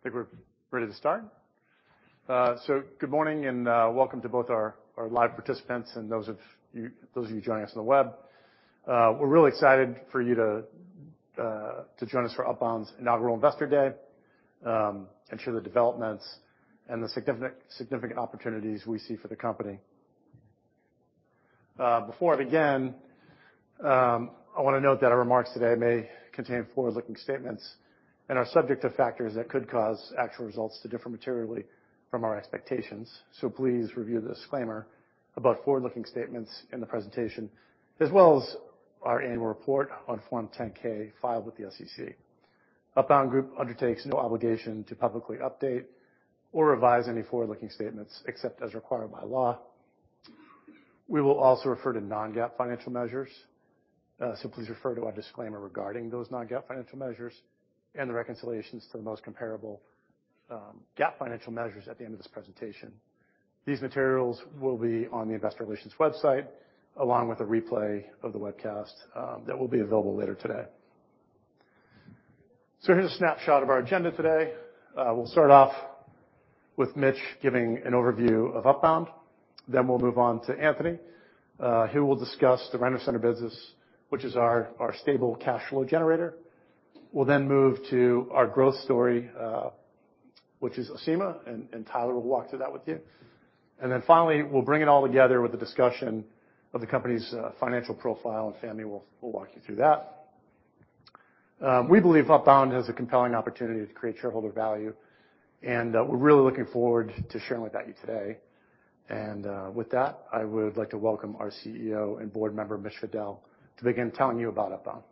I think we're ready to start. Good morning and welcome to both our live participants and those of you joining us on the web. We're really excited for you to join us for Upbound's Inaugural Investor Day and show the developments and the significant opportunities we see for the company. Before I begin, I wanna note that our remarks today may contain forward-looking statements and are subject to factors that could cause actual results to differ materially from our expectations. Please review the disclaimer about forward-looking statements in the presentation, as well as our annual report on Form 10-K filed with the SEC. Upbound Group undertakes no obligation to publicly update or revise any forward-looking statements except as required by law. We will also refer to non-GAAP financial measures. Please refer to our disclaimer regarding those non-GAAP financial measures and the reconciliations to the most comparable GAAP financial measures at the end of this presentation. These materials will be on the investor relations website, along with a replay of the webcast that will be available later today. Here's a snapshot of our agenda today. We'll start off with Mitch giving an overview of Upbound. Then we'll move on to Anthony, who will discuss the Rent-A-Center business, which is our stable cash flow generator. We'll then move to our growth story, which is Acima, and Tyler will walk through that with you. Finally, we'll bring it all together with the discussion of the company's financial profile, and Fahmi will walk you through that. We believe Upbound has a compelling opportunity to create shareholder value, and we're really looking forward to sharing that with you today. With that, I would like to welcome our CEO and board member, Mitch Fadel, to begin telling you about Upbound.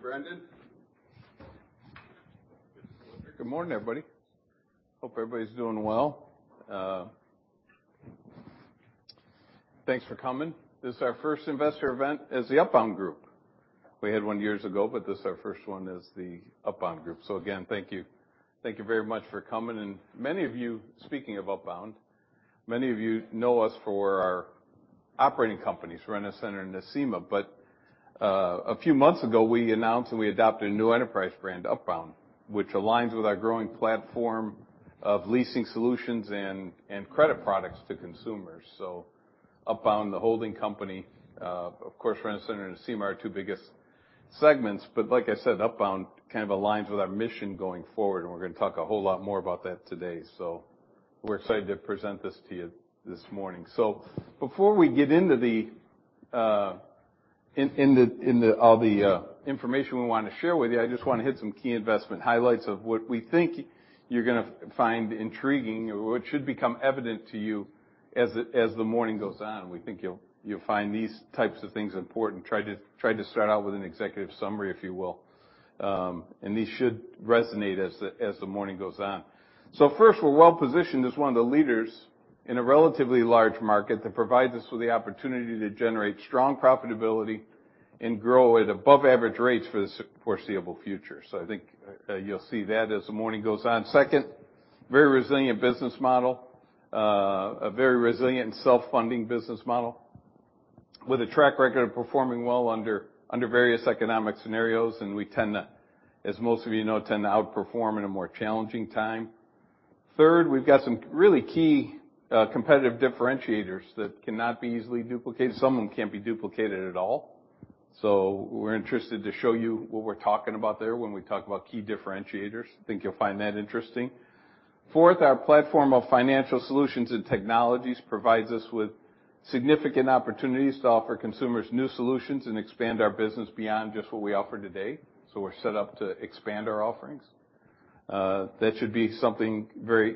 Thank you, Brendan. Good morning, everybody. Hope everybody's doing well. Thanks for coming. This is our first investor event as the Upbound Group. We had one years ago, but this is our first one as the Upbound Group. Again, thank you. Thank you very much for coming. Many of you, speaking of Upbound, many of you know us for our operating companies, Rent-A-Center and Acima. A few months ago, we announced and we adopted a new enterprise brand, Upbound, which aligns with our growing platform of leasing solutions and credit products to consumers. Upbound, the holding company, of course, Rent-A-Center and Acima are our two biggest segments, but like I said, Upbound kind of aligns with our mission going forward, and we're gonna talk a whole lot more about that today. We're excited to present this to you this morning. Before we get into all the information we wanna share with you, I just wanna hit some key investment highlights of what we think you're gonna find intriguing or what should become evident to you as the morning goes on. We think you'll find these types of things important. Try to start out with an executive summary, if you will. And these should resonate as the morning goes on. First, we're well-positioned as one of the leaders in a relatively large market that provides us with the opportunity to generate strong profitability and grow at above average rates for the foreseeable future. I think you'll see that as the morning goes on. Second, very resilient business model, a very resilient and self-funding business model with a track record of performing well under various economic scenarios, and we tend to, as most of you know, outperform in a more challenging time. Third, we've got some really key competitive differentiators that cannot be easily duplicated. Some of them can't be duplicated at all. We're interested to show you what we're talking about there when we talk about key differentiators. I think you'll find that interesting. Fourth, our platform of financial solutions and technologies provides us with significant opportunities to offer consumers new solutions and expand our business beyond just what we offer today, so we're set up to expand our offerings. That should be something very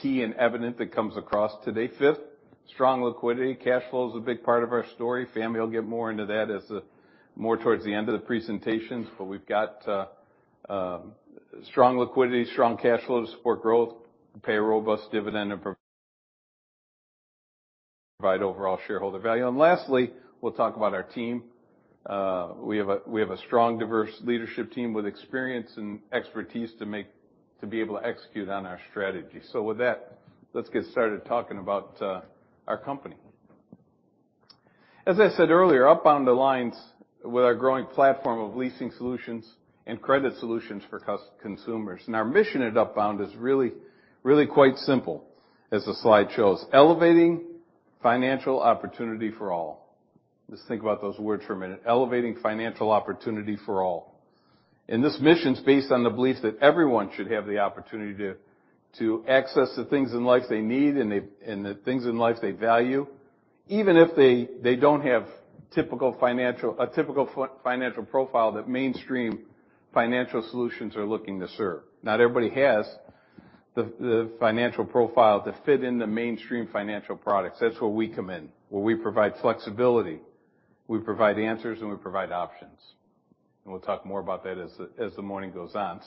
key and evident that comes across today. Fifth, strong liquidity. Cash flow is a big part of our story. Fahmi will get more into that more towards the end of the presentation. We've got strong liquidity, strong cash flow to support growth. We pay a robust dividend and provide overall shareholder value. Lastly, we'll talk about our team. We have a strong, diverse leadership team with experience and expertise to be able to execute on our strategy. With that, let's get started talking about our company. As I said earlier, Upbound aligns with our growing platform of leasing solutions and credit solutions for consumers. Our mission at Upbound is really quite simple, as the slide shows, elevating financial opportunity for all. Just think about those words for a minute, elevating financial opportunity for all. This mission is based on the belief that everyone should have the opportunity to access the things in life they need and the things in life they value, even if they don't have a typical financial profile that mainstream financial solutions are looking to serve. Not everybody has the financial profile to fit in the mainstream financial products. That's where we come in, where we provide flexibility, we provide answers, and we provide options. We'll talk more about that as the morning goes on.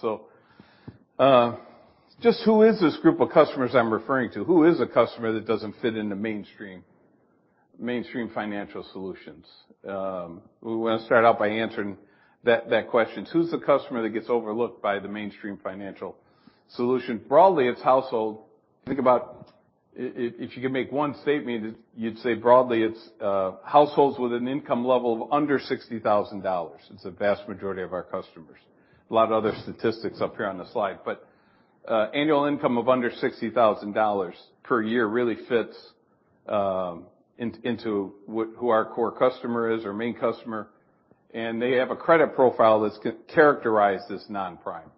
Just who is this group of customers I'm referring to? Who is a customer that doesn't fit in the mainstream financial solutions? We wanna start out by answering that question. Who's the customer that gets overlooked by the mainstream financial solution? Broadly, it's households. If, if you can make one statement, you'd say broadly it's households with an income level of under $60,000. It's the vast majority of our customers. A lot of other statistics up here on the slide, but annual income of under $60,000 per year really fits into who our core customer is, our main customer, and they have a credit profile that's characterized as non-prime.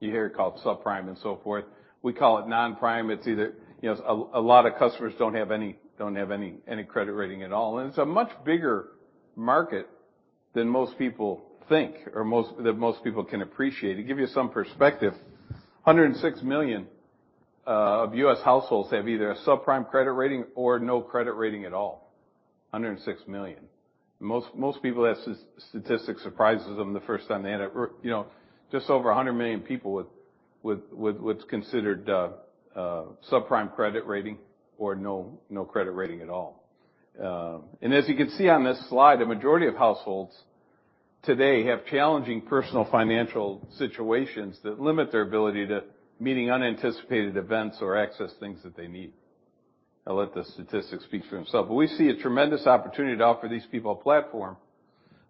You hear it called subprime and so forth. We call it non-prime. It's either, you know, a lot of customers don't have any credit rating at all. It's a much bigger market than most people think or that most people can appreciate. To give you some perspective, $106 million of U.S. households have either a subprime credit rating or no credit rating at all. $106 million. Most people, that statistic surprises them the first time they hear it. You know, just over $100 million people with what's considered a subprime credit rating or no credit rating at all. As you can see on this slide, the majority of households today have challenging personal financial situations that limit their ability to meeting unanticipated events or access things that they need. I'll let the statistics speak for themselves. We see a tremendous opportunity to offer these people a platform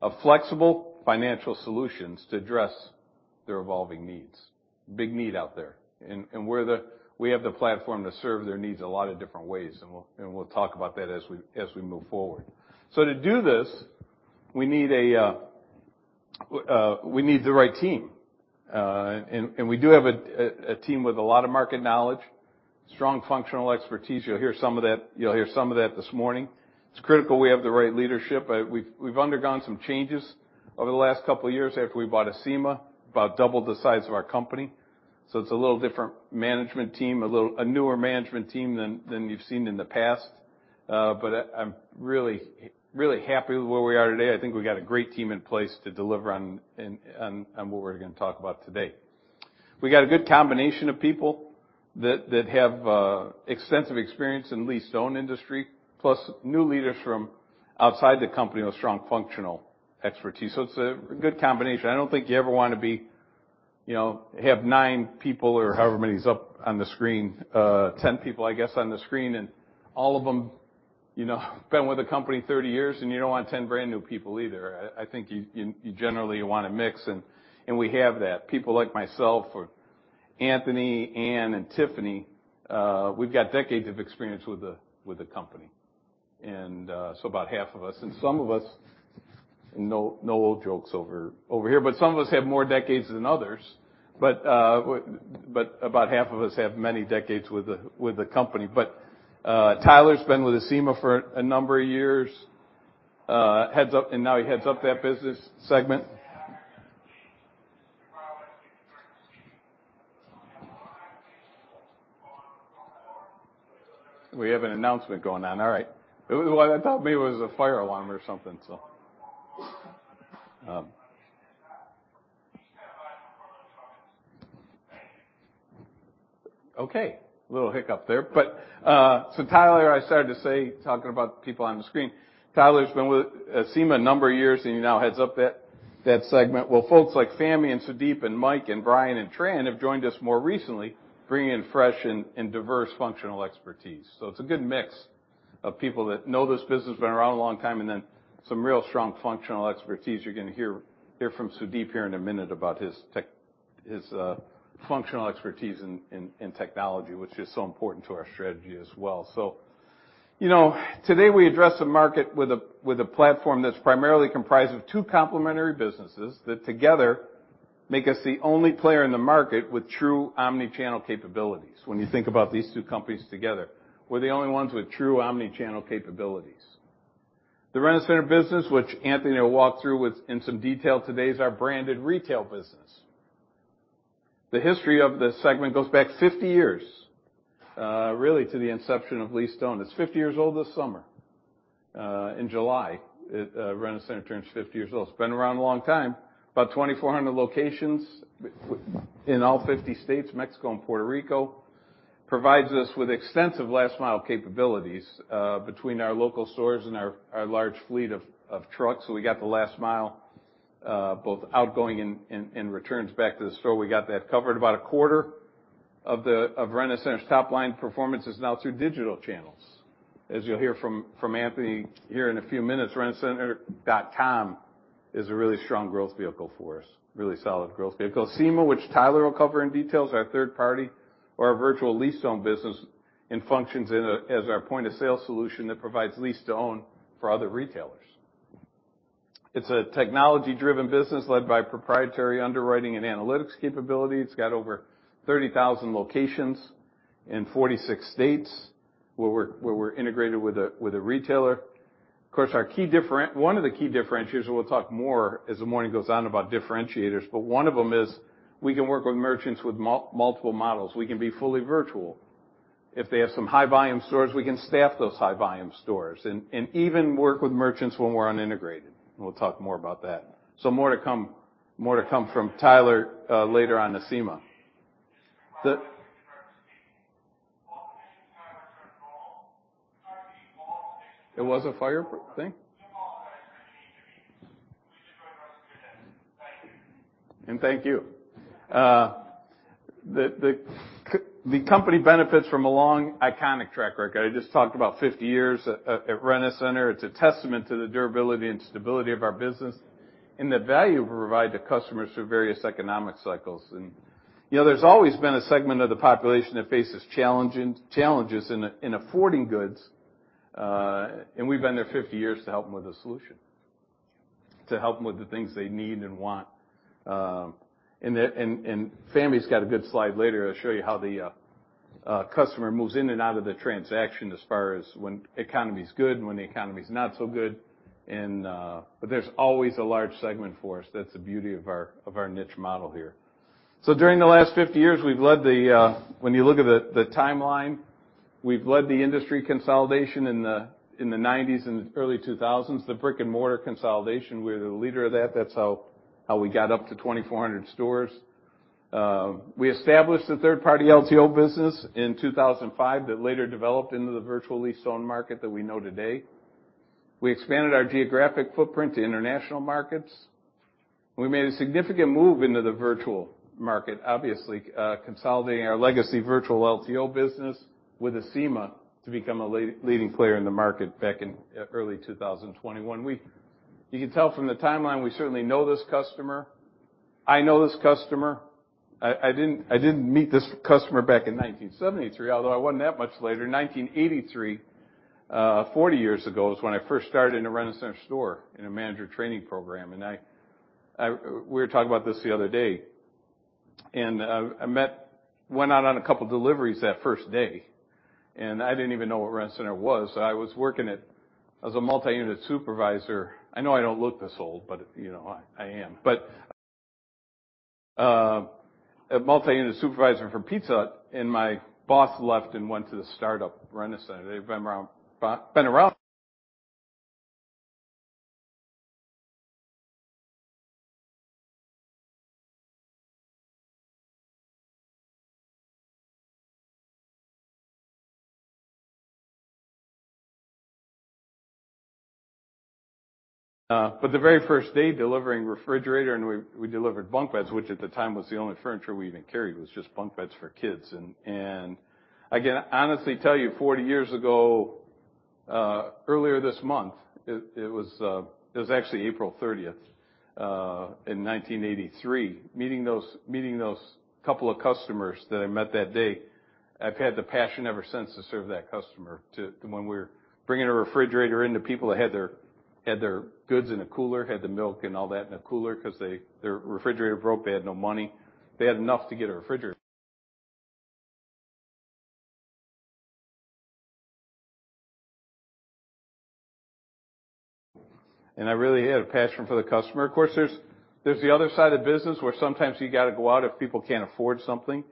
of flexible financial solutions to address their evolving needs. Big need out there. We have the platform to serve their needs a lot of different ways, and we'll talk about that as we move forward. To do this, we need the right team. We do have a team with a lot of market knowledge, strong functional expertise. You'll hear some of that this morning. It's critical we have the right leadership. We've undergone some changes over the last couple of years after we bought Acima, about doubled the size of our company. It's a little different management team, a newer management team than you've seen in the past. I'm really happy with where we are today. I think we got a great team in place to deliver on what we're gonna talk about today. We got a good combination of people that have extensive experience in lease-to-own industry, plus new leaders from outside the company with strong functional expertise. It's a good combination. I don't think you ever wanna be, you know, have nine people or however many is up on the screen, 10 people, I guess, on the screen, and all of them, you know, been with the company 30 years, and you don't want 10 brand-new people either. I think you generally want a mix, and we have that. People like myself or Anthony, Anne, and Tiffany, we've got decades of experience with the company. About half of us. Some of us, no old jokes over here, but some of us have more decades than others. About half of us have many decades with the company. Tyler's been with Acima for a number of years, heads up, and now he heads up that business segment. We have an announcement going on. All right. What I thought maybe it was a fire alarm or something. Okay, a little hiccup there. Tyler, I started to say, talking about people on the screen. Tyler's been with Acima a number of years, and he now heads up that segment, while folks like Fahmi and Sudeep and Mike Bagull and Brian and Tran Taylor have joined us more recently, bringing in fresh and diverse functional expertise. It's a good mix of people that know this business, been around a long time, and then some real strong functional expertise. You're gonna hear from Sudeep here in a minute about his functional expertise in technology, which is so important to our strategy as well. You know, today we address a market with a platform that's primarily comprised of two complementary businesses that together make us the only player in the market with true omnichannel capabilities. When you think about these two companies together, we're the only ones with true omnichannel capabilities. The Rent-A-Center business, which Anthony will walk through in some detail today, is our branded retail business. The history of this segment goes back 50 years, really to the inception of lease-to-own. It's 50 years old this summer. In July, it Rent-A-Center turns 50 years old. It's been around a long time. About 2,400 locations in all 50 states, Mexico and Puerto Rico, provides us with extensive last mile capabilities, between our local stores and our large fleet of trucks. We got the last mile, both outgoing and returns back to the store. We got that covered. About a quarter of Rent-A-Center's top-line performance is now through digital channels. As you'll hear from Anthony here in a few minutes, rentacenter.com is a really strong growth vehicle for us, really solid growth vehicle. Acima, which Tyler will cover in detail, is our third party or our virtual lease-to-own business and functions as our point-of-sale solution that provides lease-to-own for other retailers. It's a technology-driven business led by proprietary underwriting and analytics capability. It's got over 30,000 locations in 46 states where we're integrated with a retailer. Of course, our key one of the key differentiators, and we'll talk more as the morning goes on about differentiators, but one of them is we can work with merchants with multiple models. We can be fully virtual. If they have some high volume stores, we can staff those high volume stores and even work with merchants when we're unintegrated. We'll talk more about that. More to come, more to come from Tyler later on Acima. It was a fire thing? Thank you. The company benefits from a long iconic track record. I just talked about 50 years at Rent-A-Center. It's a testament to the durability and stability of our business and the value we provide to customers through various economic cycles. You know, there's always been a segment of the population that faces challenges in affording goods. We've been there 50 years to help them with a solution, to help them with the things they need and want. Fahmi's got a good slide later. I'll show you how the customer moves in and out of the transaction as far as when the economy is good and when the economy is not so good. But there's always a large segment for us. That's the beauty of our, of our niche model here. During the last 50 years, we've led the... When you look at the timeline, we've led the industry consolidation in the nineties and early 2000s. The brick-and-mortar consolidation, we're the leader of that. That's how we got up to 2,400 stores. We established a third-party LTO business in 2005 that later developed into the virtual lease-own market that we know today. We expanded our geographic footprint to international markets. We made a significant move into the virtual market, obviously, consolidating our legacy virtual LTO business with Acima to become a leading player in the market back in early 2021. You can tell from the timeline, we certainly know this customer. I know this customer. I didn't meet this customer back in 1973, although I wasn't that much later. 1983, 40 years ago is when I first started in a Rent-A-Center store in a manager training program. We were talking about this the other day. I went out on a couple deliveries that first day, and I didn't even know what Rent-A-Center was. I was working at as a multi-unit supervisor. I know I don't look this old, but, you know, I am. A multi-unit supervisor for pizza, and my boss left and went to the startup Rent-A-Center. They've been around, been around. The very first day delivering refrigerator, we delivered bunk beds, which at the time was the only furniture we even carried, was just bunk beds for kids. Again, I honestly tell you, 40 years ago, earlier this month, it was actually 30th April, 1983. Meeting those couple of customers that I met that day, I've had the passion ever since to serve that customer. When we were bringing a refrigerator into people that had their goods in a cooler, had the milk and all that in a cooler 'cause their refrigerator broke, they had no money. They had enough to get a refrigerator. I really had a passion for the customer. Of course, there's the other side of the business where sometimes you gotta go out if people can't afford something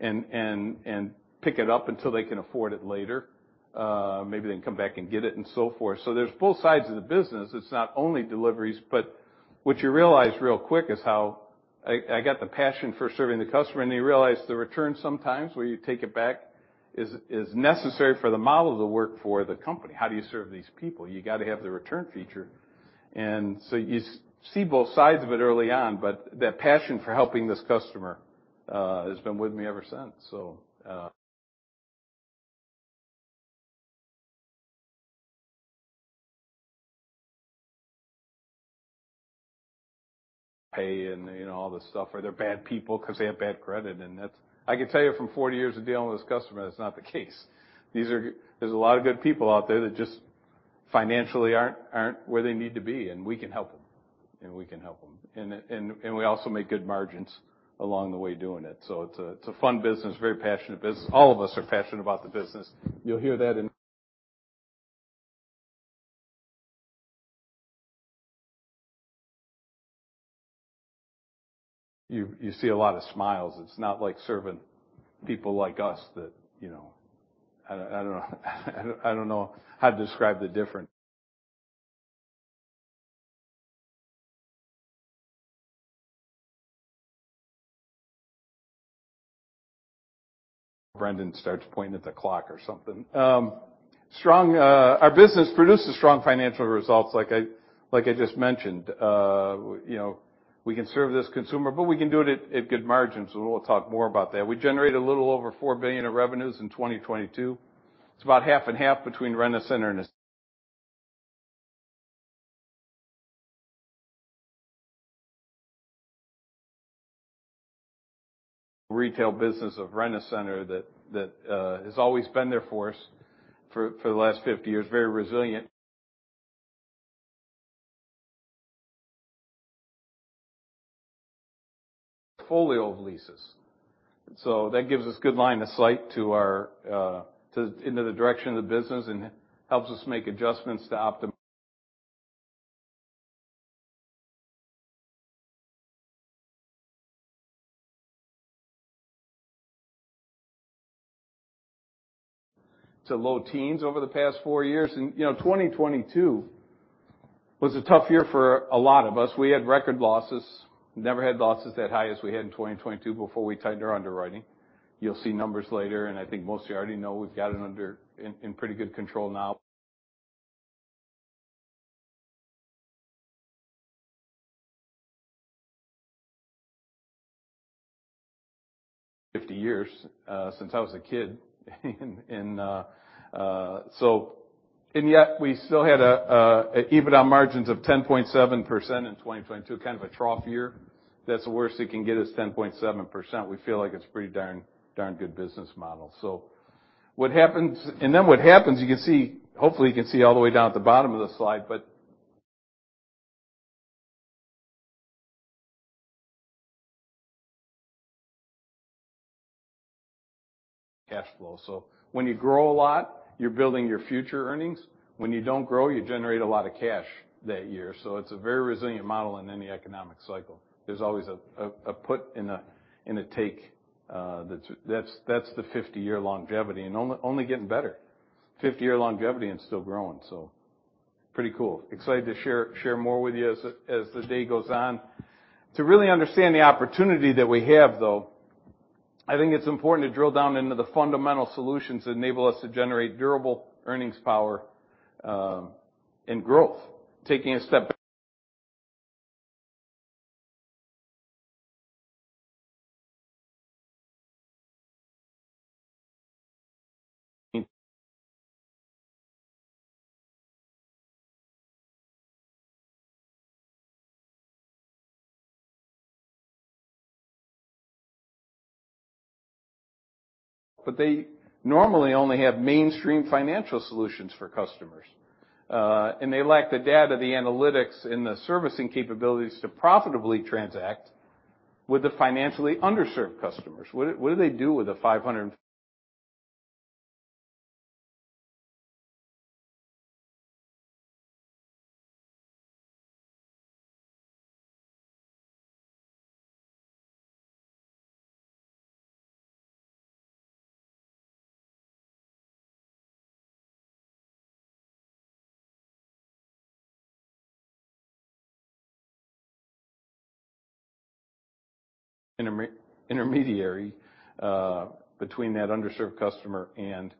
and pick it up until they can afford it later. Maybe they can come back and get it, and so forth. There's both sides of the business. It's not only deliveries, but what you realize real quick is how I got the passion for serving the customer. You realize the return sometimes where you take it back is necessary for the model to work for the company. How do you serve these people? You gotta have the return feature. You see both sides of it early on. That passion for helping this customer has been with me ever since. -pay and, you know, all this stuff. Or they're bad people 'cause they have bad credit, and that's. I can tell you from 40 years of dealing with this customer, that's not the case. There's a lot of good people out there that just financially aren't where they need to be, and we can help them. We also make good margins along the way doing it. It's a fun business, very passionate business. All of us are passionate about the business. You'll hear that in you see a lot of smiles. It's not like serving people like us that, you know I don't know how to describe the difference. Brendan starts pointing at the clock or something. Our business produces strong financial results like I just mentioned. You know, we can serve this consumer, but we can do it at good margins. We'll talk more about that. We generated a little over $4 billion of revenues in 2022. It's about half and half between Rent-A-Center and retail business of Rent-A-Center that has always been there for us for the last 50 years, very resilient folio of leases. So that gives us good line of sight into the direction of the business and helps us make adjustments to low teens over the past four years. You know, 2022 was a tough year for a lot of us. We had record losses. Never had losses that high as we had in 2022 before we tightened our underwriting. You'll see numbers later, and I think most of you already know we've got it under pretty good control now. 50 years, since I was a kid and. Yet we still had EBITDA margins of 10.7% in 2022, kind of a trough year. That's the worst it can get is 10.7%. We feel like it's pretty darn good business model. What happens, hopefully, you can see all the way down at the bottom of the slide, Cash flow. When you grow a lot, you're building your future earnings. When you don't grow, you generate a lot of cash that year. It's a very resilient model in any economic cycle. There's always a put and a take. That's the 50 years longevity, and only getting better. 50 years longevity and still growing. Pretty cool. Excited to share more with you as the day goes on. To really understand the opportunity that we have, though, I think it's important to drill down into the fundamental solutions that enable us to generate durable earnings power and growth. They normally only have mainstream financial solutions for customers, and they lack the data, the analytics, and the servicing capabilities to profitably transact with the financially underserved customers. What do they do with the intermediary between that underserved customer and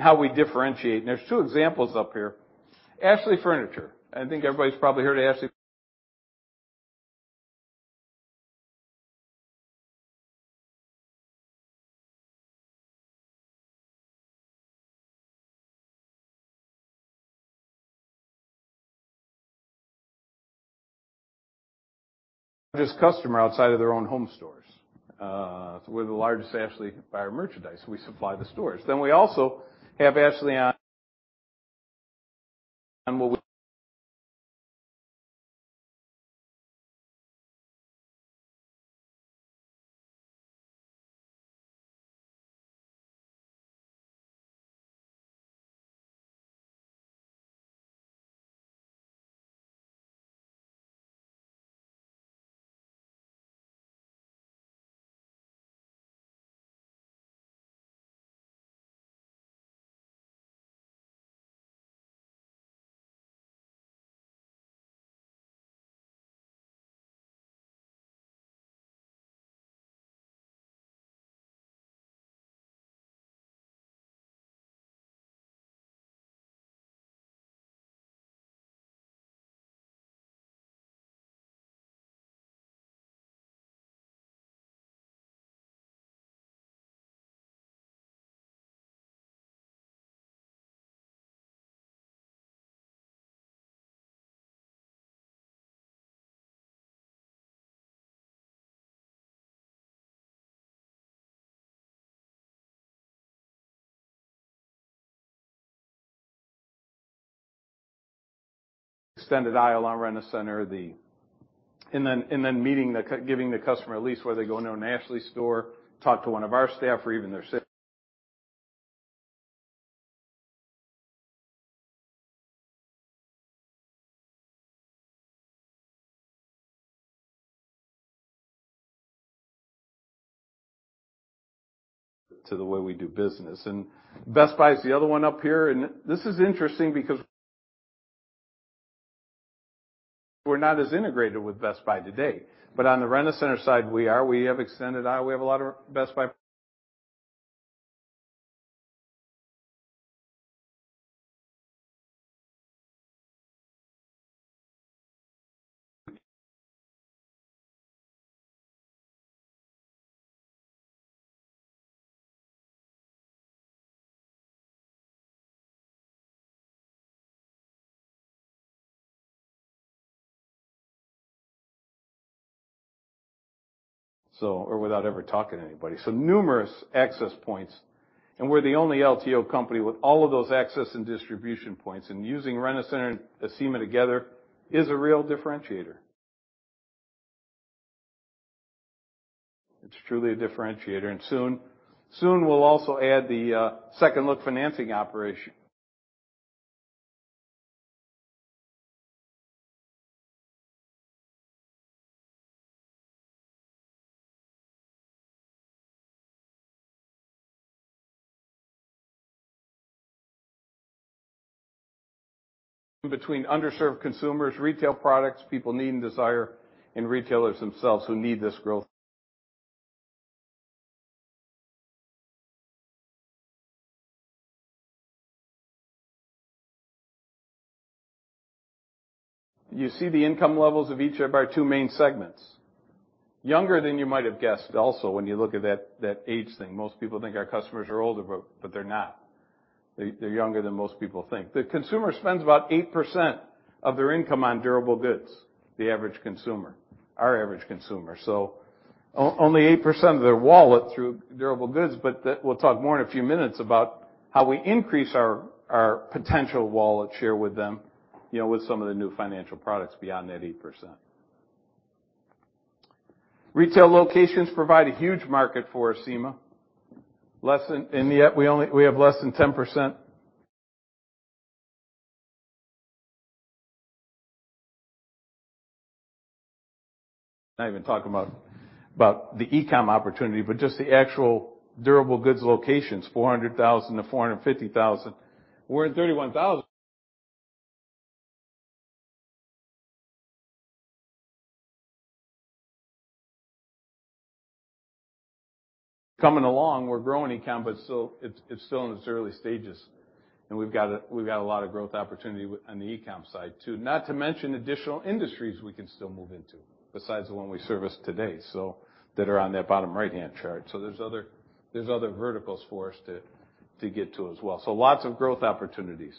how we differentiate. There's two examples up here. Ashley Furniture. I think everybody's probably heard of this customer outside of their own home stores. We're the largest Ashley buyer of merchandise. We supply the stores. We also have without ever talking to anybody. Numerous access points, and we're the only LTO company with all of those access and distribution points, and using Rent-A-Center and Acima together is a real differentiator. It's truly a differentiator. Soon we'll also add the second look financing operation. Between underserved consumers, retail products people need and desire, and retailers themselves who need this growth. You see the income levels of each of our two main segments. Younger than you might have guessed also, when you look at that age thing. Most people think our customers are older, but they're not. They're younger than most people think. The consumer spends about 8% of their income on durable goods, the average consumer, our average consumer. Only 8% of their wallet through durable goods, but we'll talk more in a few minutes about how we increase our potential wallet share with them, you know, with some of the new financial products beyond that 8%. Retail locations provide a huge market for Acima. Less than, and yet we have less than 10%. Not even talking about the e-com opportunity, but just the actual durable goods locations, 400,000-450,000. We're at 31,000. Coming along, we're growing e-com, but still, it's still in its early stages. We've got a, we've got a lot of growth opportunity with on the e-com side, too. Not to mention additional industries we can still move into besides the one we service today, so that are on that bottom right-hand chart. There's other verticals for us to get to as well. Lots of growth opportunities.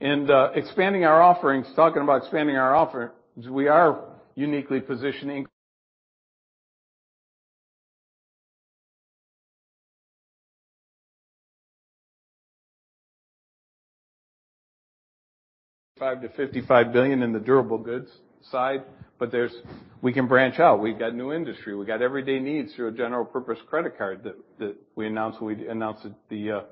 Expanding our offerings. Talking about expanding our offerings, we are uniquely positioning. $5 billion-$55 billion in the durable goods side. There's we can branch out. We've got new industry. We got everyday needs through a general purpose credit card that we announced when we announced the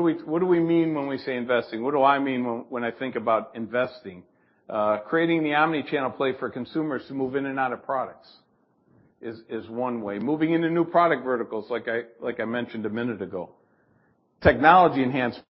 what do we mean when we say investing? What do I mean when I think about investing? Creating the omnichannel play for consumers to move in and out of products is one way. Moving into new product verticals, like I mentioned a minute ago. Technology enhancements.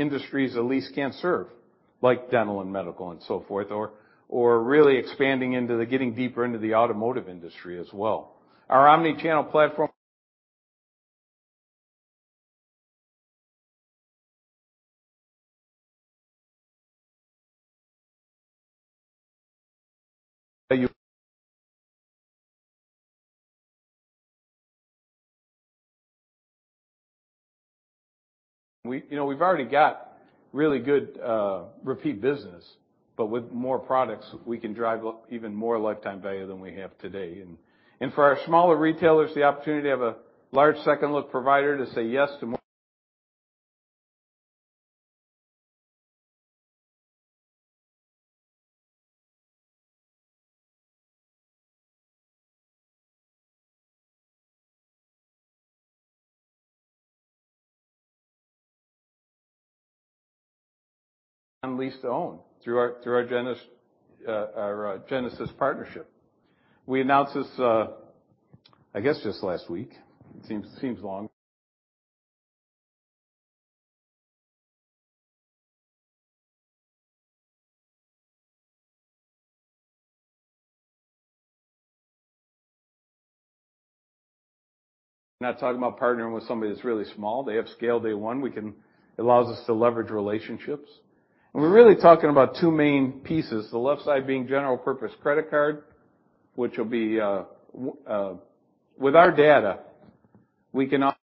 Industries a lease can't serve, like dental and medical and so forth, or really getting deeper into the automotive industry as well. Our omnichannel platform. You know, we've already got really good repeat business. With more products, we can drive up even more lifetime value than we have today. For our smaller retailers, the opportunity to have a large second look provider to say yes to more. Lease-to-own through our Genesis partnership. We announced this, I guess just last week. It seems long. We're not talking about partnering with somebody that's really small. They have scale. They won. It allows us to leverage relationships. We're really talking about 2 main pieces. The left side being general purpose credit card, which will be, with our data, we can off.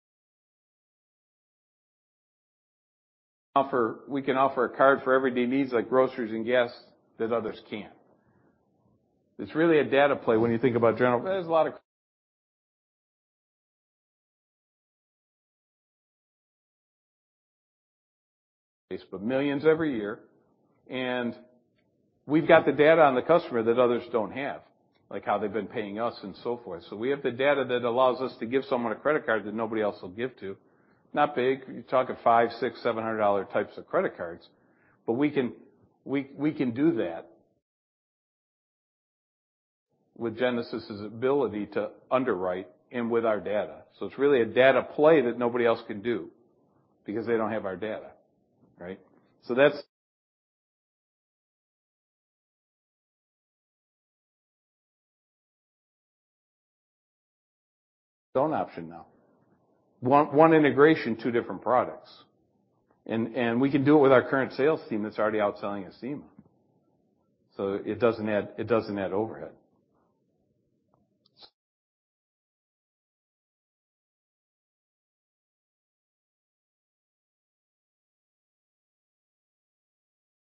we can offer a card for everyday needs like groceries and gas that others can't. It's really a data play when you think about there's a lot of millions every year, and we've got the data on the customer that others don't have, like how they've been paying us and so forth. We have the data that allows us to give someone a credit card that nobody else will give to. Not big. You're talking five, six, 700 types of credit cards. We can do that with Genesis' ability to underwrite and with our data. It's really a data play that nobody else can do because they don't have our data, right? That's one option now. One integration, two different products. We can do it with our current sales team that's already out selling Acima. It doesn't add overhead.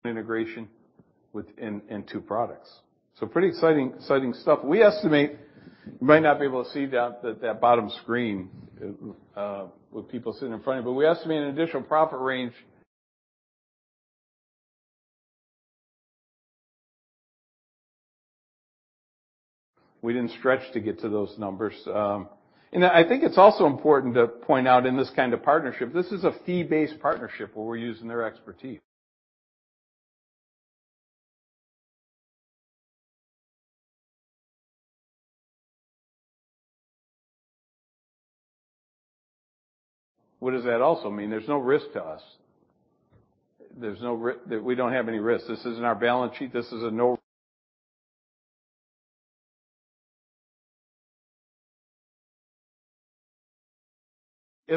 Integration in two products. Pretty exciting stuff. You might not be able to see down at that bottom screen with people sitting in front of you, but we estimate an additional profit range. We didn't stretch to get to those numbers. I think it's also important to point out in this kind of partnership, this is a fee-based partnership where we're using their expertise. What does that also mean? There's no risk to us. We don't have any risk. This isn't our balance sheet. As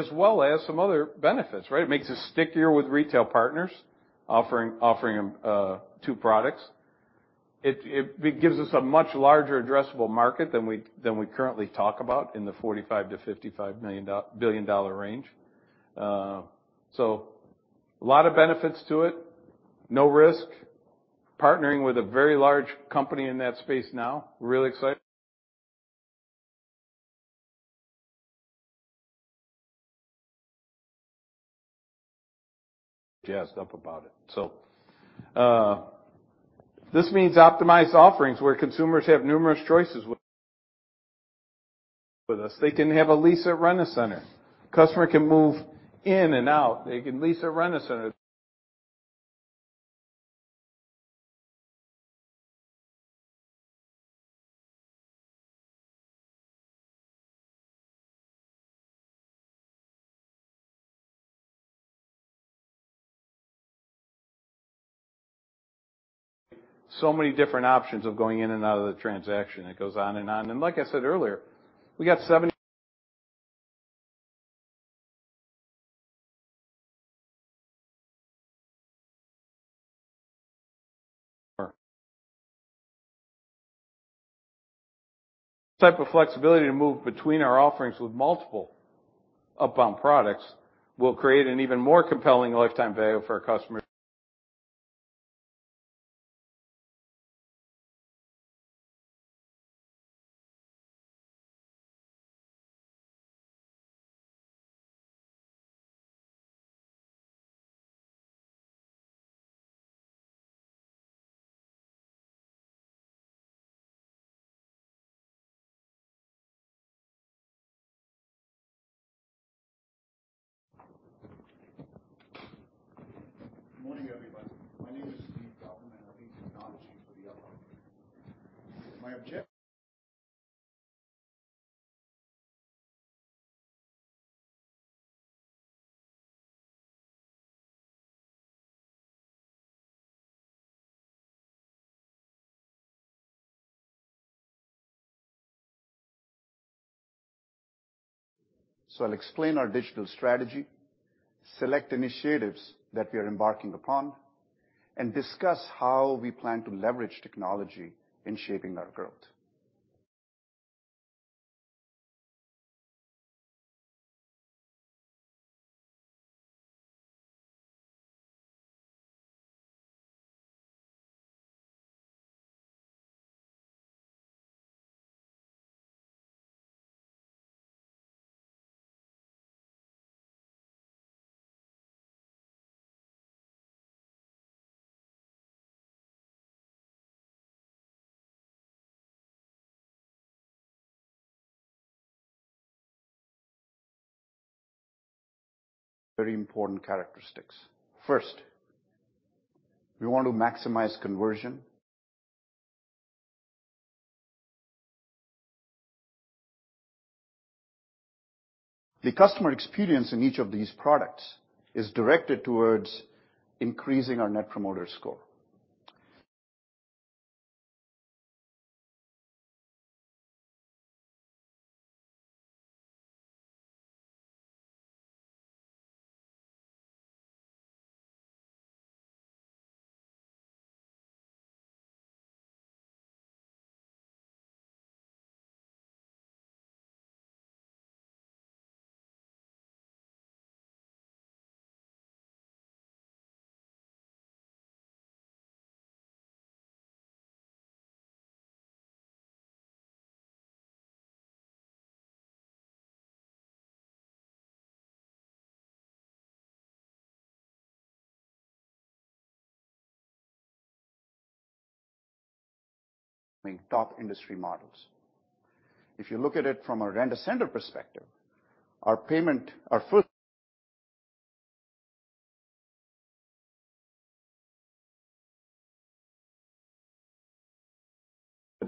well as some other benefits, right? It makes us stickier with retail partners, offering two products. It gives us a much larger addressable market than we currently talk about in the $45 billion-$55 billion range. A lot of benefits to it. No risk. Partnering with a very large company in that space now. Really excited. Jazzed up about it. This means optimized offerings where consumers have numerous choices With us. They can have a lease at Rent-A-Center. Customer can move in and out. They can lease at Rent-A-Center. Many different options of going in and out of the transaction. It goes on and on. Like I said earlier, we got flexibility to move between our offerings with multiple up-bump products will create an even more compelling lifetime value for our customers. Good morning, everybody. My name is Sudeep Gautam. I'll be the technology for the Upbound. I'll explain our digital strategy, select initiatives that we are embarking upon, and discuss how we plan to leverage technology in shaping our growth. Very important characteristics. First, we want to maximize conversion. The customer experience in each of these products is directed towards increasing our Net Promoter Score. Top industry models. If you look at it from a Rent-A-Center perspective, our payment, the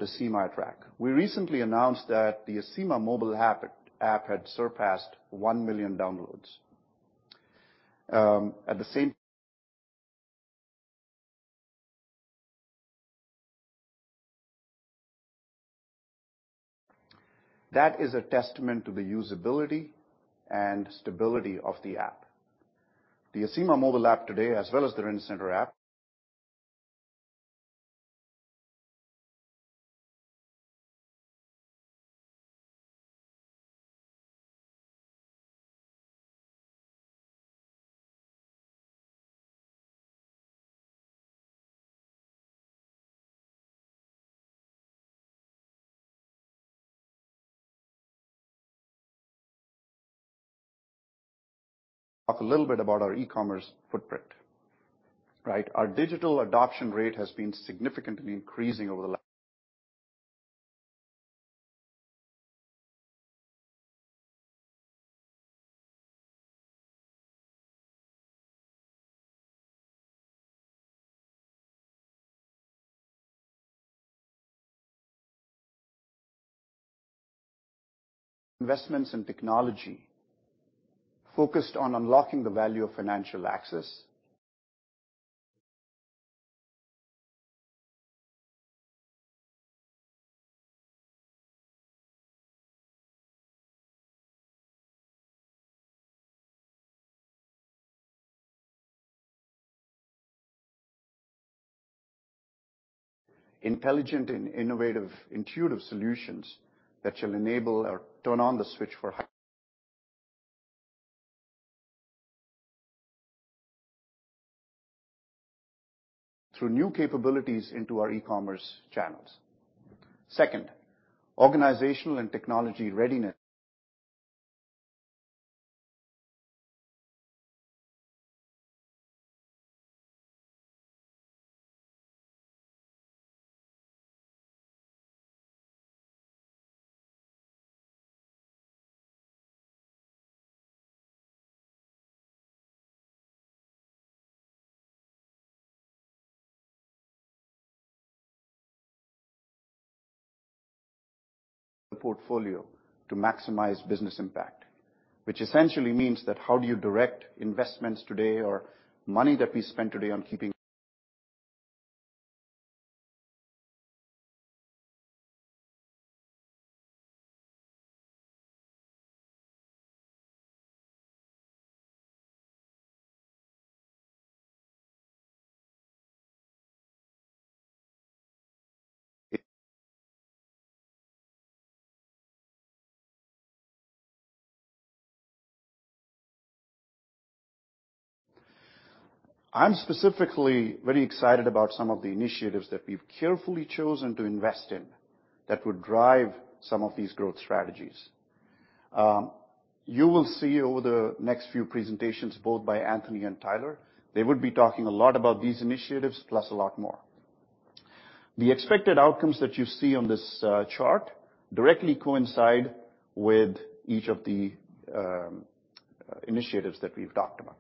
Acima track. We recently announced that the Acima mobile app had surpassed 1 million downloads. That is a testament to the usability and stability of the app. The Acima mobile app today, as well as the Rent-A-Center app. Talk a little bit about our e-commerce footprint, right? Our digital adoption rate has been significantly increasing over the last. Investments in technology focused on unlocking the value of financial access. Intelligent and innovative intuitive solutions that shall enable or turn on the switch for high. Through new capabilities into our e-commerce channels. Second, organizational and technology readiness. The portfolio to maximize business impact, which essentially means that how do you direct investments today or money that we spend today on keeping. I'm specifically very excited about some of the initiatives that we've carefully chosen to invest in that would drive some of these growth strategies. You will see over the next few presentations, both by Anthony and Tyler, they would be talking a lot about these initiatives plus a lot more. The expected outcomes that you see on this chart directly coincide with each of the initiatives that we've talked about.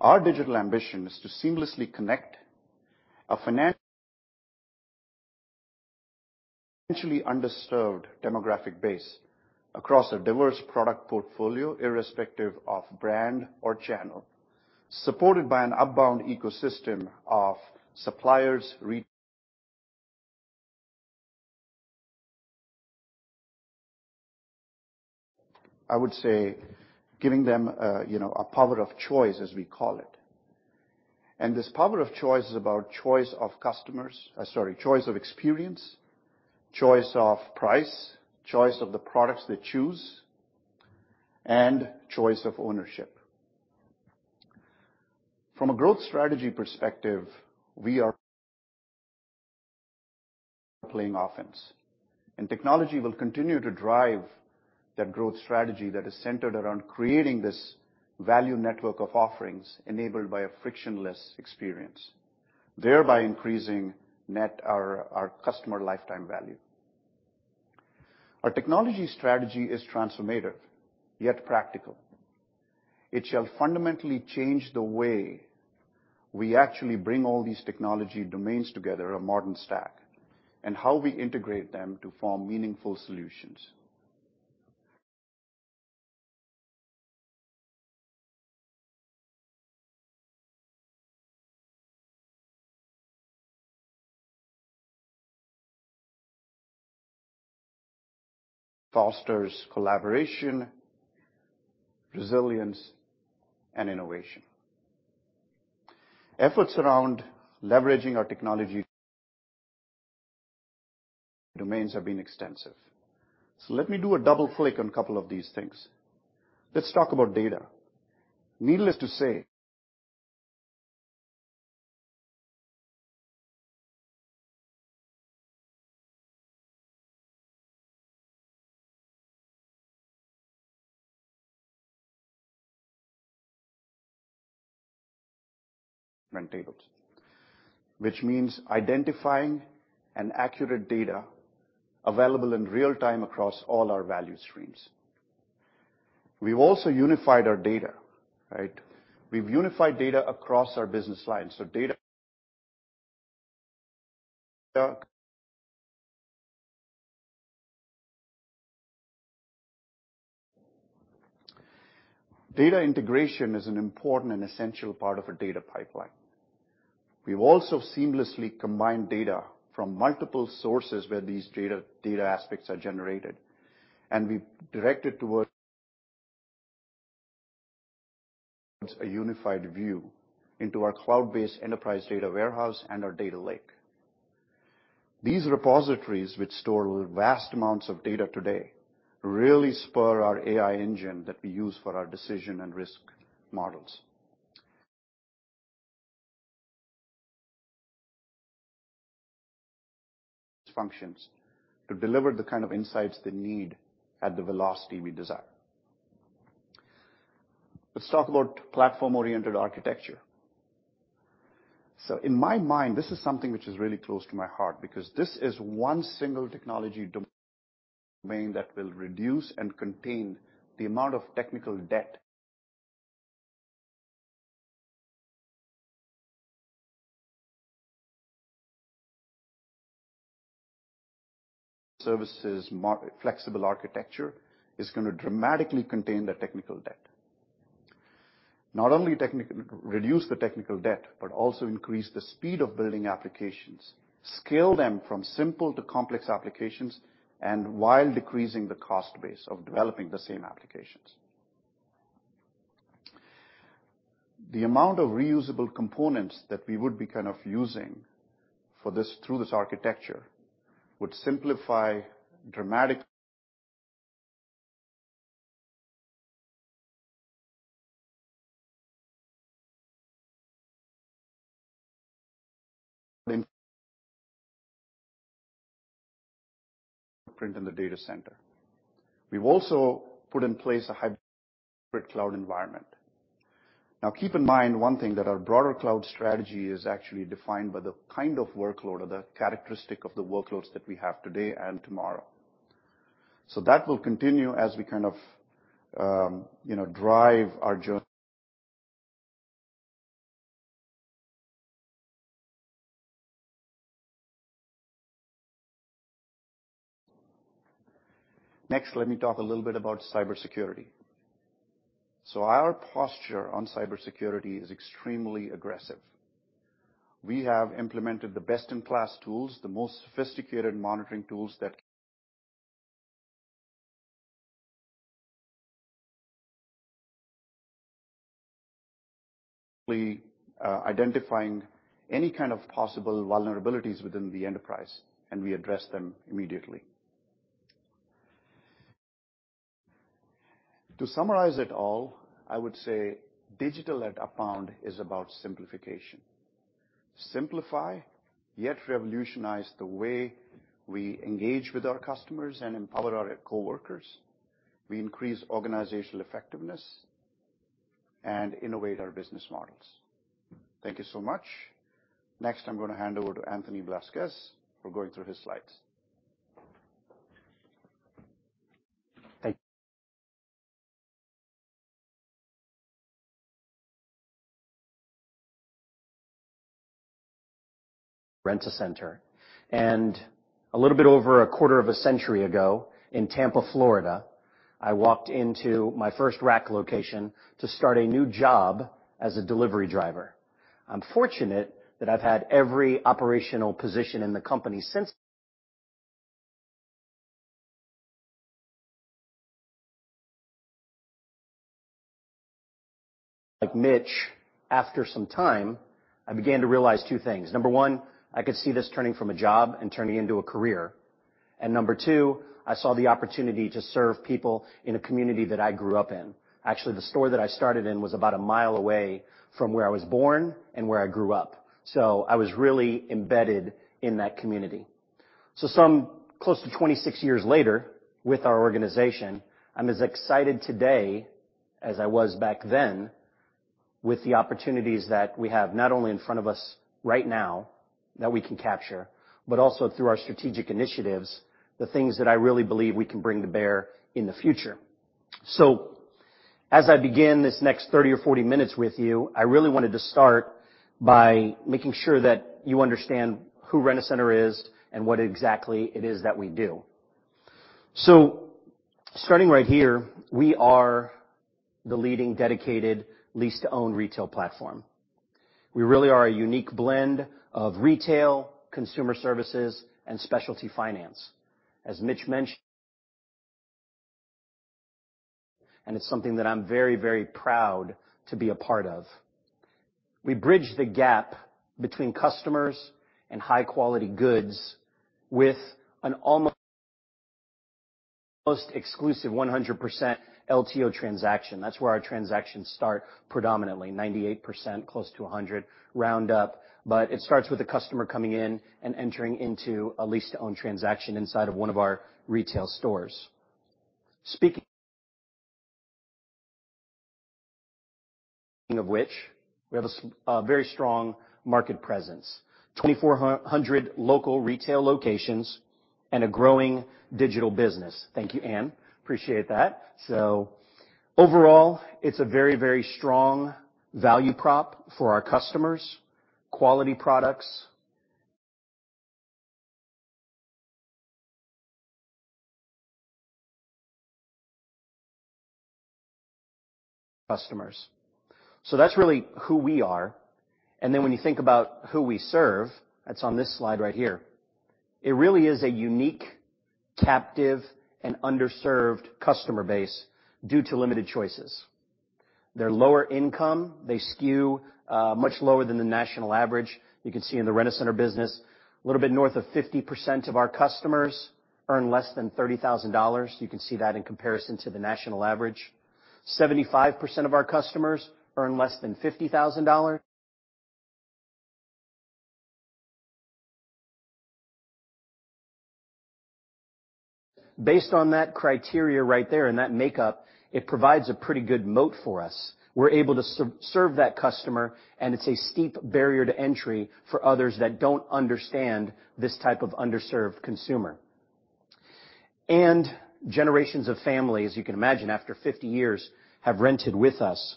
Our digital ambition is to seamlessly connect a financ. Potentially underserved demographic base across a diverse product portfolio, irrespective of brand or channel, supported by an Upbound ecosystem of suppliers. I would say giving them, you know, a power of choice, as we call it. This power of choice is about choice of customers, choice of experience, choice of price, choice of the products they choose, and choice of ownership. From a growth strategy perspective, we are playing offense, and technology will continue to drive that growth strategy that is centered around creating this value network of offerings enabled by a frictionless experience, thereby increasing our customer lifetime value. Our technology strategy is transformative, yet practical. It shall fundamentally change the way we actually bring all these technology domains together, a modern stack, and how we integrate them to form meaningful solutions. Fosters collaboration, resilience, and innovation. Efforts around leveraging our technology domains have been extensive. Let me do a double click on a couple of these things. Let's talk about data. Needless to say, tables, which means identifying an accurate data available in real time across all our value streams. We've also unified our data, right? We've unified data across our business lines. Data integration is an important and essential part of a data pipeline. We've also seamlessly combined data from multiple sources where these data aspects are generated, and we direct it towards a unified view into our cloud-based enterprise data warehouse and our data lake. These repositories, which store vast amounts of data today, really spur our AI engine that we use for our decision and risk models. Functions to deliver the kind of insights they need at the velocity we desire. Let's talk about platform-oriented architecture. In my mind, this is something which is really close to my heart because this is one single technology domain that will reduce and contain the amount of technical debt. Flexible architecture is going to dramatically contain the technical debt. Not only reduce the technical debt, but also increase the speed of building applications, scale them from simple to complex applications, and while decreasing the cost base of developing the same applications. The amount of reusable components that we would be kind of using for this, through this architecture would simplify dramatically. Print in the data center. We've also put in place a hybrid cloud environment. Keep in mind one thing, that our broader cloud strategy is actually defined by the kind of workload or the characteristic of the workloads that we have today and tomorrow. That will continue as we kind of, you know, drive our jour. Next, let me talk a little bit about cybersecurity. Our posture on cybersecurity is extremely aggressive. We have implemented the best-in-class tools, the most sophisticated monitoring tools identifying any kind of possible vulnerabilities within the enterprise, and we address them immediately. To summarize it all, I would say digital at Upbound is about simplification. Simplify, yet revolutionize the way we engage with our customers and empower our coworkers. We increase organizational effectiveness and innovate our business models. Thank you so much. Next, I'm gonna hand over to Anthony Blasquez for going through his slides. Rent-A-Center. A little bit over a quarter of a century ago in Tampa, Florida, I walked into my first Rent-A-Center location to start a new job as a delivery driver. I'm fortunate that I've had every operational position in the company since. Like Mitch, after some time, I began to realize two things. Number one, I could see this turning from a job and turning into a career. And number two, I saw the opportunity to serve people in a community that I grew up in. Actually, the store that I started in was about a mile away from where I was born and where I grew up, so I was really embedded in that community. Some close to 26 years later with our organization, I'm as excited today as I was back then with the opportunities that we have, not only in front of us right now that we can capture, but also through our strategic initiatives, the things that I really believe we can bring to bear in the future. As I begin this next 30 or 40 minutes with you, I really wanted to start by making sure that you understand who Rent-A-Center is and what exactly it is that we do. Starting right here, we are the leading dedicated lease-to-own retail platform. We really are a unique blend of retail, consumer services, and specialty finance. As Mitch mentioned, and it's something that I'm very, very proud to be a part of. We bridge the gap between customers and high-quality goods with an almost exclusive 100% LTO transaction. That's where our transactions start predominantly 98%, close to 100, round up, but it starts with the customer coming in and entering into a lease-to-own transaction inside of one of our retail stores. Speaking of which we have a very strong market presence, 2,400 local retail locations and a growing digital business. Thank you, Anne. Appreciate that. Overall, it's a very, very strong value prop for our customers, quality products customers. That's really who we are. When you think about who we serve, that's on this slide right here. It really is a unique, captive, and underserved customer base due to limited choices. They're lower income. They skew, much lower than the national average. You can see in the Rent-A-Center business, a little bit north of 50% of our customers earn less than $30,000. You can see that in comparison to the national average. 75% of our customers earn less than $50,000. Based on that criteria right there and that makeup, it provides a pretty good moat for us. We're able to serve that customer, and it's a steep barrier to entry for others that don't understand this type of underserved consumer. Generations of families, you can imagine after 50 years, have rented with us.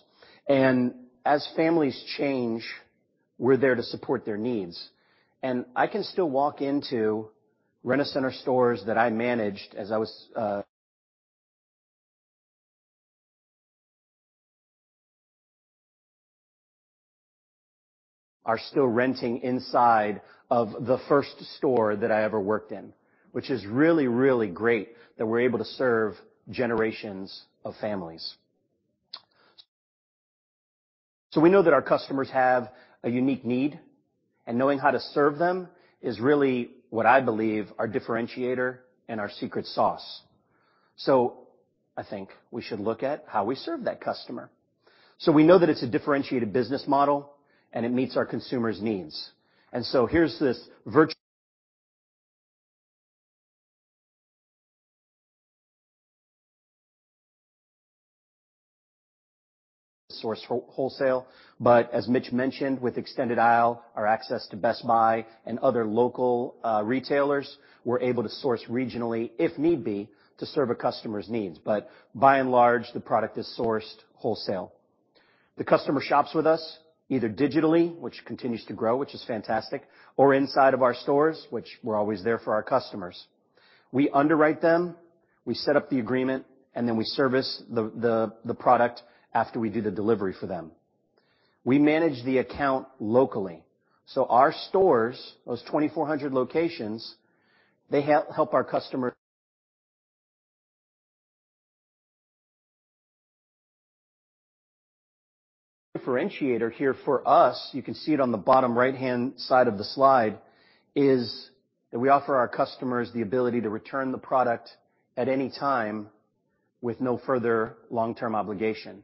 As families change, we're there to support their needs. I can still walk into Rent-A-Center stores that I managed as I was, are still renting inside of the first store that I ever worked in, which is really, really great that we're able to serve generations of families. We know that our customers have a unique need, and knowing how to serve them is really what I believe our differentiator and our secret sauce. I think we should look at how we serve that customer. We know that it's a differentiated business model, and it meets our consumers' needs. Here's this sourced wholesale. As Mitch mentioned, with extended aisle, our access to Best Buy and other local retailers, we're able to source regionally, if need be, to serve a customer's needs. By and large, the product is sourced wholesale. The customer shops with us either digitally, which continues to grow, which is fantastic, or inside of our stores, which we're always there for our customers. We underwrite them, we set up the agreement, and then we service the product after we do the delivery for them. We manage the account locally. Our stores, those 2,400 locations, they help our customer. The differentiator here for us, you can see it on the bottom right-hand side of the slide, is that we offer our customers the ability to return the product at any time with no further long-term obligation.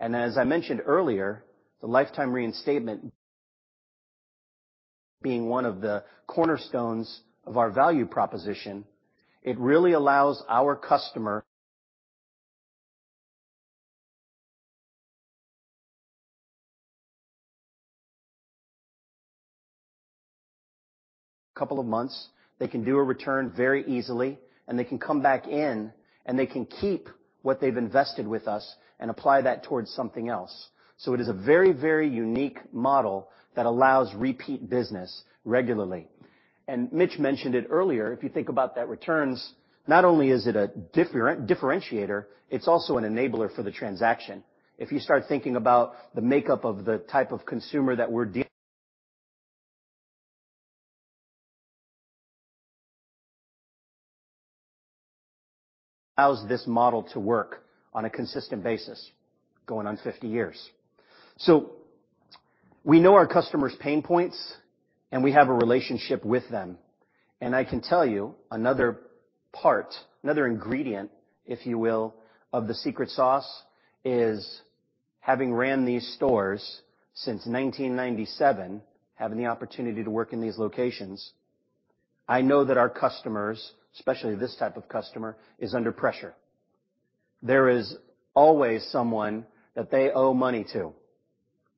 As I mentioned earlier, the lifetime reinstatement being one of the cornerstones of our value proposition, it really allows our customer. Couple of months, they can do a return very easily, they can come back in, and they can keep what they've invested with us and apply that towards something else. It is a very, very unique model that allows repeat business regularly. Mitch mentioned it earlier, if you think about that returns, not only is it a differentiator, it's also an enabler for the transaction. If you start thinking about the makeup of the type of consumer that allows this model to work on a consistent basis going on 50 years. We know our customers' pain points, and we have a relationship with them. I can tell you another part, another ingredient, if you will, of the secret sauce is having ran these stores since 1997, having the opportunity to work in these locations, I know that our customers, especially this type of customer, is under pressure. There is always someone that they owe money to,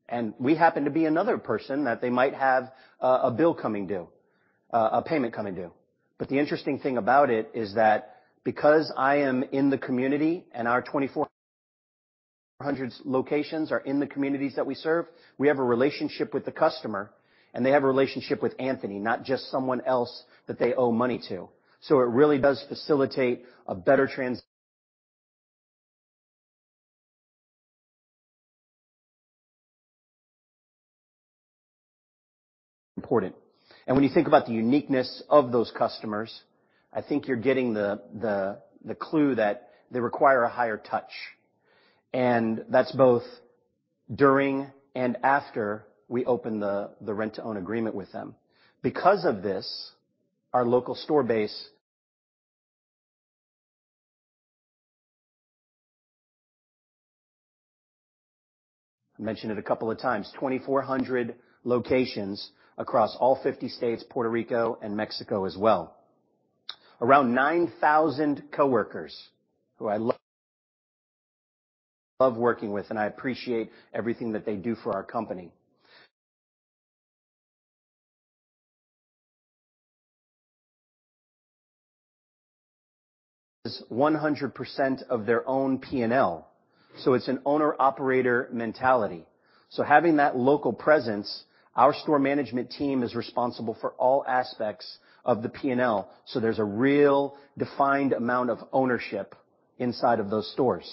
and we happen to be another person that they might have a bill coming due, a payment coming due. The interesting thing about it is that because I am in the community and our 2,400 locations are in the communities that we serve, we have a relationship with the customer, and they have a relationship with Anthony, not just someone else that they owe money to. It really does facilitate a better important. When you think about the uniqueness of those customers, I think you're getting the clue that they require a higher touch. That's both during and after we open the rent-to-own agreement with them. Because of this, our local store base. I mentioned it a couple of times, 2,400 locations across all 50 states, Puerto Rico and Mexico as well. Around 9,000 coworkers who I love working with, and I appreciate everything that they do for our company. Is 100% of their own PNL. It's an owner-operator mentality. Having that local presence, our store management team is responsible for all aspects of the PNL. There's a real defined amount of ownership inside of those stores.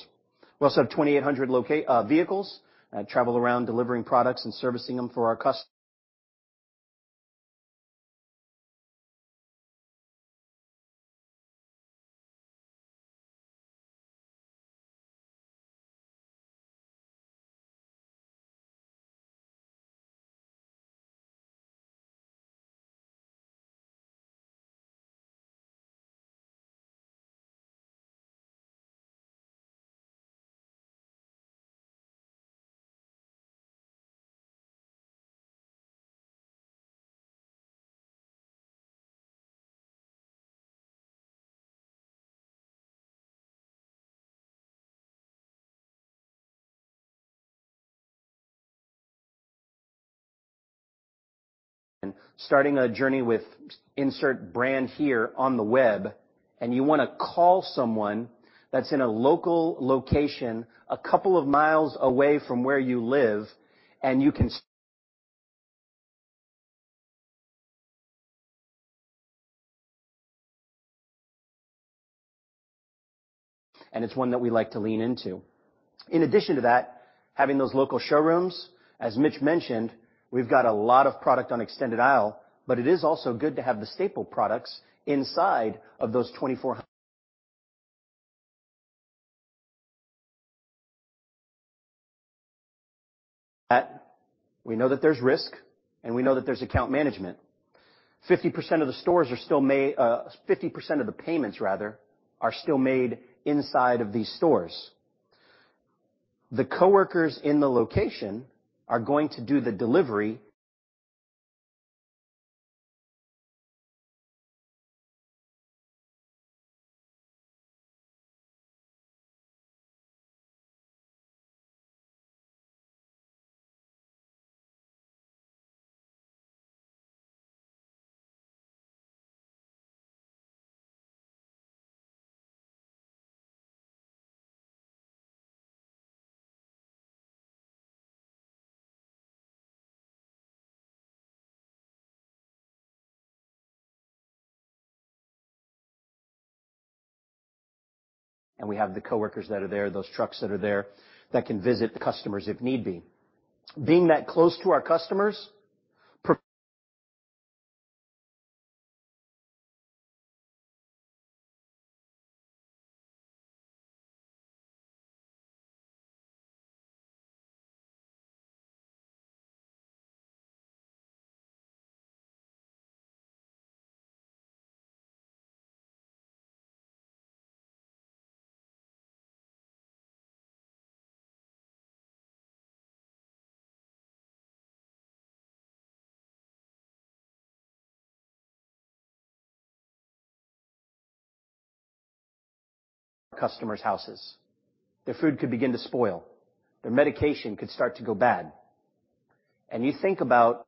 We also have 2,800 vehicles travel around delivering products and servicing them for our customers. Starting a journey with insert brand here on the web, and you wanna call someone that's in a local location a couple of miles away from where you live, and you can. It's one that we like to lean into. In addition to that, having those local showrooms, as Mitch mentioned, we've got a lot of product on endless aisle, but it is also good to have the staple products inside of those 2,400. That we know that there's risk, and we know that there's account management. 50% of the stores are still made, 50% of the payments rather, are still made inside of these stores. The coworkers in the location are going to do the delivery. We have the coworkers that are there, those trucks that are there that can visit the customers if need be. Being that close to our customers' houses. Their food could begin to spoil. Their medication could start to go bad. You think about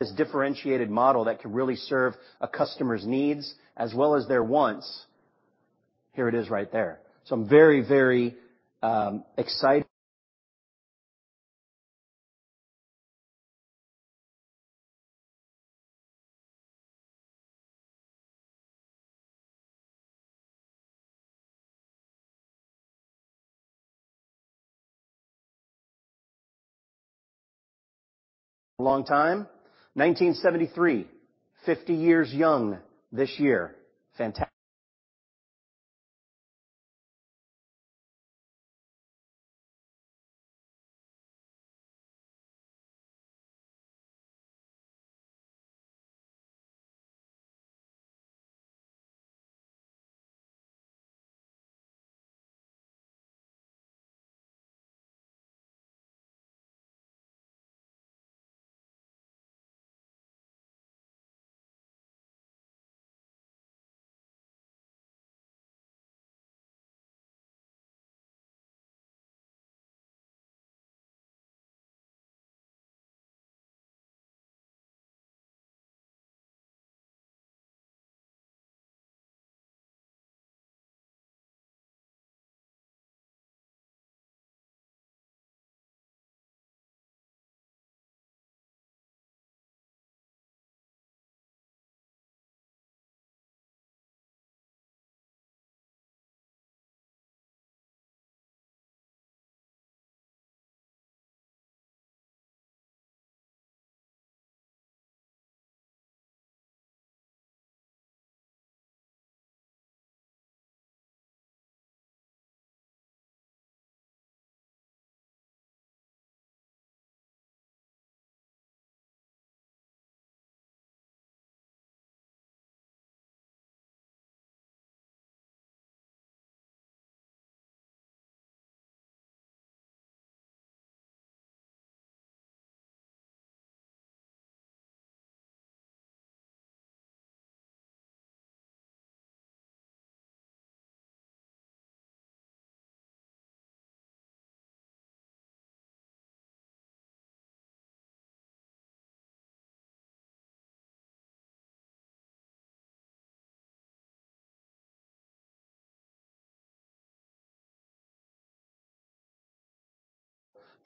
this differentiated model that can really serve a customer's needs as well as their wants. Here it is right there. I'm very, very excited. A long time. 1973. 50 years young this year. Fantastic.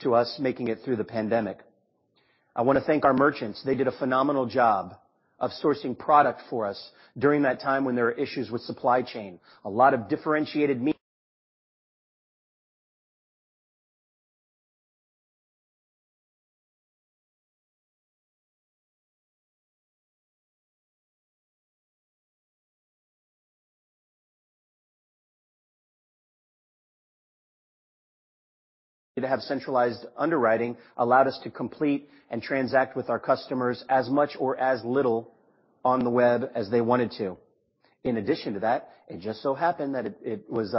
To us making it through the pandemic. I want to thank our merchants. They did a phenomenal job of sourcing product for us during that time when there were issues with supply chain. To have centralized underwriting allowed us to complete and transact with our customers as much or as little on the web as they wanted to. It just so happened that it was.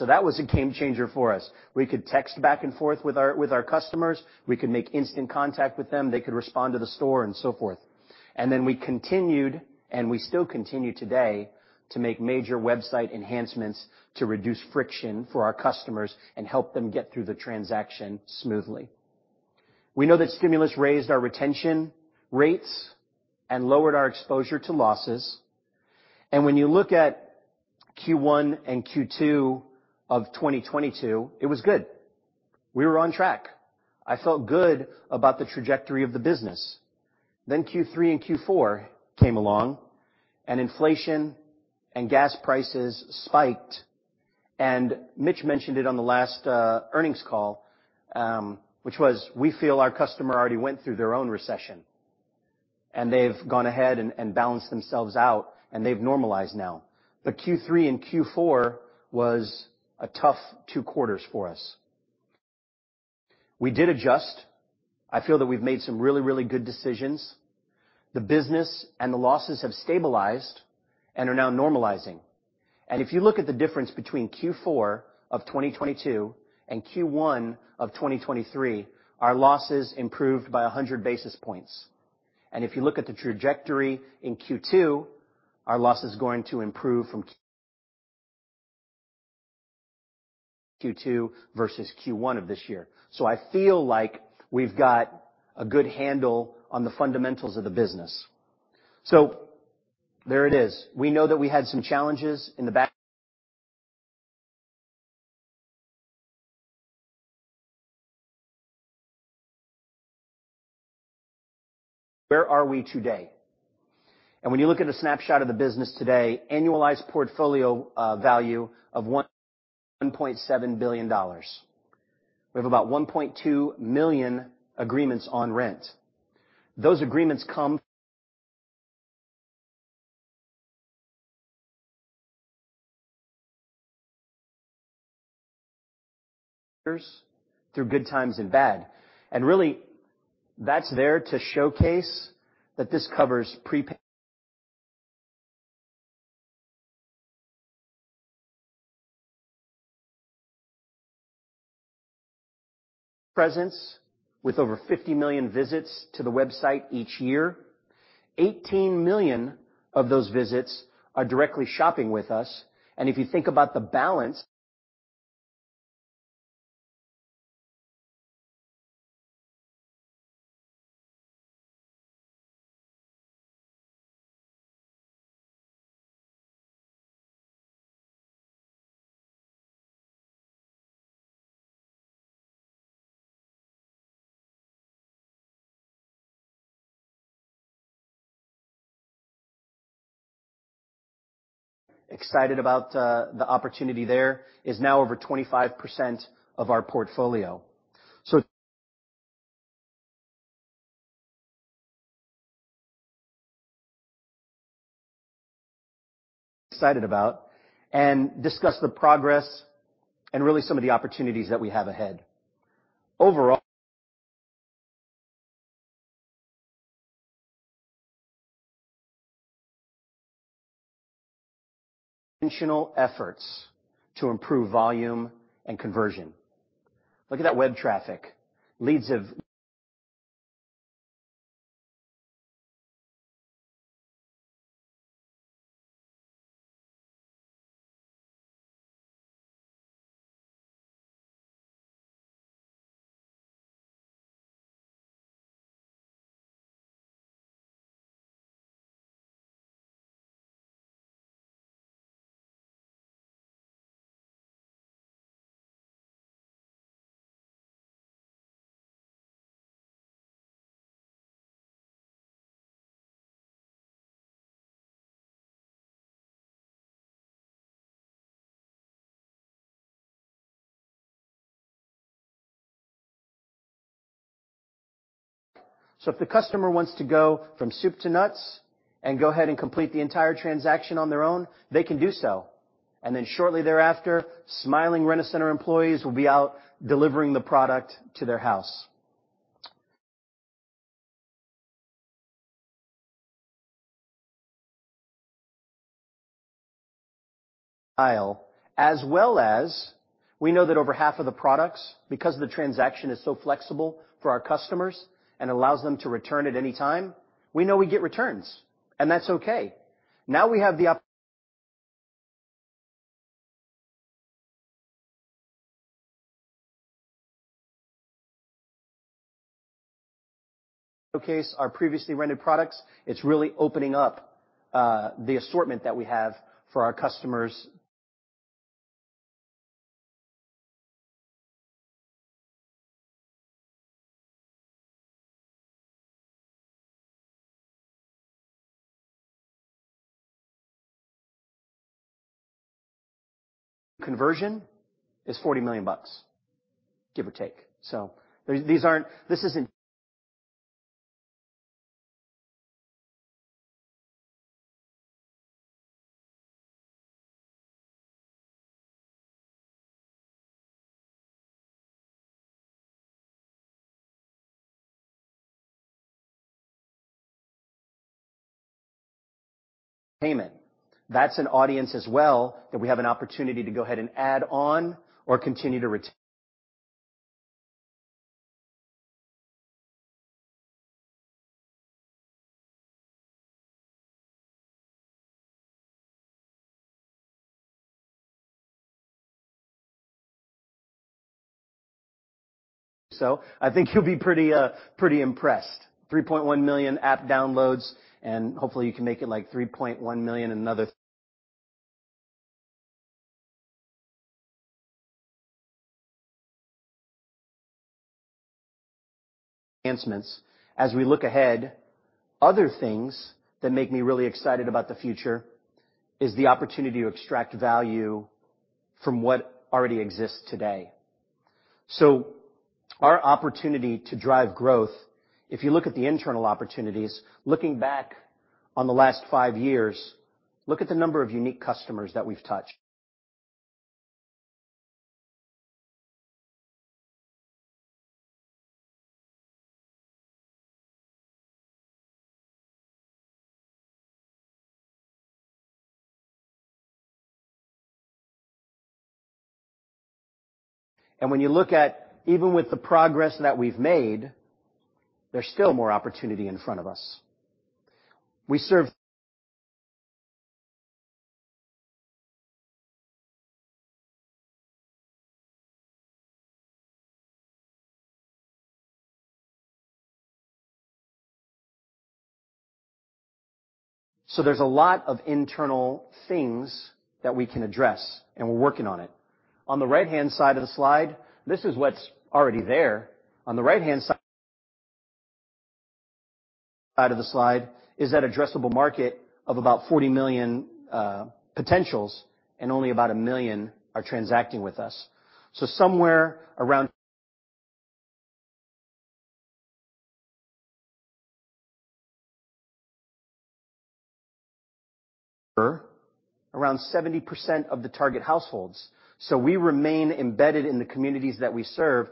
That was a game changer for us. We could text back and forth with our customers. We could make instant contact with them. They could respond to the store and so forth. We continued, and we still continue today, to make major website enhancements to reduce friction for our customers and help them get through the transaction smoothly. We know that Stimulus raised our retention rates and lowered our exposure to losses. When you look at Q1 and Q2 of 2022, it was good. We were on track. I felt good about the trajectory of the business. Q3 and Q4 came along, and inflation and gas prices spiked. Mitch mentioned it on the last earnings call, which was, we feel our customer already went through their own recession, and they've gone ahead and balanced themselves out, and they've normalized now. Q3 and Q4 was a tough 2 quarters for us. We did adjust. I feel that we've made some really good decisions. The business and the losses have stabilized and are now normalizing. If you look at the difference between Q4 of 2022 and Q1 of 2023, our losses improved by 100 basis points. If you look at the trajectory in Q2, our loss is going to improve Q2 versus Q1 of this year. I feel like we've got a good handle on the fundamentals of the business. There it is. We know that we had some challenges in the back. Where are we today? When you look at a snapshot of the business today, annualized portfolio value of $1.7 billion. We have about 1.2 million agreements on rent. Those agreements come. Through good times and bad. Really, that's there to showcase that this covers presence with over 50 million visits to the website each year. 18 million of those visits are directly shopping with us. If you think about the balance. Excited about the opportunity there is now over 25% of our portfolio. Excited about and discuss the progress and really some of the opportunities that we have ahead. Overall intentional efforts to improve volume and conversion. Look at that web traffic. If the customer wants to go from soup to nuts and go ahead and complete the entire transaction on their own, they can do so. Shortly thereafter, smiling Rent-A-Center employees will be out delivering the product to their house. Aisle, as well as we know that over half of the products, because the transaction is so flexible for our customers and allows them to return at any time, we know we get returns, and that's okay. Now we have the showcase our previously rented products. It's really opening up the assortment that we have for our customers. Conversion is $40 million, give or take. These aren't this isn't payment. That's an audience as well that we have an opportunity to go ahead and add on or continue to. I think you'll be pretty impressed. 3.1 million app downloads. Hopefully, you can make it like 3.1 million in another enhancements. As we look ahead, other things that make me really excited about the future is the opportunity to extract value from what already exists today. Our opportunity to drive growth, if you look at the internal opportunities, looking back on the last five years, look at the number of unique customers that we've touched. When you look at even with the progress that we've made, there's still more opportunity in front of us. We serve. There's a lot of internal things that we can address, and we're working on it. On the right-hand side of the slide, this is what's already there. On the right-hand side of the slide is that addressable market of about 40 million potentials and only about 1 million are transacting with us. Somewhere around 70% of the target households. We remain embedded in the communities that we serve.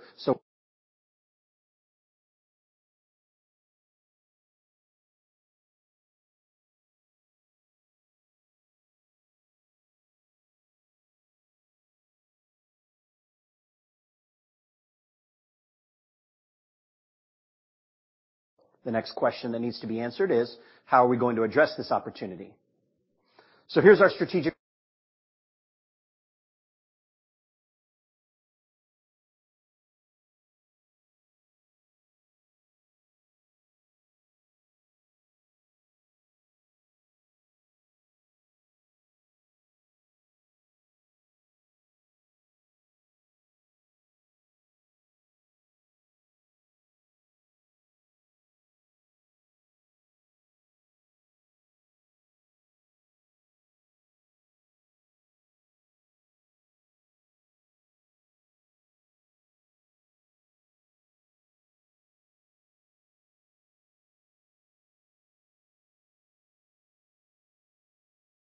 The next question that needs to be answered is: how are we going to address this opportunity? Here's our strategic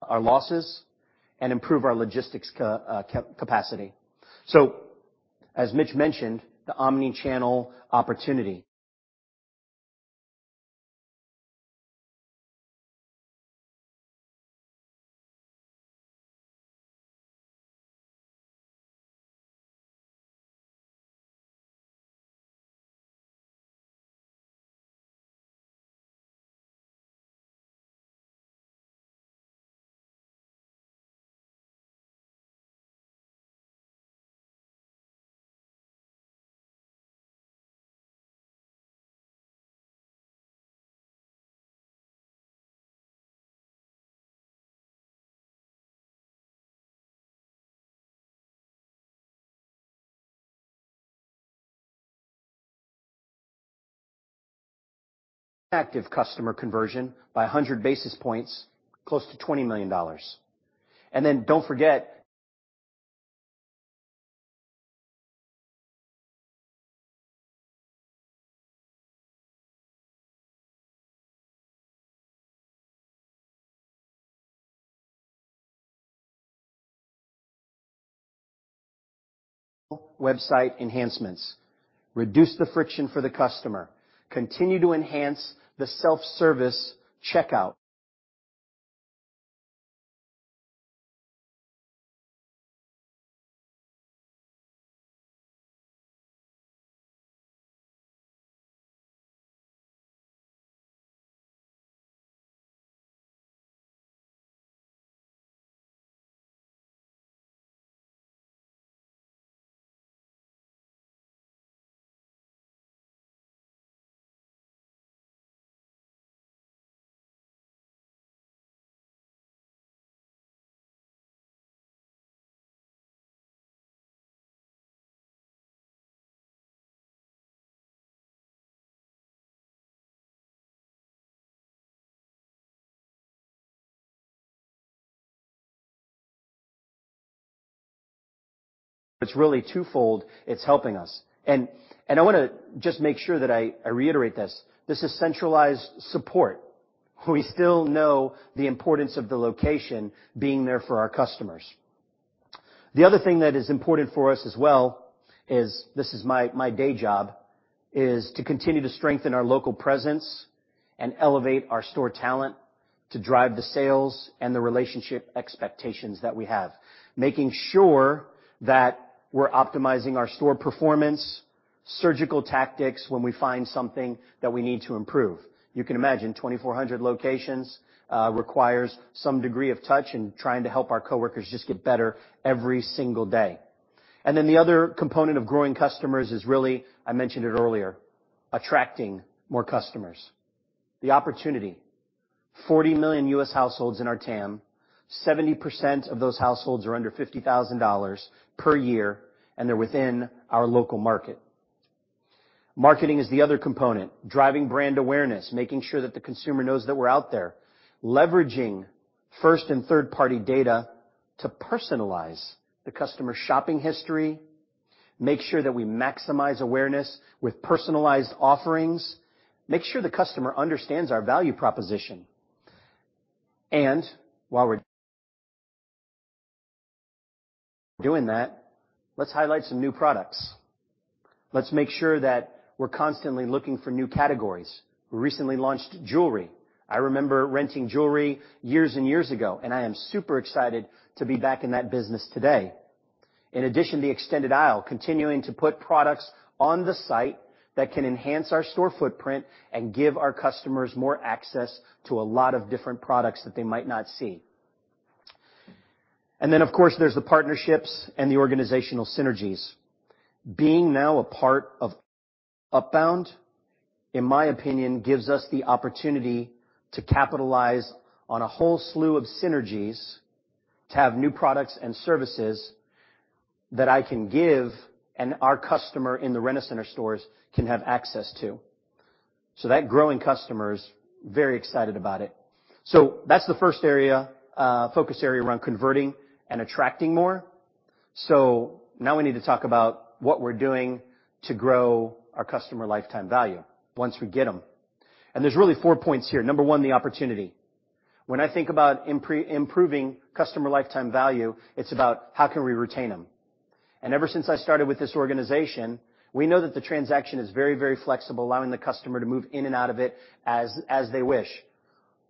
our losses and improve our logistics capacity. As Mitch mentioned, the omnichannel opportunity. Active customer conversion by 100 basis points, close to $20 million. Don't forget. Website enhancements. Reduce the friction for the customer. Continue to enhance the self-service checkout. It's really twofold. It's helping us. I wanna just make sure that I reiterate this. This is centralized support. We still know the importance of the location being there for our customers. The other thing that is important for us as well is, this is my day job, is to continue to strengthen our local presence and elevate our store talent to drive the sales and the relationship expectations that we have. Making sure that we're optimizing our store performance, surgical tactics when we find something that we need to improve. You can imagine 2,400 locations requires some degree of touch and trying to help our coworkers just get better every single day. The other component of growing customers is really, I mentioned it earlier, attracting more customers. The opportunity, 40 million U.S. households in our TAM, 70% of those households are under $50,000 per year, and they're within our local market. Marketing is the other component. Driving brand awareness, making sure that the consumer knows that we're out there. Leveraging first and third-party data to personalize the customer shopping history, make sure that we maximize awareness with personalized offerings, make sure the customer understands our value proposition. While we're doing that, let's highlight some new products. Let's make sure that we're constantly looking for new categories. We recently launched jewelry. I remember renting jewelry years and years ago, and I am super excited to be back in that business today. In addition, the endless aisle, continuing to put products on the site that can enhance our store footprint and give our customers more access to a lot of different products that they might not see. Of course, there's the partnerships and the organizational synergies. Being now a part of Upbound, in my opinion, gives us the opportunity to capitalize on a whole slew of synergies to have new products and services that I can give and our customer in the Rent-A-Center stores can have access to. That growing customer is very excited about it. That's the first area, focus area around converting and attracting more. Now we need to talk about what we're doing to grow our customer lifetime value once we get them. There's really four points here. Number one, the opportunity. When I think about improving customer lifetime value, it's about how can we retain them. Ever since I started with this organization, we know that the transaction is very, very flexible, allowing the customer to move in and out of it as they wish.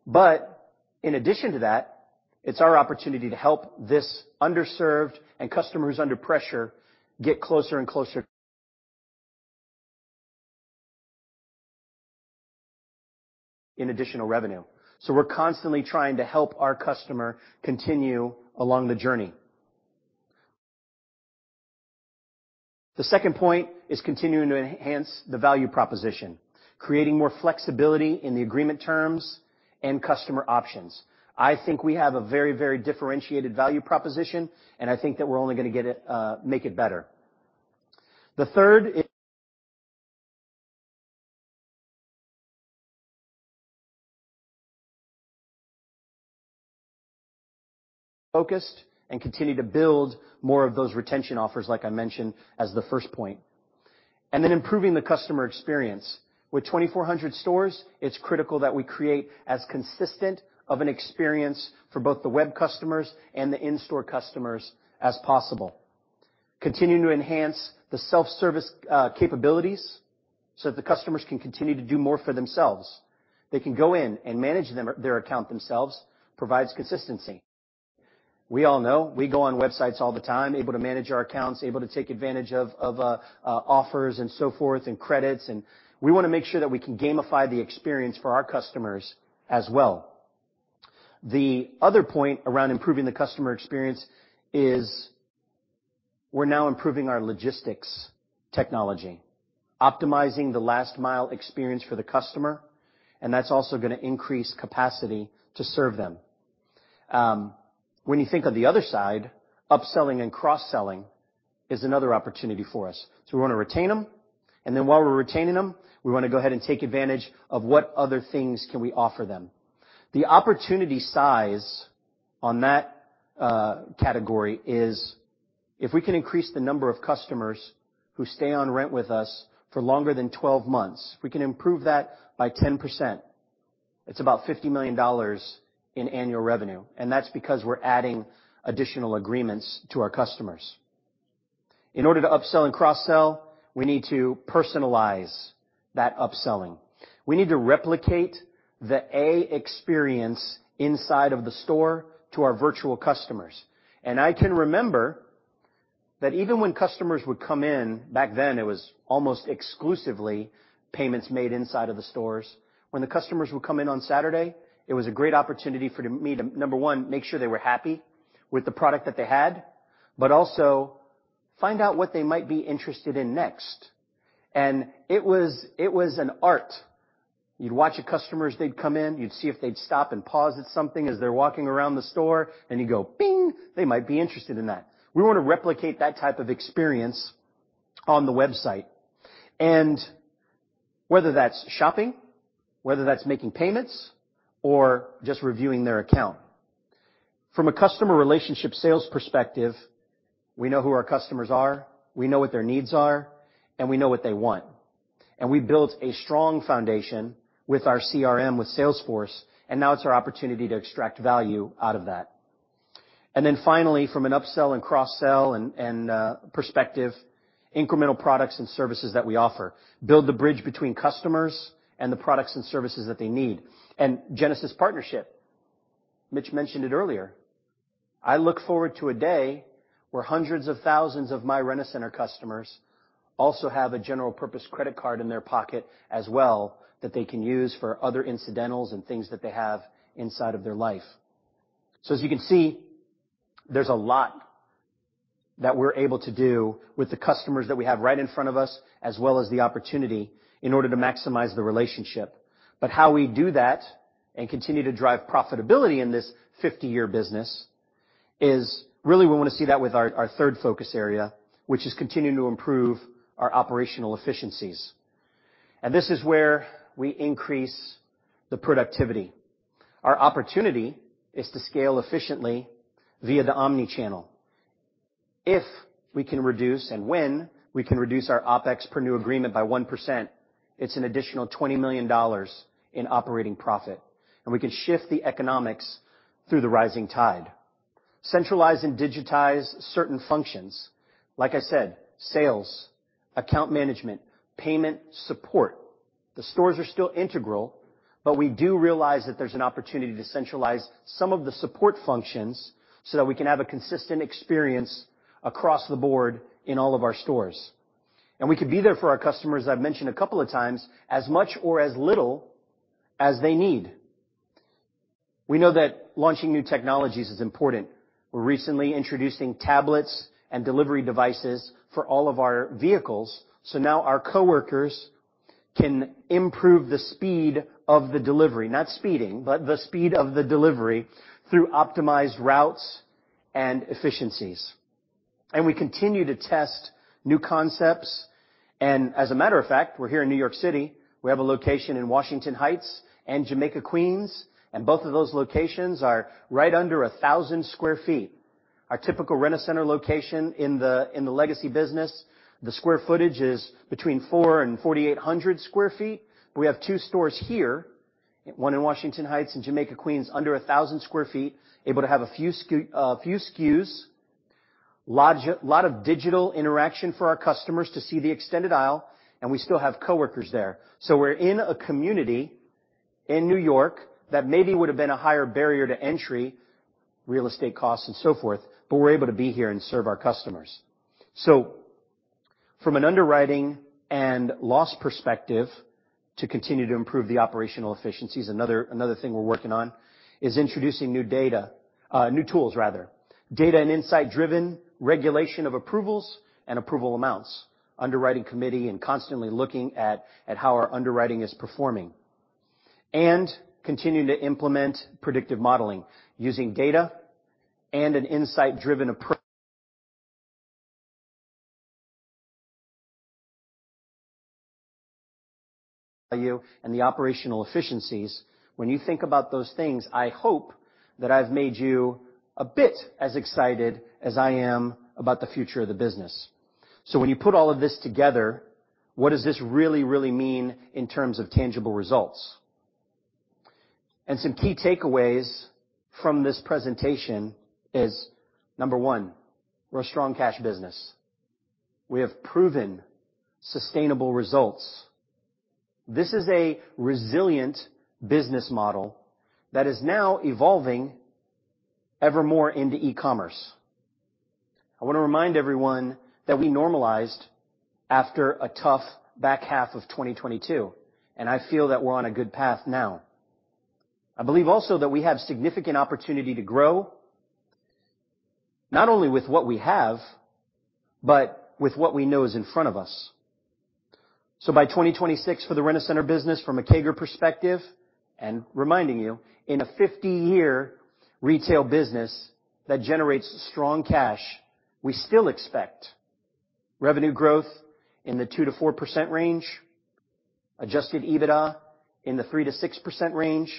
In addition to that, it's our opportunity to help this underserved and customers under pressure get closer and closer. In additional revenue. We're constantly trying to help our customer continue along the journey. The second point is continuing to enhance the value proposition, creating more flexibility in the agreement terms and customer options. I think we have a very, very differentiated value proposition, and I think that we're only gonna get it, make it better. The third is. Focused and continue to build more of those retention offers like I mentioned as the first point. Improving the customer experience. With 2,400 stores, it's critical that we create as consistent of an experience for both the web customers and the in-store customers as possible. Continuing to enhance the self-service capabilities so the customers can continue to do more for themselves. They can go in and manage their account themselves, provides consistency. We all know we go on websites all the time, able to manage our accounts, able to take advantage of offers and so forth and credits, and we wanna make sure that we can gamify the experience for our customers as well. The other point around improving the customer experience is we're now improving our logistics technology, optimizing the last mile experience for the customer, and that's also gonna increase capacity to serve them. When you think of the other side, upselling and cross-selling is another opportunity for us. We wanna retain them, and then while we're retaining them, we wanna go ahead and take advantage of what other things can we offer them. The opportunity size on that category is if we can increase the number of customers who stay on rent with us for longer than 12 months, if we can improve that by 10%, it's about $50 million in annual revenue, and that's because we're adding additional agreements to our customers. In order to upsell and cross-sell, we need to personalize that upselling. We need to replicate the A experience inside of the store to our virtual customers. I can remember that even when customers would come in, back then it was almost exclusively payments made inside of the stores. When the customers would come in on Saturday, it was a great opportunity for me to, number one, make sure they were happy with the product that they had, but also find out what they might be interested in next. It was an art. You'd watch the customers, they'd come in, you'd see if they'd stop and pause at something as they're walking around the store, and you go, "Bing, they might be interested in that." We wanna replicate that type of experience on the website, and whether that's shopping, whether that's making payments or just reviewing their account. From a customer relationship sales perspective, we know who our customers are, we know what their needs are, and we know what they want. We built a strong foundation with our CRM with Salesforce, and now it's our opportunity to extract value out of that. Finally, from an upsell and cross-sell and perspective, incremental products and services that we offer build the bridge between customers and the products and services that they need. Genesis partnership, Mitch mentioned it earlier, I look forward to a day where hundreds of thousands of my Rent-A-Center customers also have a general-purpose credit card in their pocket as well that they can use for other incidentals and things that they have inside of their life. As you can see, there's a lot that we're able to do with the customers that we have right in front of us, as well as the opportunity in order to maximize the relationship. How we do that and continue to drive profitability in this 50 years business is really we wanna see that with our third focus area, which is continuing to improve our operational efficiencies. This is where we increase the productivity. Our opportunity is to scale efficiently via the omnichannel. If we can reduce our OpEx per new agreement by 1%, it's an additional $20 million in operating profit. We can shift the economics through the rising tide. Centralize and digitize certain functions, like I said, sales, account management, payment support. The stores are still integral, but we do realize that there's an opportunity to centralize some of the support functions so that we can have a consistent experience across the board in all of our stores. We can be there for our customers, as I've mentioned a couple of times, as much or as little as they need. We know that launching new technologies is important. We're recently introducing tablets and delivery devices for all of our vehicles. Now our coworkers can improve the speed of the delivery. Not speeding, but the speed of the delivery through optimized routes and efficiencies. We continue to test new concepts and as a matter of fact, we're here in New York City. We have a location in Washington Heights and Jamaica, Queens, both of those locations are right under 1,000 sq ft. Our typical Rent-A-Center location in the legacy business, the square footage is between four and 4,800 sq ft. We have two stores here, one in Washington Heights and Jamaica, Queens, under 1,000 sq ft, able to have a few SKUs, lot of digital interaction for our customers to see the extended aisle, we still have coworkers there. We're in a community in New York that maybe would've been a higher barrier to entry, real estate costs and so forth, but we're able to be here and serve our customers. From an underwriting and loss perspective to continue to improve the operational efficiencies, another thing we're working on is introducing new data, new tools rather. Data and insight-driven regulation of approvals and approval amounts, underwriting committee, and constantly looking at how our underwriting is performing. Continuing to implement predictive modeling using data and an insight-driven approach. You and the operational efficiencies. When you think about those things, I hope that I've made you a bit as excited as I am about the future of the business. When you put all of this together, what does this really, really mean in terms of tangible results? Some key takeaways from this presentation is, number one, we're a strong cash business. We have proven sustainable results. This is a resilient business model that is now evolving ever more into e-commerce. I wanna remind everyone that we normalized after a tough back half of 2022, and I feel that we're on a good path now. I believe also that we have significant opportunity to grow. Not only with what we have, but with what we know is in front of us. By 2026 for the Rent-A-Center business from a CAGR perspective, and reminding you, in a 50 years retail business that generates strong cash, we still expect revenue growth in the 2%-4% range, adjusted EBITDA in the 3%-6% range,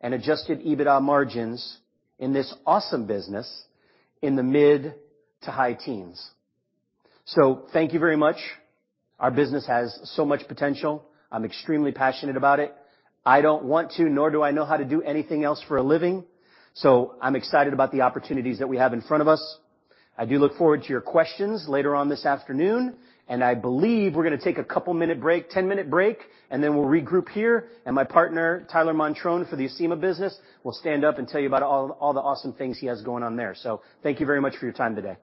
and adjusted EBITDA margins in this awesome business in the mid to high teens. Thank you very much. Our business has so much potential. I'm extremely passionate about it. I don't want to, nor do I know how to do anything else for a living. I'm excited about the opportunities that we have in front of us. I do look forward to your questions later on this afternoon. I believe we're gonna take a couple minute break, 10-minute break, then we'll regroup here, and my partner, Tyler Montrone for the Acima business, will stand up and tell you about all the awesome things he has going on there. Thank you very much for your time today.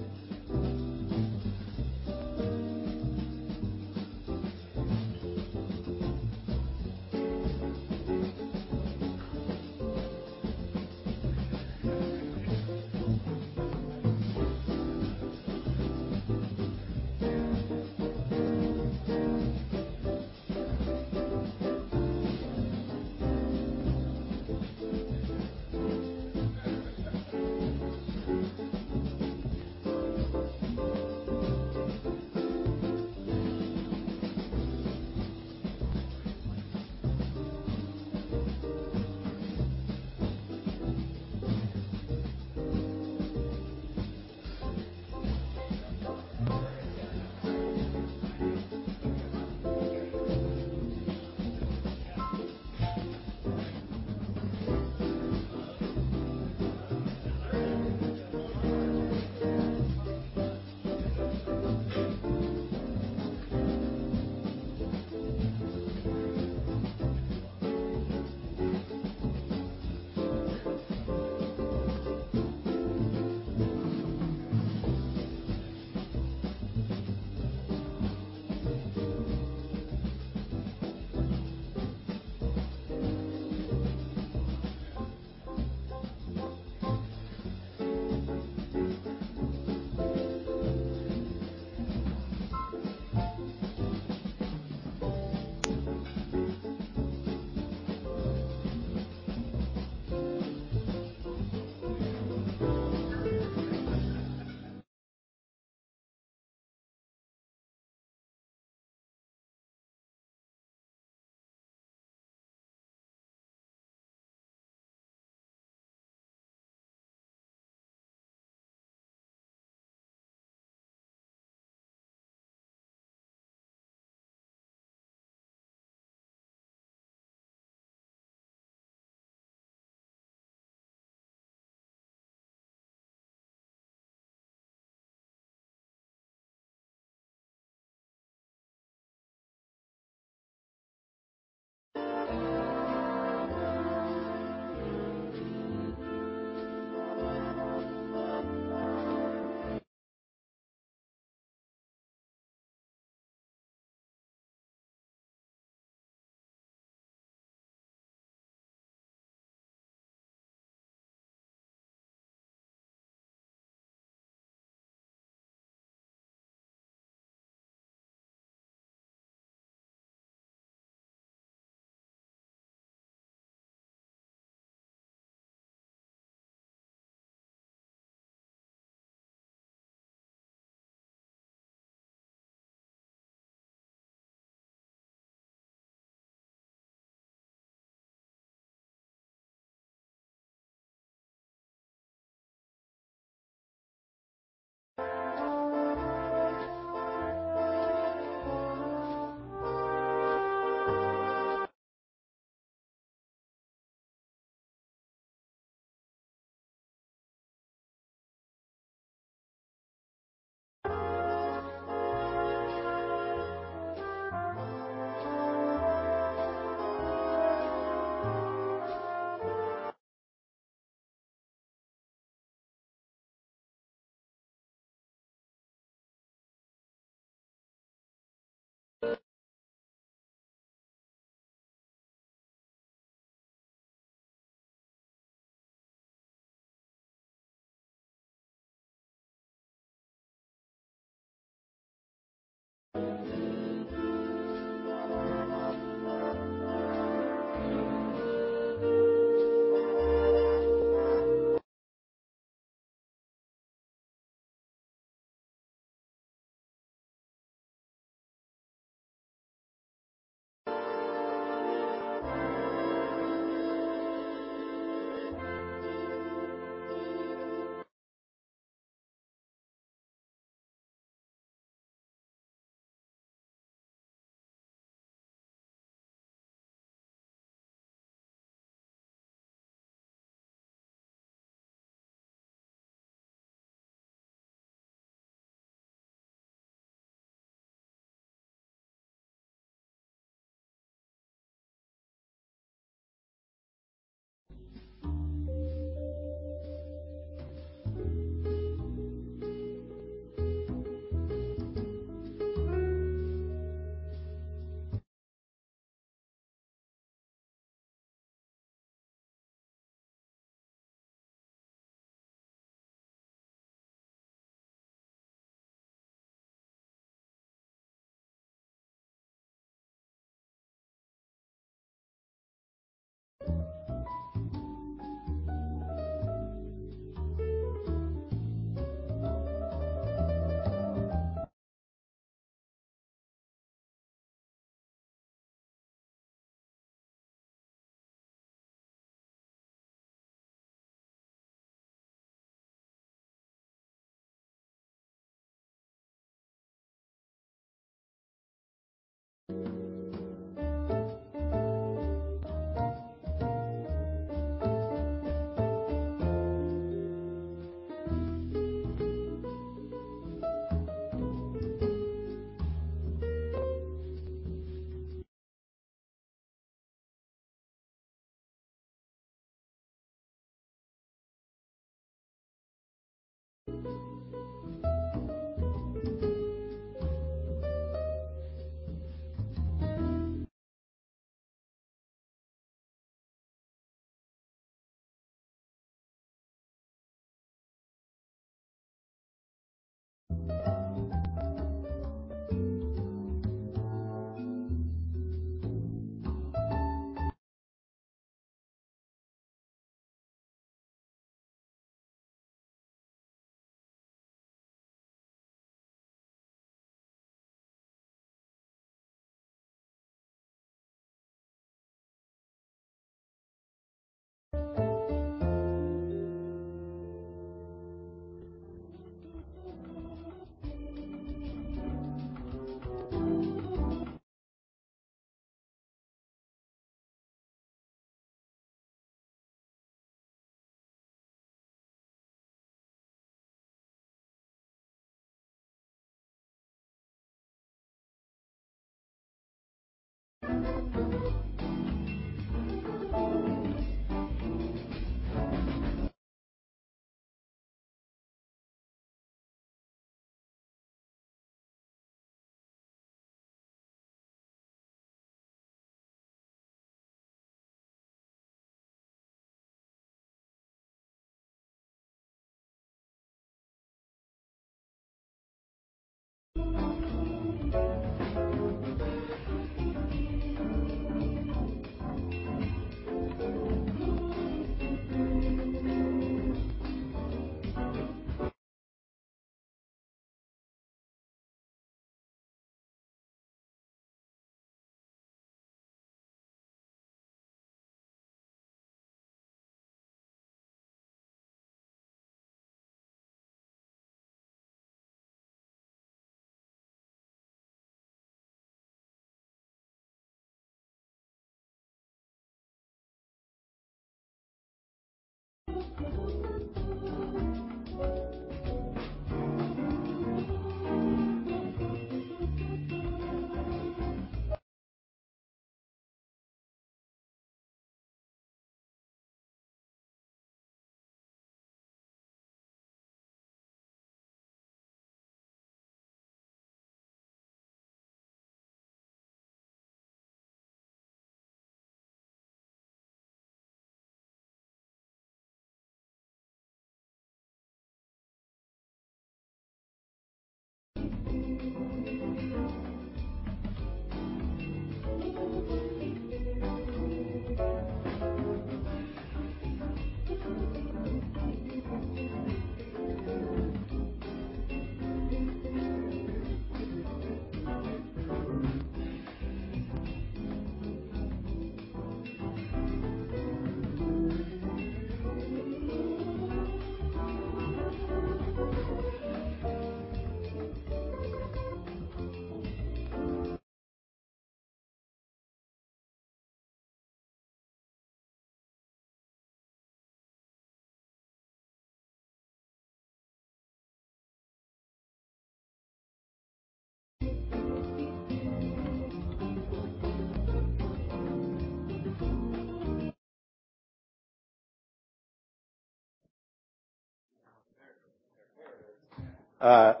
I'll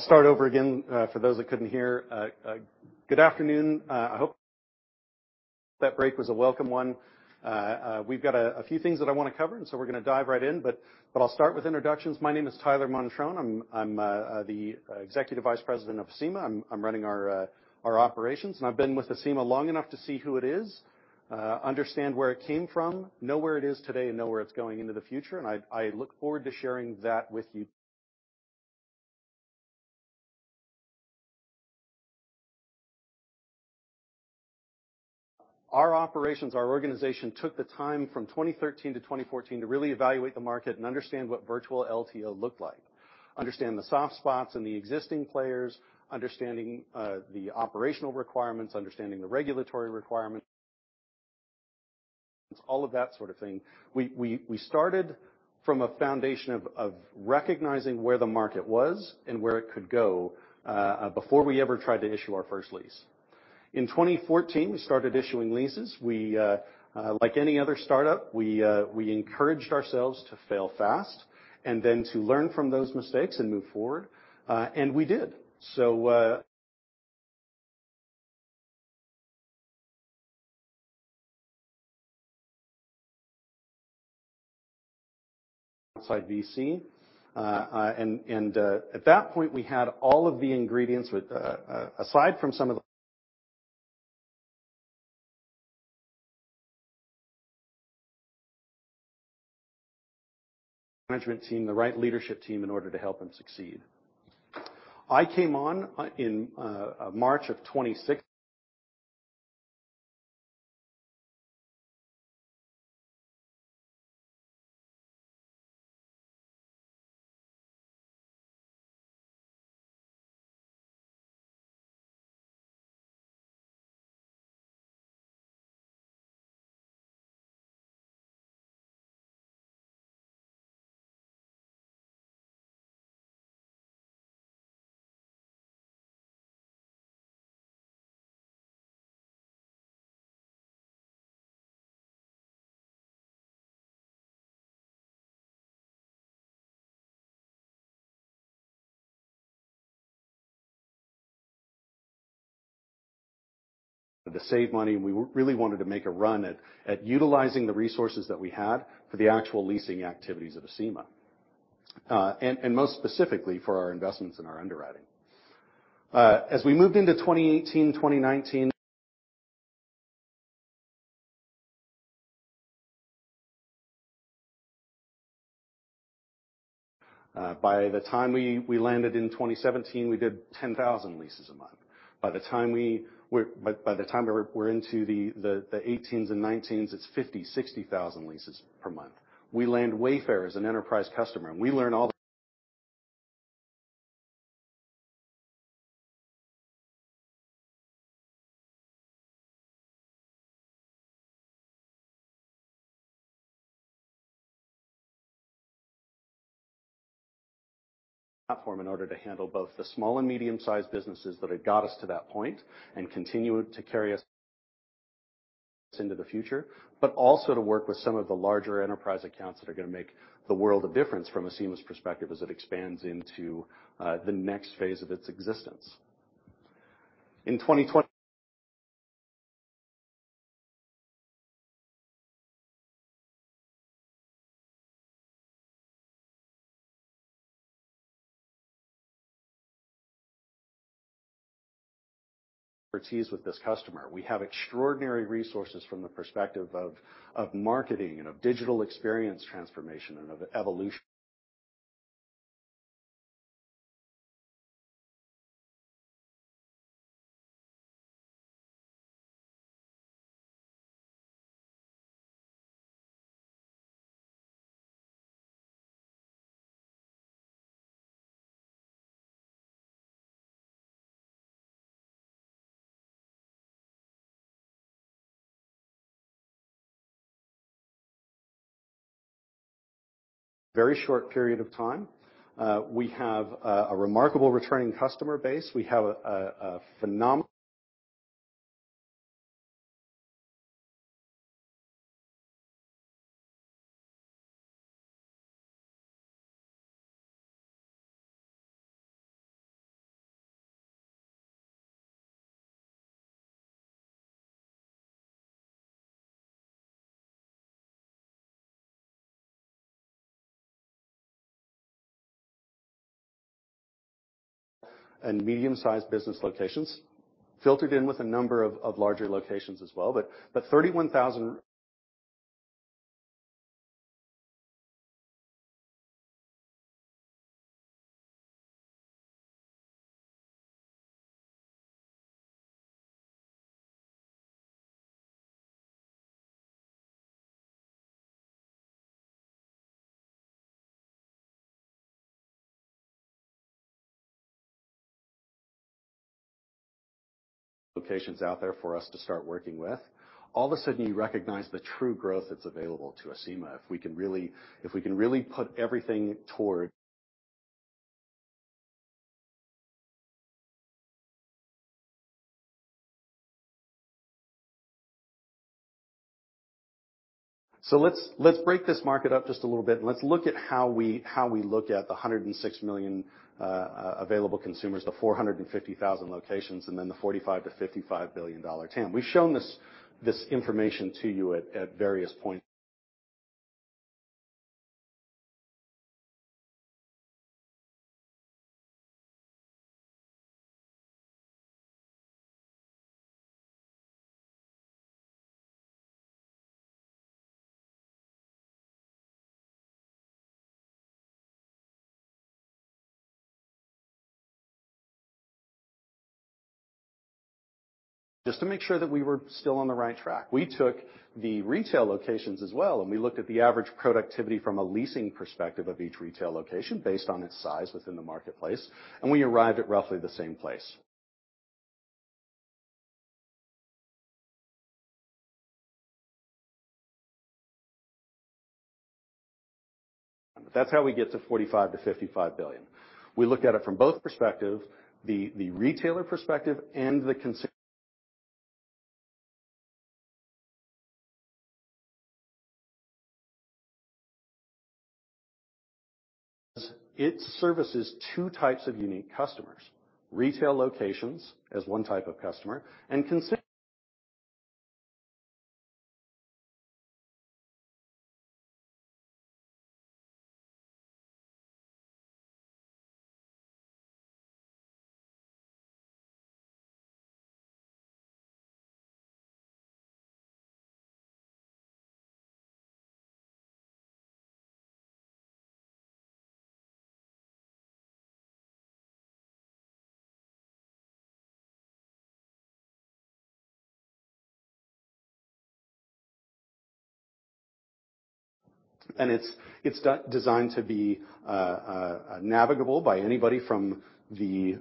start over again for those that couldn't hear. Good afternoon. We've got a few things that I wanna cover, and so we're gonna dive right in. I'll start with introductions. My name is Tyler Montrone. I'm the Executive Vice President of Acima. I'm running our operations, and I've been with Acima long enough to see who it is, understand where it came from, know where it is today, and know where it's going into the future, and I look forward to sharing that with you. Our operations, our organization, took the time from 2013 to 2014 to really evaluate the market and understand what virtual LTO looked like, understand the soft spots and the existing players, understanding the operational requirements, understanding the regulatory requirements, all of that sort of thing. We started from a foundation of recognizing where the market was and where it could go before we ever tried to issue our first lease. In 2014, we started issuing leases. We like any other startup, we encouraged ourselves to fail fast and then to learn from those mistakes and move forward. We did. Outside VC. At that point, we had all of the ingredients with aside from some of the Management team, the right leadership team in order to help them succeed. I came on to save money, we really wanted to make a run at utilizing the resources that we had for the actual leasing activities of Acima. Most specifically for our investments and our underwriting. As we moved into 2018, 2019. By the time we landed in 2017, we did 10,000 leases a month. By the time we're into the 18s and 19s, it's 50,000-60,000 leases per month. We land Wayfair as an enterprise customer, we learn all the Platform in order to handle both the small and medium sized businesses that had got us to that point and continue to carry us into the future, but also to work with some of the larger enterprise accounts that are going to make the world of difference from Acima's perspective as it expands into the next phase of its existence. Expertise with this customer. We have extraordinary resources from the perspective of marketing and of digital experience transformation and of evolution. Very short period of time. We have a remarkable returning customer base. Medium-sized business locations filtered in with a number of larger locations as well. 31,000 locations out there for us to start working with. All of a sudden, you recognize the true growth that's available to Acima if we can really put everything toward. Let's break this market up just a little bit, and let's look at how we look at the $106 million available consumers, the 450,000 locations, and then the $45 billion-$55 billion TAM. We've shown this information to you at various points. Just to make sure that we were still on the right track, we took the retail locations as well, and we looked at the average productivity from a leasing perspective of each retail location based on its size within the marketplace, and we arrived at roughly the same place. That's how we get to $45 billion-$55 billion. We looked at it from both perspectives, the retailer perspective and It services two types of unique customers, retail locations as one type of customer and it's designed to be navigable by anybody from the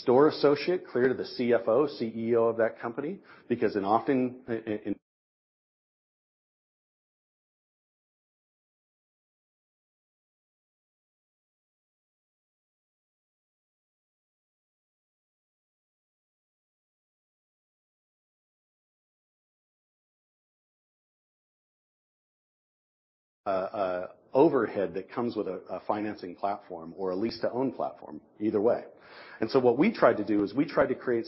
store associate clear to the CFO, CEO of that company because in often, overhead that comes with a financing platform or a lease-to-own platform, either way. What we tried to do is we tried to create.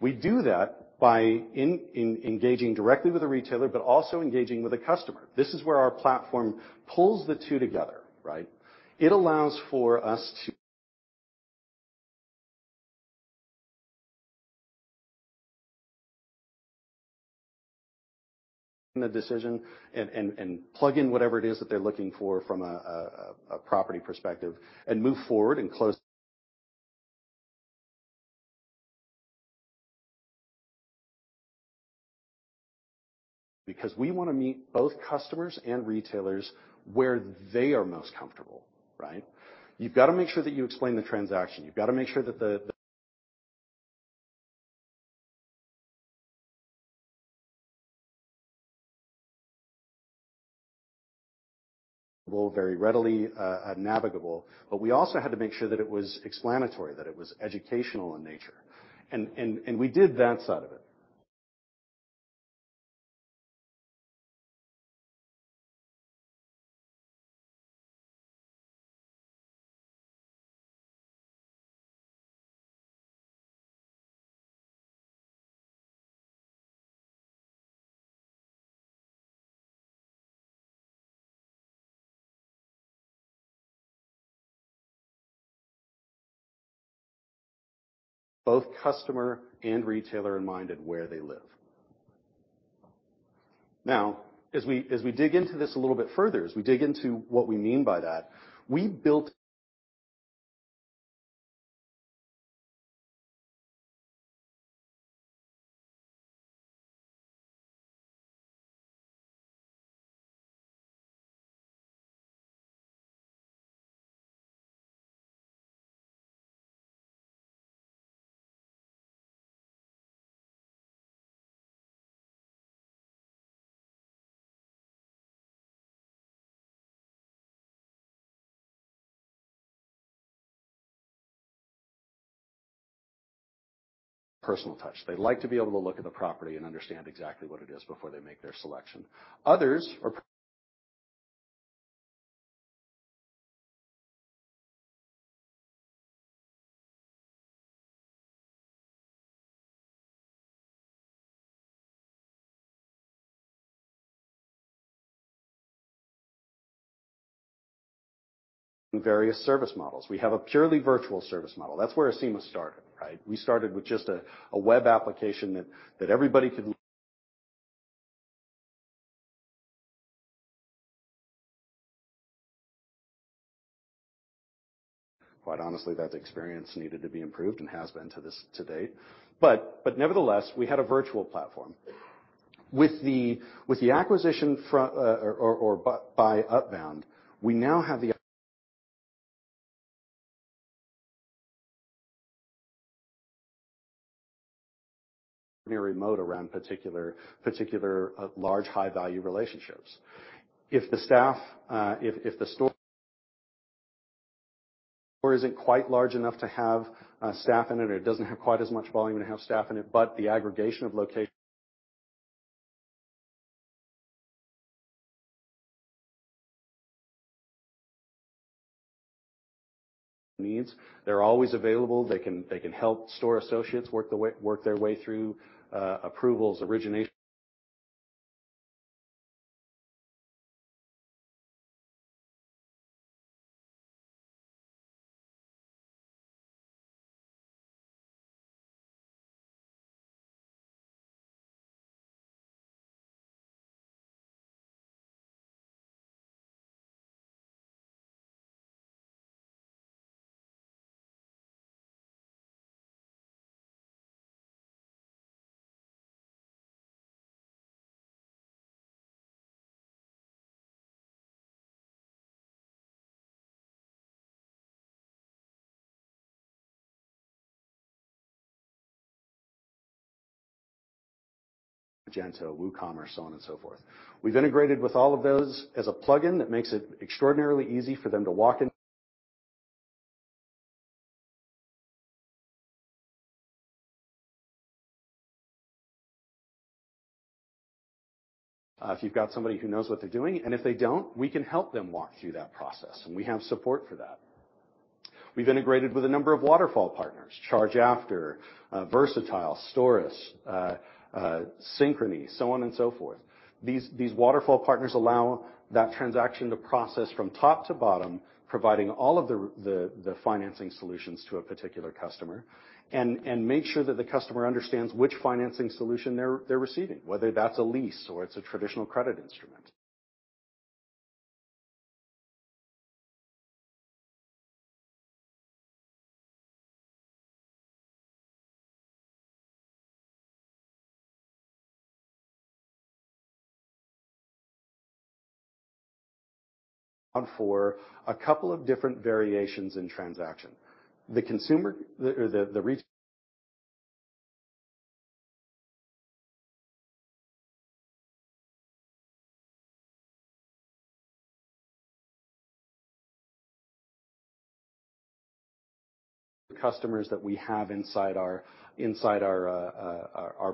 We do that by engaging directly with the retailer but also engaging with the customer. This is where our platform pulls the two together, right? It allows for us to The decision and plug in whatever it is that they're looking for from a property perspective and move forward and close. Because we wanna meet both customers and retailers where they are most comfortable, right? You've got to make sure that you explain the transaction. You've got to make sure that the Very readily navigable, but we also had to make sure that it was explanatory, that it was educational in nature. We did that side of it. Both customer and retailer in mind and where they live. Now, as we dig into this a little bit further, as we dig into what we mean by that, we built Personal touch. They like to be able to look at the property and understand exactly what it is before they make their selection. Various service models. We have a purely virtual service model. That's where Acima started, right? We started with just a web application that everybody could. Quite honestly, that experience needed to be improved and has been to this today. Nevertheless, we had a virtual platform. With the acquisition from, or by Upbound, we now have the remote around particular large high-value relationships. If the staff, if the store isn't quite large enough to have staff in it, or it doesn't have quite as much volume to have staff in it, but the aggregation of location needs. They're always available. They can help store associates work their way through approvals, origination. Magento, WooCommerce, so on and so forth. We've integrated with all of those as a plugin that makes it extraordinarily easy for them to walk in. If you've got somebody who knows what they're doing, and if they don't, we can help them walk through that process, and we have support for that. We've integrated with a number of waterfall partners, ChargeAfter, Versatile, STORIS, Synchrony, so on and so forth. These waterfall partners allow that transaction to process from top to bottom, providing all of the financing solutions to a particular customer, and make sure that the customer understands which financing solution they're receiving, whether that's a lease or it's a traditional credit instrument. On for a couple of different variations in transaction. The consumer or the Customers that we have inside our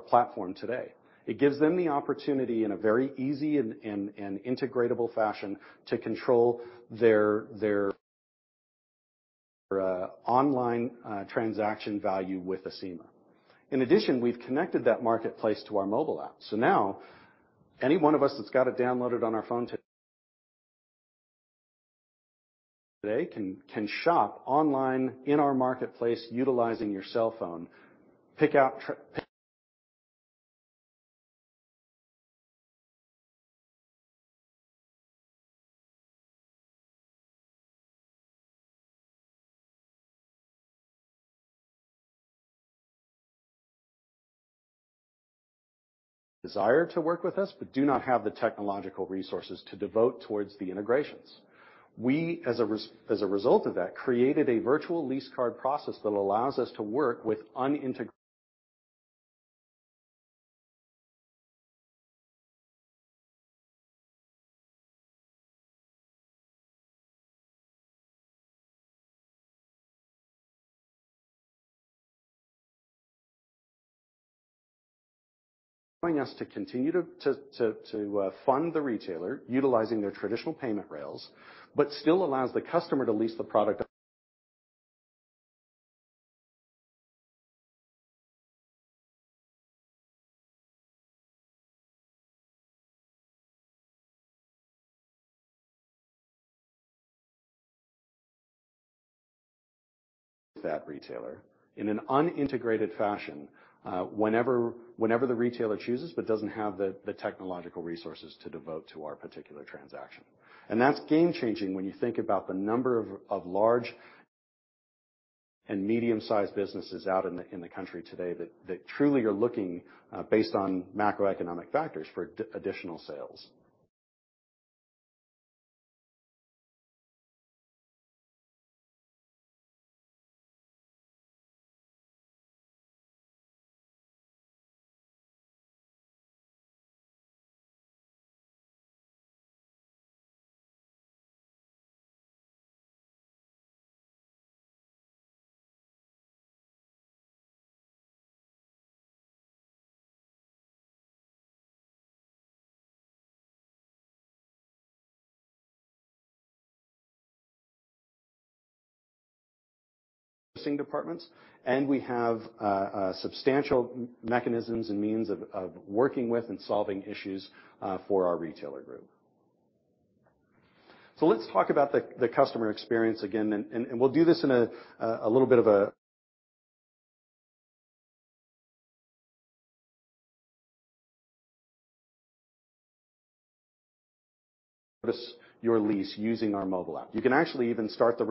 platform today. It gives them the opportunity in a very easy and integratable fashion to control their online transaction value with Acima. In addition, we've connected that marketplace to our mobile app. Now any one of us that's got it downloaded on our phone Today can shop online in our marketplace utilizing your cell phone, pick out Desire to work with us but do not have the technological resources to devote towards the integrations. We, as a result of that, created a virtual lease card process that allows us to work with allowing us to continue to fund the retailer utilizing their traditional payment rails, but still allows the customer to lease the product. That retailer in an unintegrated fashion, whenever the retailer chooses but doesn't have the technological resources to devote to our particular transaction. That's game-changing when you think about the number of large and medium-sized businesses out in the country today that truly are looking, based on macroeconomic factors for additional sales departments. We have a substantial mechanisms and means of working with and solving issues for our retailer group. Let's talk about the customer experience again, and we'll do this in a your lease using our mobile app. You can actually even start the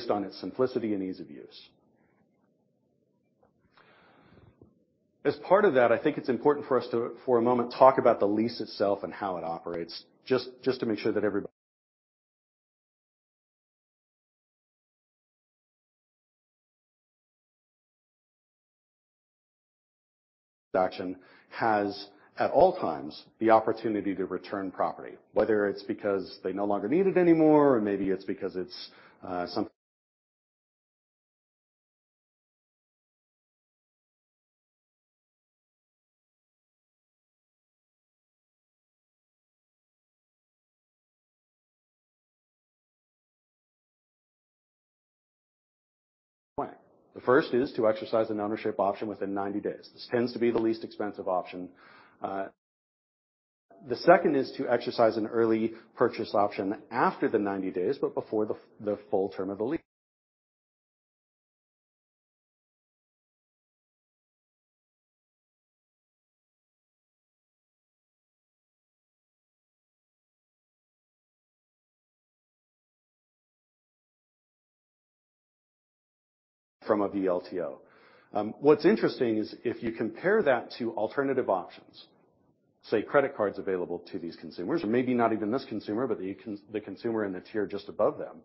returns process through our mobile app. Based on its simplicity and ease of use. As part of that, I think it's important for us to, for a moment, talk about the lease itself and how it operates, just to make sure that every action has, at all times, the opportunity to return property, whether it's because they no longer need it anymore, or maybe it's because it's. Way. The first is to exercise an ownership option within 90 days. This tends to be the least expensive option. The second is to exercise an early purchase option after the 90 days, but before the full term of the lease. From a VLTO. What's interesting is if you compare that to alternative options, say credit cards available to these consumers, or maybe not even this consumer, but the consumer in the tier just above them,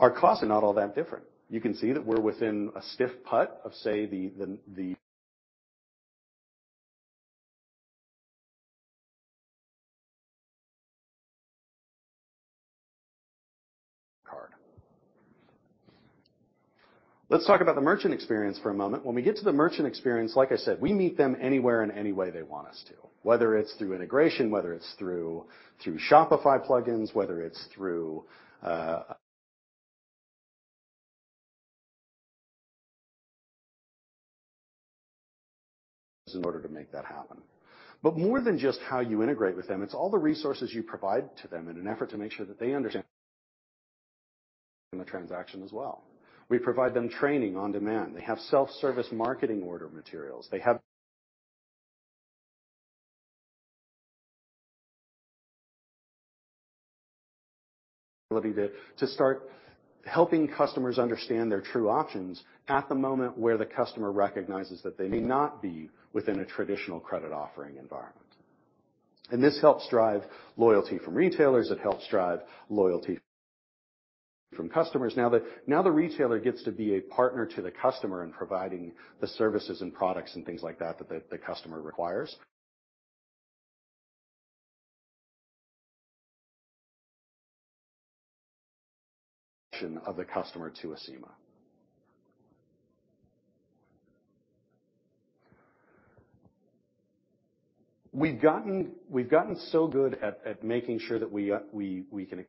our costs are not all that different. You can see that we're within a stiff putt of, say, the card. Let's talk about the merchant experience for a moment. When we get to the merchant experience, like I said, we meet them anywhere in any way they want us to, whether it's through integration, whether it's through Shopify plugins, whether it's through in order to make that happen. More than just how you integrate with them, it's all the resources you provide to them in an effort to make sure that they understand the transaction as well. We provide them training on demand. They have self-service marketing order materials. They have the ability to start helping customers understand their true options at the moment where the customer recognizes that they may not be within a traditional credit offering environment. This helps drive loyalty from retailers. It helps drive loyalty from customers. Now the retailer gets to be a partner to the customer in providing the services and products and things like that the customer requires. Of the customer to Acima. We've gotten so good at making sure that we can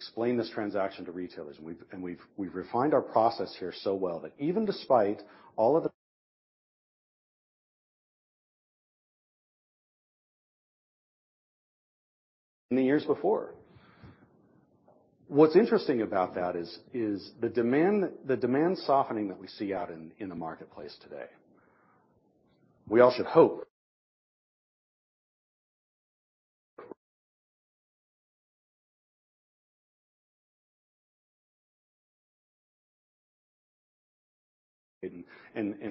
explain this transaction to retailers, and we've refined our process here so well that even despite all of the in the years before. What's interesting about that is the demand softening that we see out in the marketplace today, we all should hope.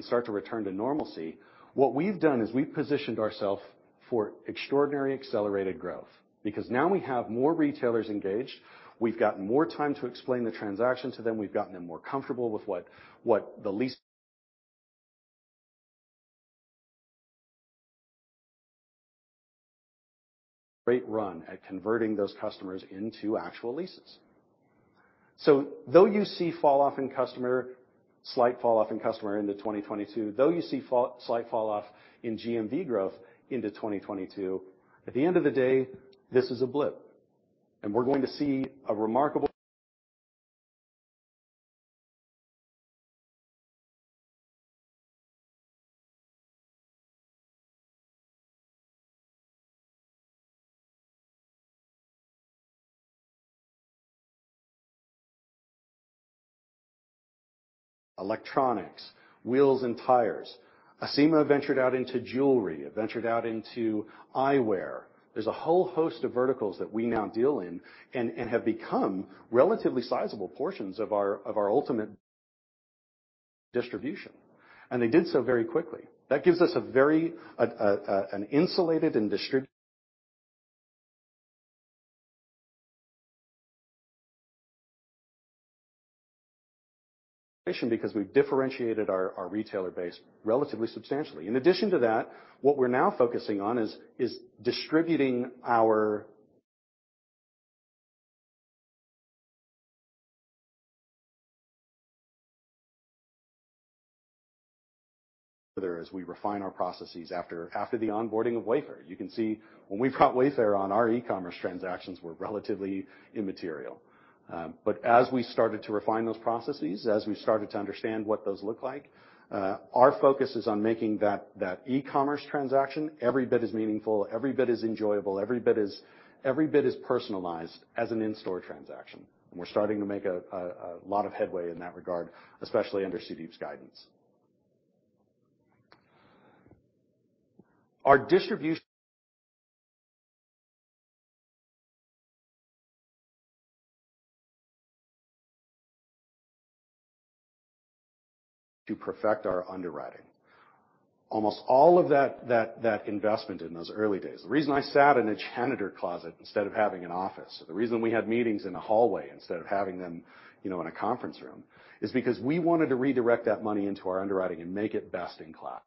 start to return to normalcy, what we've done is we've positioned ourselves for extraordinary accelerated growth because now we have more retailers engaged. We've got more time to explain the transaction to them. We've gotten them more comfortable with what the lease. Great run at converting those customers into actual leases. Though you see slight fall off in customer into 2022, though you see slight fall off in GMV growth into 2022, at the end of the day, this is a blip. We're going to see a remarkable electronics, wheels and tires. Acima ventured out into jewelry. It ventured out into eyewear. There's a whole host of verticals that we now deal in and have become relatively sizable portions of our, of our ultimate distribution. They did so very quickly. That gives us a very, an insulated and distribution because we've differentiated our retailer base relatively substantially. In addition to that, what we're now focusing on is distributing our further as we refine our processes after the onboarding of Wayfair. You can see when we brought Wayfair on, our e-commerce transactions were relatively immaterial. But as we started to refine those processes, as we started to understand what those look like, our focus is on making that e-commerce transaction every bit as meaningful, every bit as enjoyable, every bit as personalized as an in-store transaction. And we're starting to make a lot of headway in that regard, especially under Sudeep's guidance. To perfect our underwriting. Almost all of that investment in those early days. The reason I sat in a janitor closet instead of having an office, the reason we had meetings in a hallway instead of having them, you know, in a conference room, is because we wanted to redirect that money into our underwriting and make it best in class.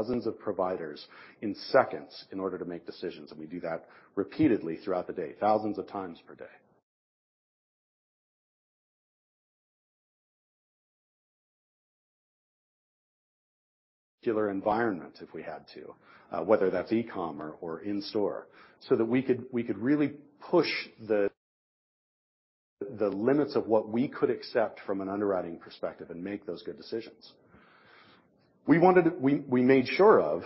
Dozens of providers in seconds in order to make decisions, and we do that repeatedly throughout the day, thousands of times per day. Particular environment if we had to, whether that's e-commerce or in-store, so that we could really push the limits of what we could accept from an underwriting perspective and make those good decisions. We made sure of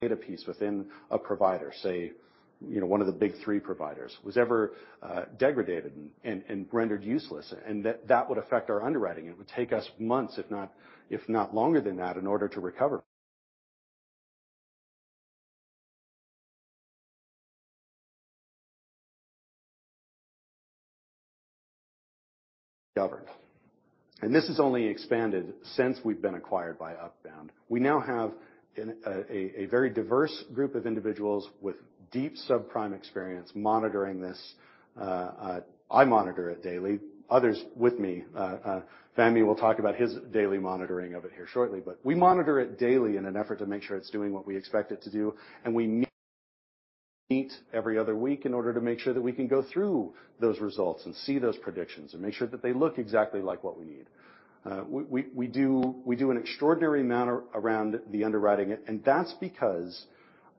data piece within a provider, say, you know, one of the big three providers, was ever degraded and rendered useless, and that would affect our underwriting. It would take us months, if not longer than that, in order to recover. This has only expanded since we've been acquired by Upbound. We now have a very diverse group of individuals with deep subprime experience monitoring this. I monitor it daily. Others with me, Fahmi will talk about his daily monitoring of it here shortly. We monitor it daily in an effort to make sure it's doing what we expect it to do. We meet every other week in order to make sure that we can go through those results and see those predictions and make sure that they look exactly like what we need. We do an extraordinary amount around the underwriting, and that's because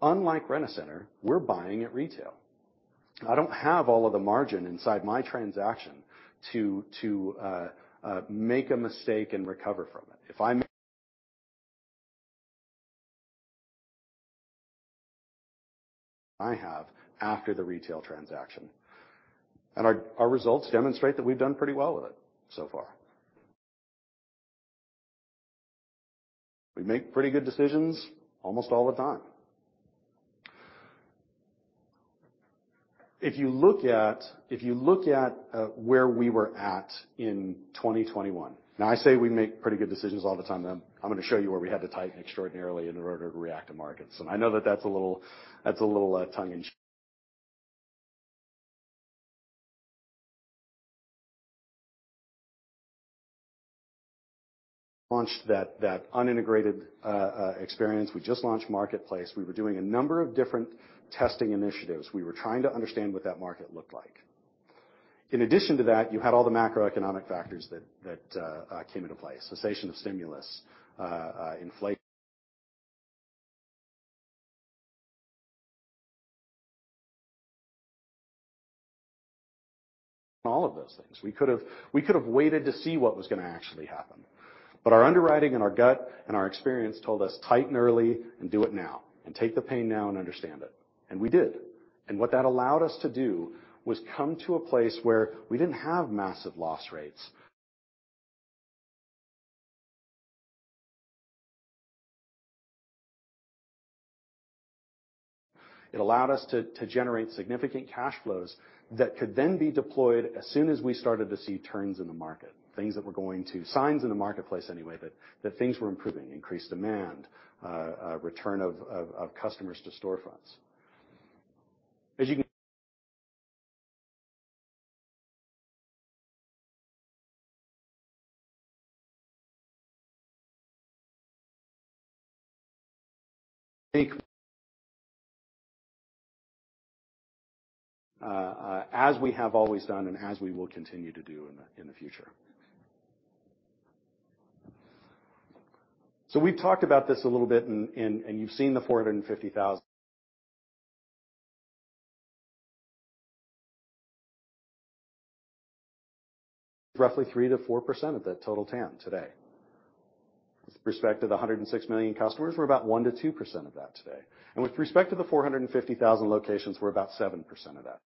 unlike Rent-A-Center, we're buying at retail. I don't have all of the margin inside my transaction to make a mistake and recover from it. If I have after the retail transaction. Our results demonstrate that we've done pretty well with it so far. We make pretty good decisions almost all the time. If you look at, if you look at where we were at in 2021. I say we make pretty good decisions all the time, then I'm gonna show you where we had to tighten extraordinarily in order to react to markets. I know that that's a little, that's a little tongue-in-cheek. Launched that unintegrated experience. We just launched Marketplace. We were doing a number of different testing initiatives. We were trying to understand what that market looked like. In addition to that, you had all the macroeconomic factors that came into play, cessation of stimulus, inflation on all of those things. We could have waited to see what was gonna actually happen. Our underwriting and our gut and our experience told us, "Tighten early and do it now, and take the pain now and understand it." We did. What that allowed us to do was come to a place where we didn't have massive loss rates. It allowed us to generate significant cash flows that could then be deployed as soon as we started to see turns in the market, signs in the marketplace anyway that things were improving, increased demand, return of customers to storefronts. As we have always done, as we will continue to do in the future. We've talked about this a little bit you've seen the 450,000 - roughly 3%-4% of the total TAM today. With respect to the 106 million customers, we're about 1%-2% of that today. With respect to the 450,000 locations, we're about 7% of that.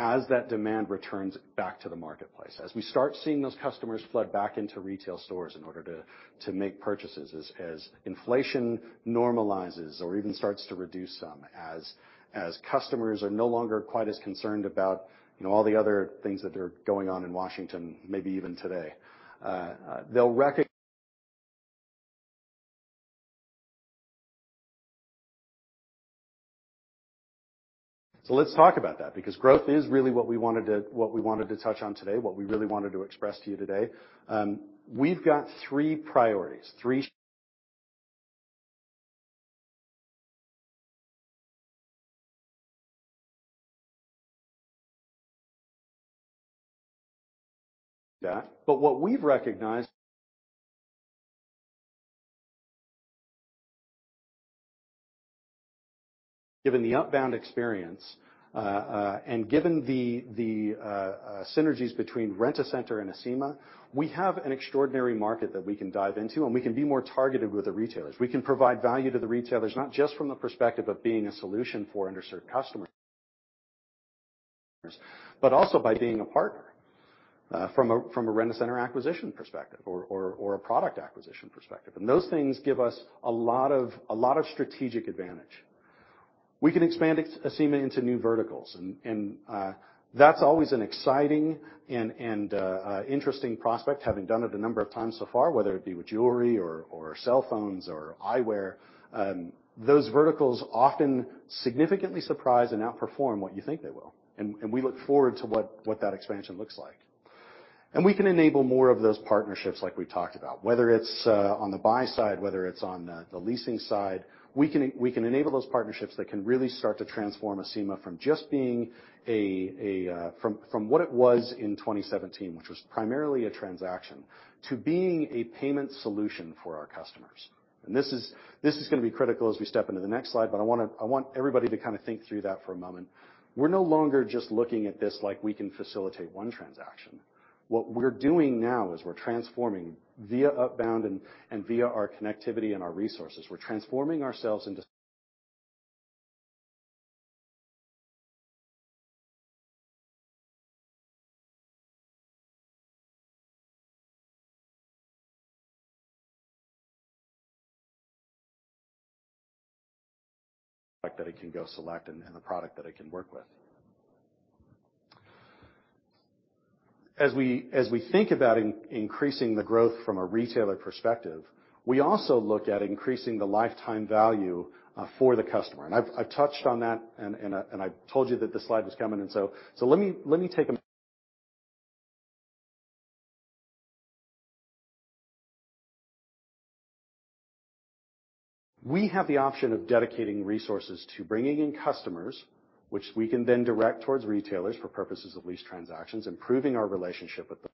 As that demand returns back to the marketplace, as we start seeing those customers flood back into retail stores in order to make purchases, as inflation normalizes or even starts to reduce some. As customers are no longer quite as concerned about, you know, all the other things that are going on in Washington, maybe even today. Let's talk about that because growth is really what we wanted to touch on today, what we really wanted to express to you today. We've got three priorities. What we've recognized- Given the Upbound experience, and given the synergies between Rent-A-Center and Acima, we have an extraordinary market that we can dive into, and we can be more targeted with the retailers. We can provide value to the retailers, not just from the perspective of being a solution for underserved customers, but also by being a partner, from a Rent-A-Center acquisition perspective or a product acquisition perspective. Those things give us a lot of strategic advantage. We can expand Acima into new verticals and that's always an exciting and interesting prospect, having done it a number of times so far, whether it be with jewelry or cell phones or eyewear. Those verticals often significantly surprise and outperform what you think they will. We look forward to what that expansion looks like. We can enable more of those partnerships like we talked about. Whether it's on the buy side, whether it's on the leasing side, we can enable those partnerships that can really start to transform Acima from just being a from what it was in 2017, which was primarily a transaction, to being a payment solution for our customers. This is gonna be critical as we step into the next slide, but I want everybody to kinda think through that for a moment. We're no longer just looking at this like we can facilitate one transaction. What we're doing now is we're transforming via Upbound and via our connectivity and our resources. We're transforming ourselves. That it can go select and a product that it can work with. As we think about increasing the growth from a retailer perspective, we also look at increasing the lifetime value for the customer. I've touched on that and I told you that this slide was coming. We have the option of dedicating resources to bringing in customers, which we can then direct towards retailers for purposes of lease transactions, improving our relationship with them.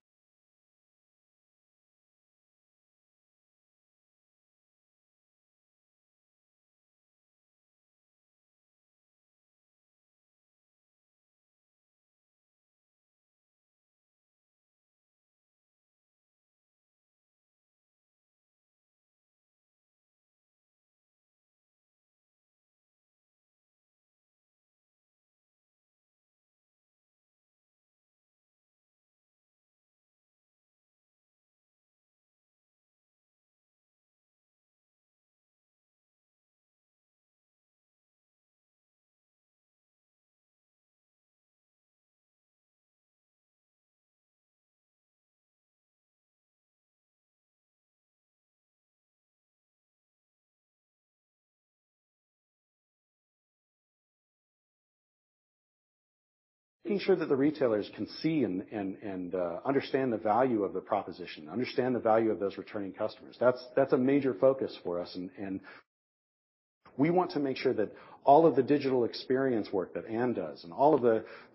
Making sure that the retailers can see and understand the value of the proposition, understand the value of those returning customers. That's a major focus for us and we want to make sure that all of the digital experience work that Anne does and all of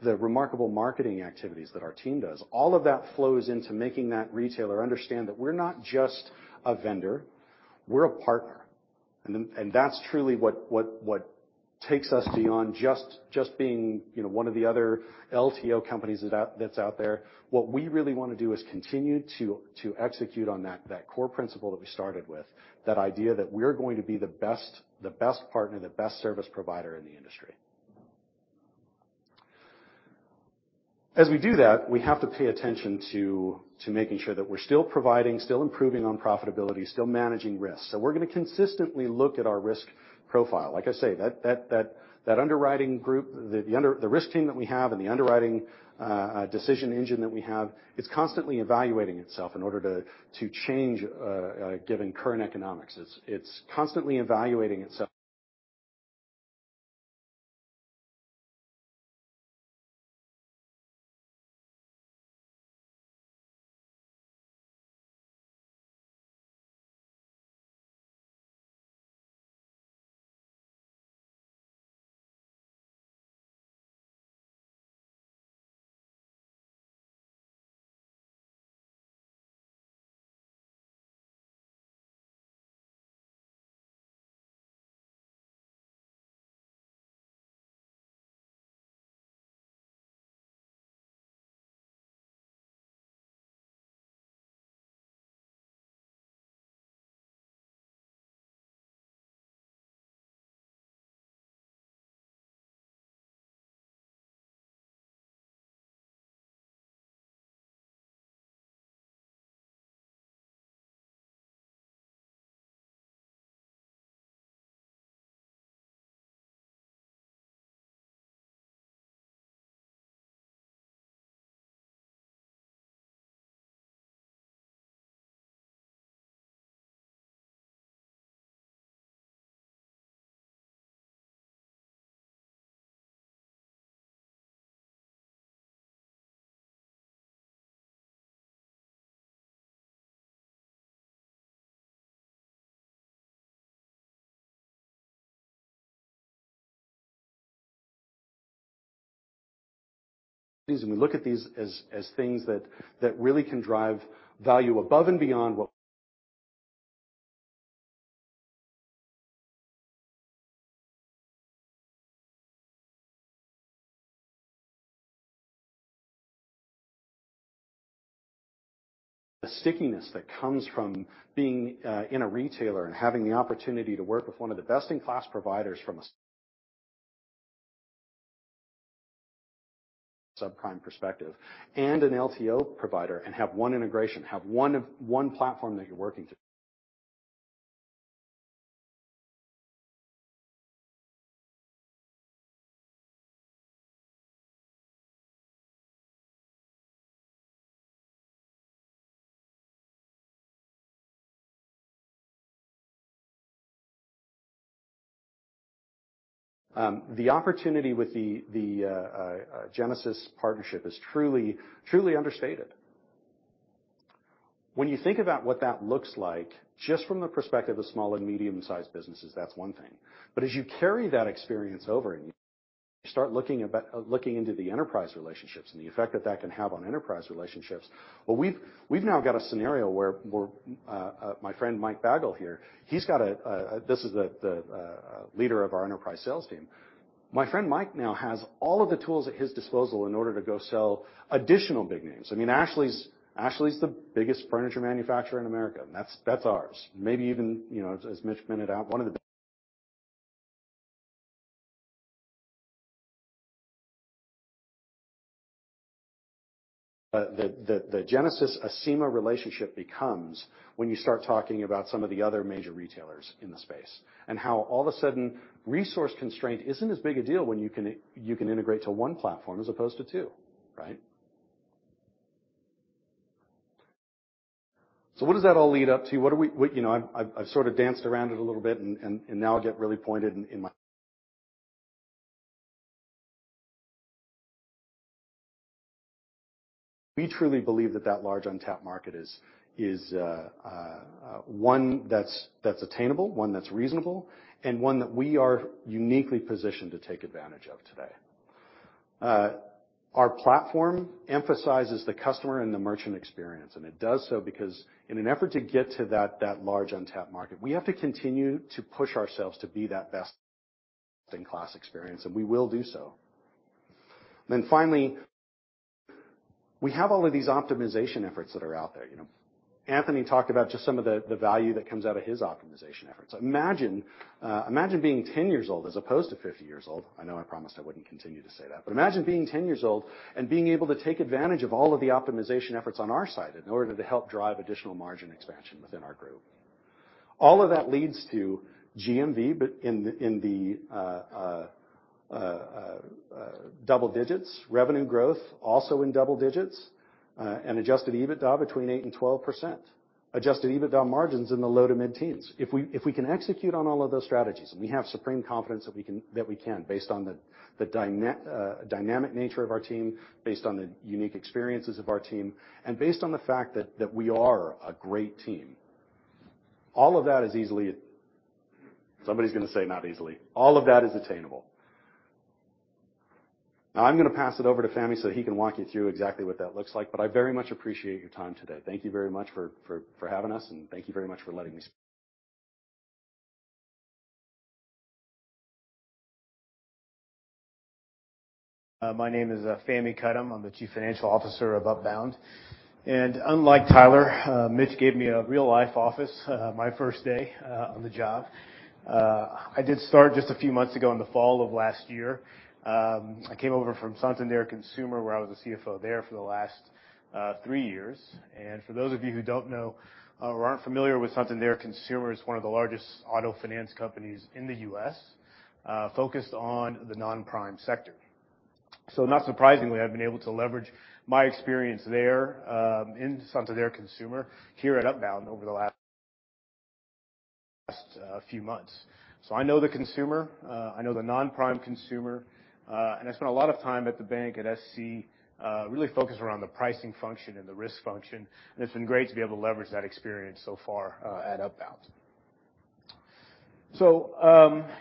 the remarkable marketing activities that our team does, all of that flows into making that retailer understand that we're not just a vendor, we're a partner. That's truly what takes us beyond just being, you know, one of the other LTO companies that's out there. What we really wanna do is continue to execute on that core principle that we started with, that idea that we're going to be the best partner, the best service provider in the industry. As we do that, we have to pay attention to making sure that we're still providing, still improving on profitability, still managing risks. We're gonna consistently look at our risk profile. Like I say, that underwriting group, the risk team that we have and the underwriting decision engine that we have, it's constantly evaluating itself in order to change given current economics. It's constantly evaluating itself. We look at these as things that really can drive value above and beyond what the stickiness that comes from being in a retailer and having the opportunity to work with one of the best-in-class providers from a subprime perspective and an LTO provider, and have one integration, have one platform that you're working through. The opportunity with the Genesis partnership is truly understated. When you think about what that looks like, just from the perspective of small and medium-sized businesses, that's one thing. But as you carry that experience over and you start looking into the enterprise relationships and the effect that that can have on enterprise relationships, well, we've now got a scenario where we're my friend Mike Bagull here, this is the leader of our enterprise sales team. My friend Mike now has all of the tools at his disposal in order to go sell additional big names. I mean, Ashley's the biggest furniture manufacturer in America, and that's ours. Maybe even, you know, as Mitch pointed out, one of the. The Genesis Acima relationship becomes when you start talking about some of the other major retailers in the space, how all of a sudden resource constraint isn't as big a deal when you can integrate to one platform as opposed to two, right? What does that all lead up to? What, you know, I've sort of danced around it a little bit now I'll get really pointed in. We truly believe that that large untapped market is one that's attainable, one that's reasonable, and one that we are uniquely positioned to take advantage of today. Our platform emphasizes the customer and the merchant experience. It does so because in an effort to get to that large untapped market, we have to continue to push ourselves to be that best-in-class experience, and we will do so. Finally, we have all of these optimization efforts that are out there, you know. Anthony talked about just some of the value that comes out of his optimization efforts. Imagine being 10 years old as opposed to 50 years old. I know I promised I wouldn't continue to say that. Imagine being 10 years old and being able to take advantage of all of the optimization efforts on our side in order to help drive additional margin expansion within our group. All of that leads to GMV, but in the double-digits, revenue growth also in double-digits, and adjusted EBITDA between 8%-12%, adjusted EBITDA margins in the low-to-mid teens. If we can execute on all of those strategies, and we have supreme confidence that we can based on the dynamic nature of our team, based on the unique experiences of our team, and based on the fact that we are a great team. All of that is easily. Somebody's gonna say, "Not easily." All of that is attainable. I'm gonna pass it over to Fahmi so he can walk you through exactly what that looks like, but I very much appreciate your time today. Thank you very much for having us, and thank you very much for letting me speak. My name is Fahmi Karam. I'm the Chief Financial Officer of Upbound. Unlike Tyler, Mitch gave me a real-life office, my first day on the job. I did start just a few months ago in the fall of last year. I came over from Santander Consumer, where I was a CFO there for the last three years. For those of you who don't know or aren't familiar with Santander Consumer, it's one of the largest auto finance companies in the U.S., focused on the non-prime sector. Not surprisingly, I've been able to leverage my experience there, in Santander Consumer here at Upbound over the last few months. I know the consumer, I know the non-prime consumer, and I spent a lot of time at the bank at SC, really focused around the pricing function and the risk function. It's been great to be able to leverage that experience so far at Upbound.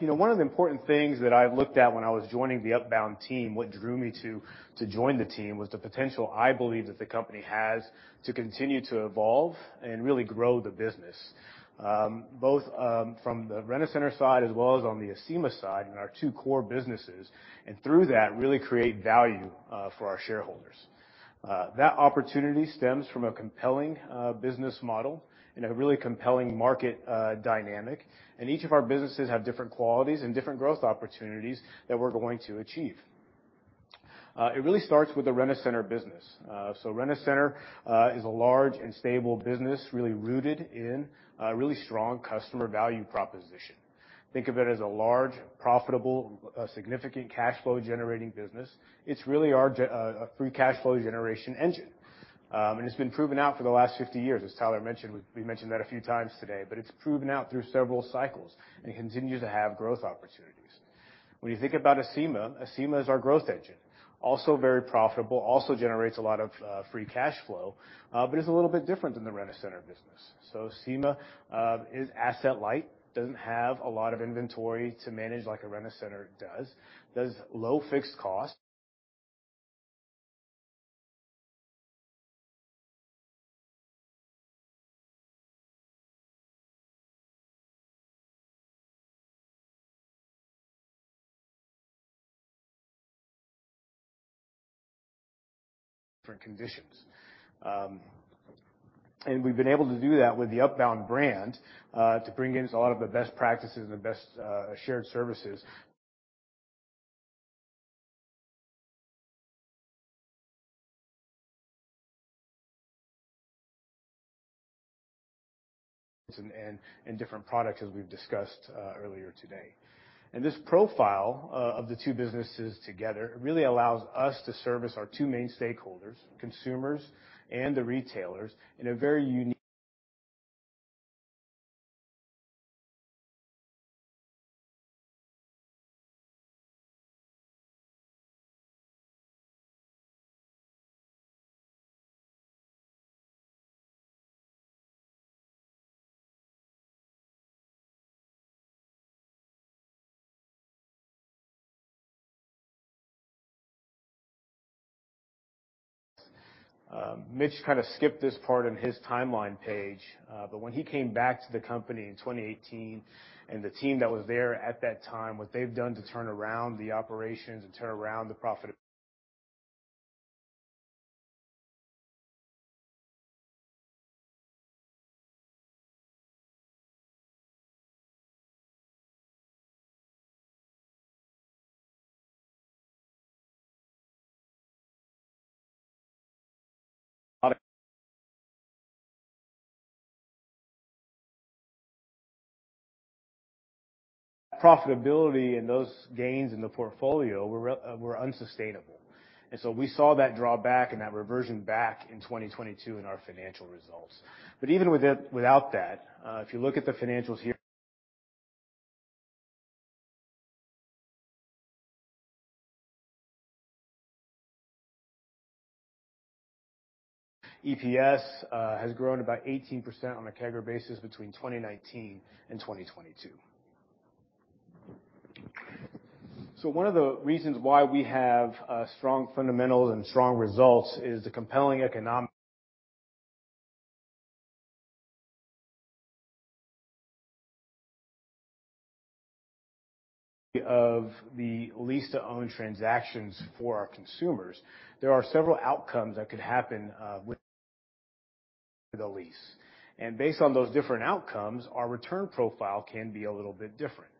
You know, one of the important things that I looked at when I was joining the Upbound team, what drew me to join the team was the potential I believe that the company has to continue to evolve and really grow the business, both from the Rent-A-Center side as well as on the Acima side in our two core businesses, and through that, really create value for our shareholders. That opportunity stems from a compelling business model and a really compelling market dynamic. Each of our businesses have different qualities and different growth opportunities that we're going to achieve. It really starts with the Rent-A-Center business. Rent-A-Center is a large and stable business, really rooted in a really strong customer value proposition. Think of it as a large, profitable, significant cash flow generating business. It's really our a free cash flow generation engine. It's been proven out for the last 50 years, as Tyler mentioned. We mentioned that a few times today. It's proven out through several cycles and continues to have growth opportunities. When you think about Acima is our growth engine. Also very profitable, also generates a lot of free cash flow, but is a little bit different than the Rent-A-Center business. Acima is asset light, doesn't have a lot of inventory to manage like a Rent-A-Center does. There's low fixed costs. Different conditions. We've been able to do that with the Upbound brand to bring in a lot of the best practices and best shared services. And different products as we've discussed earlier today. This profile of the two businesses together really allows us to service our two main stakeholders, consumers and the retailers in a very unique. Mitch kinda skipped this part in his timeline page. When he came back to the company in 2018, and the team that was there at that time, what they've done to turn around the operations and turn around the profitability and those gains in the portfolio were unsustainable. We saw that drawback and that reversion back in 2022 in our financial results. Even without that, if you look at the financials here. EPS has grown about 18% on a CAGR basis between 2019 and 2022. One of the reasons why we have strong fundamentals and strong results is the compelling economic. Of the lease-to-own transactions for our consumers, there are several outcomes that could happen with the lease. Based on those different outcomes, our return profile can be a little bit different.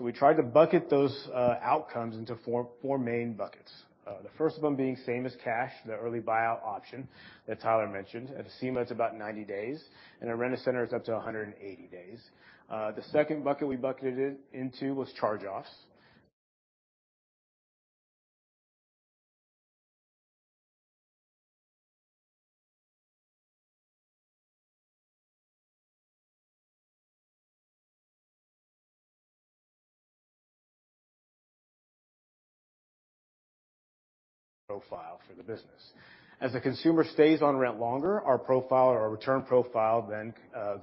We try to bucket those outcomes into four main buckets. The first of them being same-as-cash, the early buyout option that Tyler mentioned. At Acima, it's about 90 days, and at Rent-A-Center, it's up to 180 days. The second bucket we bucketed it into was charge-offs. Profile for the business. As the consumer stays on rent longer, our profile or our return profile then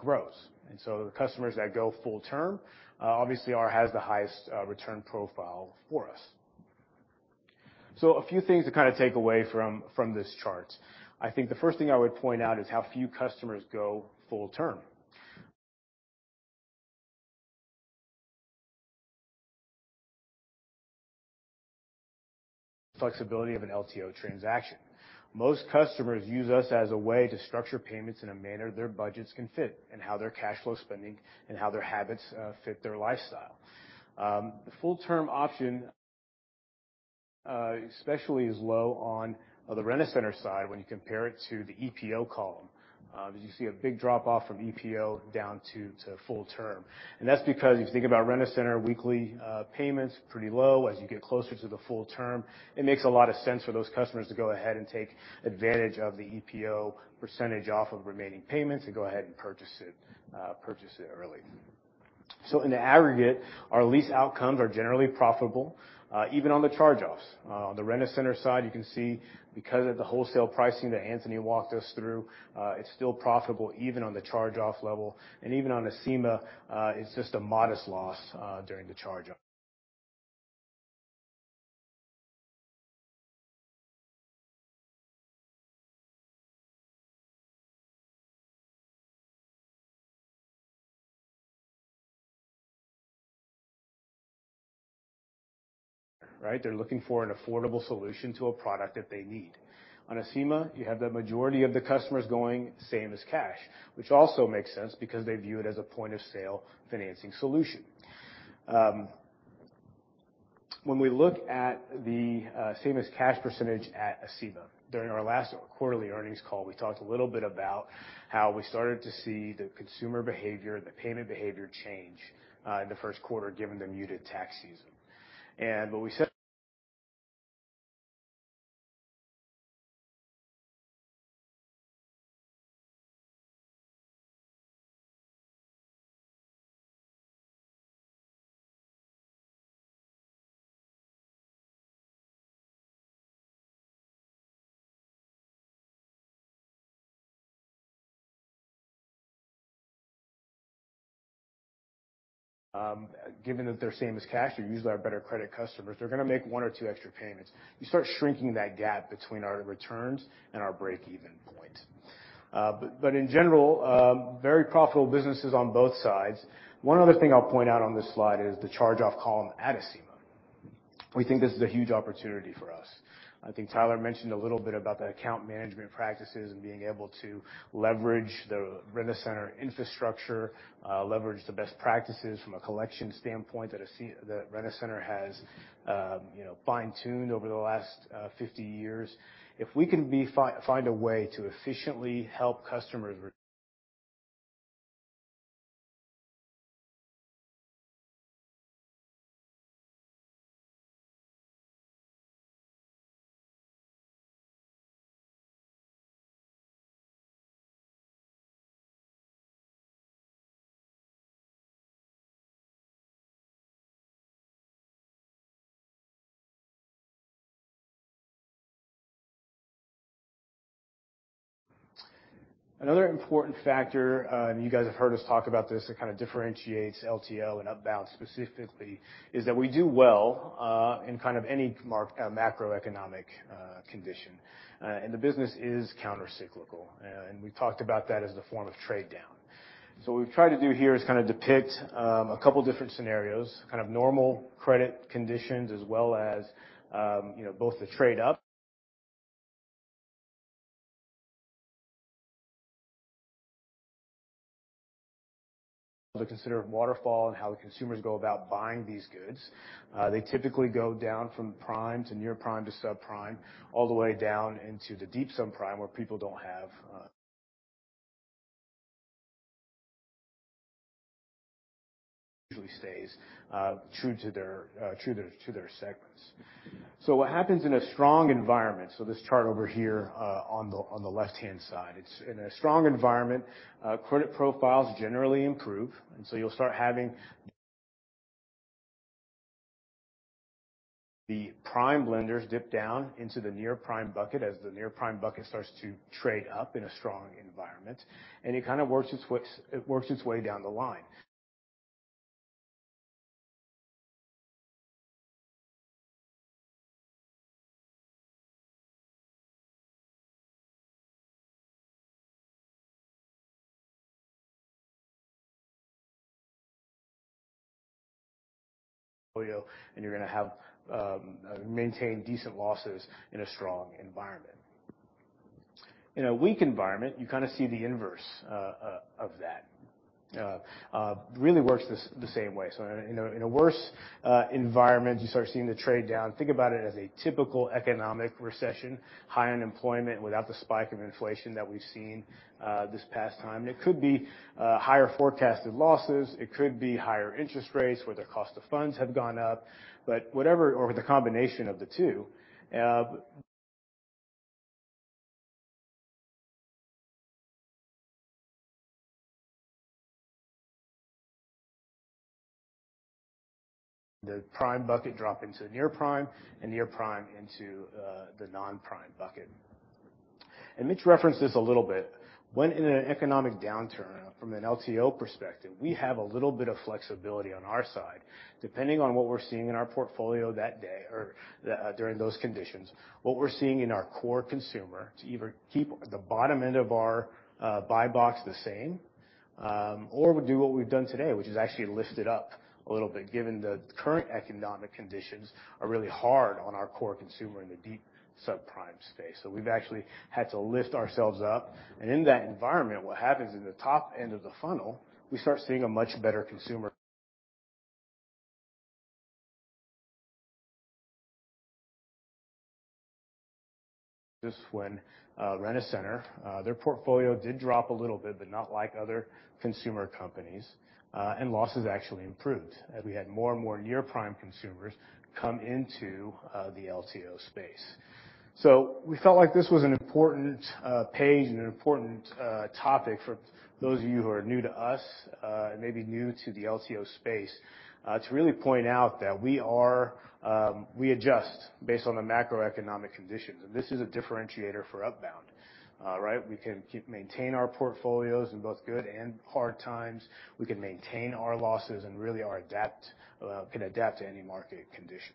grows. The customers that go full term obviously has the highest return profile for us. A few things to kinda take away from this chart. I think the first thing I would point out is how few customers go full term. Flexibility of an LTO transaction. Most customers use us as a way to structure payments in a manner their budgets can fit, and how their cash flow spending and how their habits fit their lifestyle. The full-term option especially is low on the Rent-A-Center side when you compare it to the EPO column. As you see a big drop off from EPO down to full term. That's because if you think about Rent-A-Center weekly, payments pretty low. As you get closer to the full term, it makes a lot of sense for those customers to go ahead and take advantage of the EPO percentage off of remaining payments, and go ahead and purchase it, purchase it early. In the aggregate, our lease outcomes are generally profitable, even on the charge-offs. On the Rent-A-Center side, you can see because of the wholesale pricing that Anthony walked us through, it's still profitable even on the charge-off level. Even on Acima, it's just a modest loss during the charge-off. Right? They're looking for an affordable solution to a product that they need. On Acima, you have the majority of the customers going same-as-cash, which also makes sense because they view it as a point-of-sale financing solution. When we look at the same as cash percentage at Acima, during our last quarterly earnings call, we talked a little bit about how we started to see the consumer behavior and the payment behavior change in the first quarter, given the muted tax season. What we said, given that they're same as cash, they're usually our better credit customers. They're gonna make one or two extra payments. You start shrinking that gap between our returns and our break-even point. In general, very profitable businesses on both sides. One other thing I'll point out on this slide is the charge-off column at Acima. We think this is a huge opportunity for us. I think Tyler mentioned a little bit about the account management practices and being able to leverage the Rent-A-Center infrastructure, leverage the best practices from a collection standpoint that Rent-A-Center has, you know, fine-tuned over the last 50 years. If we can find a way to efficiently help customers Another important factor, and you guys have heard us talk about this, it kinda differentiates LTO and Upbound specifically, is that we do well, in kind of any macroeconomic condition. The business is countercyclical. We talked about that as a form of trade down. What we've tried to do here is kind of depict a couple different scenarios, kind of normal credit conditions as well as, you know, both the To consider waterfall and how the consumers go about buying these goods. They typically go down from prime to near-prime to subprime, all the way down into the deep subprime where people don't have. Usually stays true to their segments. What happens in a strong environment, so this chart over here on the left-hand side. It's in a strong environment, credit profiles generally improve, and so you'll start The prime lenders dip down into the near-prime bucket as the near-prime bucket starts to trade up in a strong environment, and it kind of works its way down the line. You're gonna have, maintain decent losses in a strong environment. In a weak environment, you kinda see the inverse of that. Really works the same way. In a, you know, in a worse environment, you start seeing the trade down. Think about it as a typical economic recession, high unemployment without the spike of inflation that we've seen this past time. It could be higher forecasted losses, it could be higher interest rates where their cost of funds have gone up, but whatever. The combination of the two. The prime bucket drop into near prime and near prime into the non-prime bucket. Mitch referenced this a little bit. When in an economic downturn from an LTO perspective, we have a little bit of flexibility on our side. Depending on what we're seeing in our portfolio that day or, during those conditions, what we're seeing in our core consumer to either keep the bottom end of our buy box the same, or do what we've done today, which is actually lift it up a little bit given the current economic conditions are really hard on our core consumer in the deep subprime space. We've actually had to lift ourselves up. In that environment, what happens in the top end of the funnel, we start seeing a much better consumer. Just when Rent-A-Center their portfolio did drop a little bit, but not like other consumer companies, and losses actually improved as we had more and more near-prime consumers come into the LTO space. We felt like this was an important page and an important topic for those of you who are new to us, and maybe new to the LTO space, to really point out that we adjust based on the macroeconomic conditions, and this is a differentiator for Upbound. Right? We can maintain our portfolios in both good and hard times. We can maintain our losses and really can adapt to any market conditions.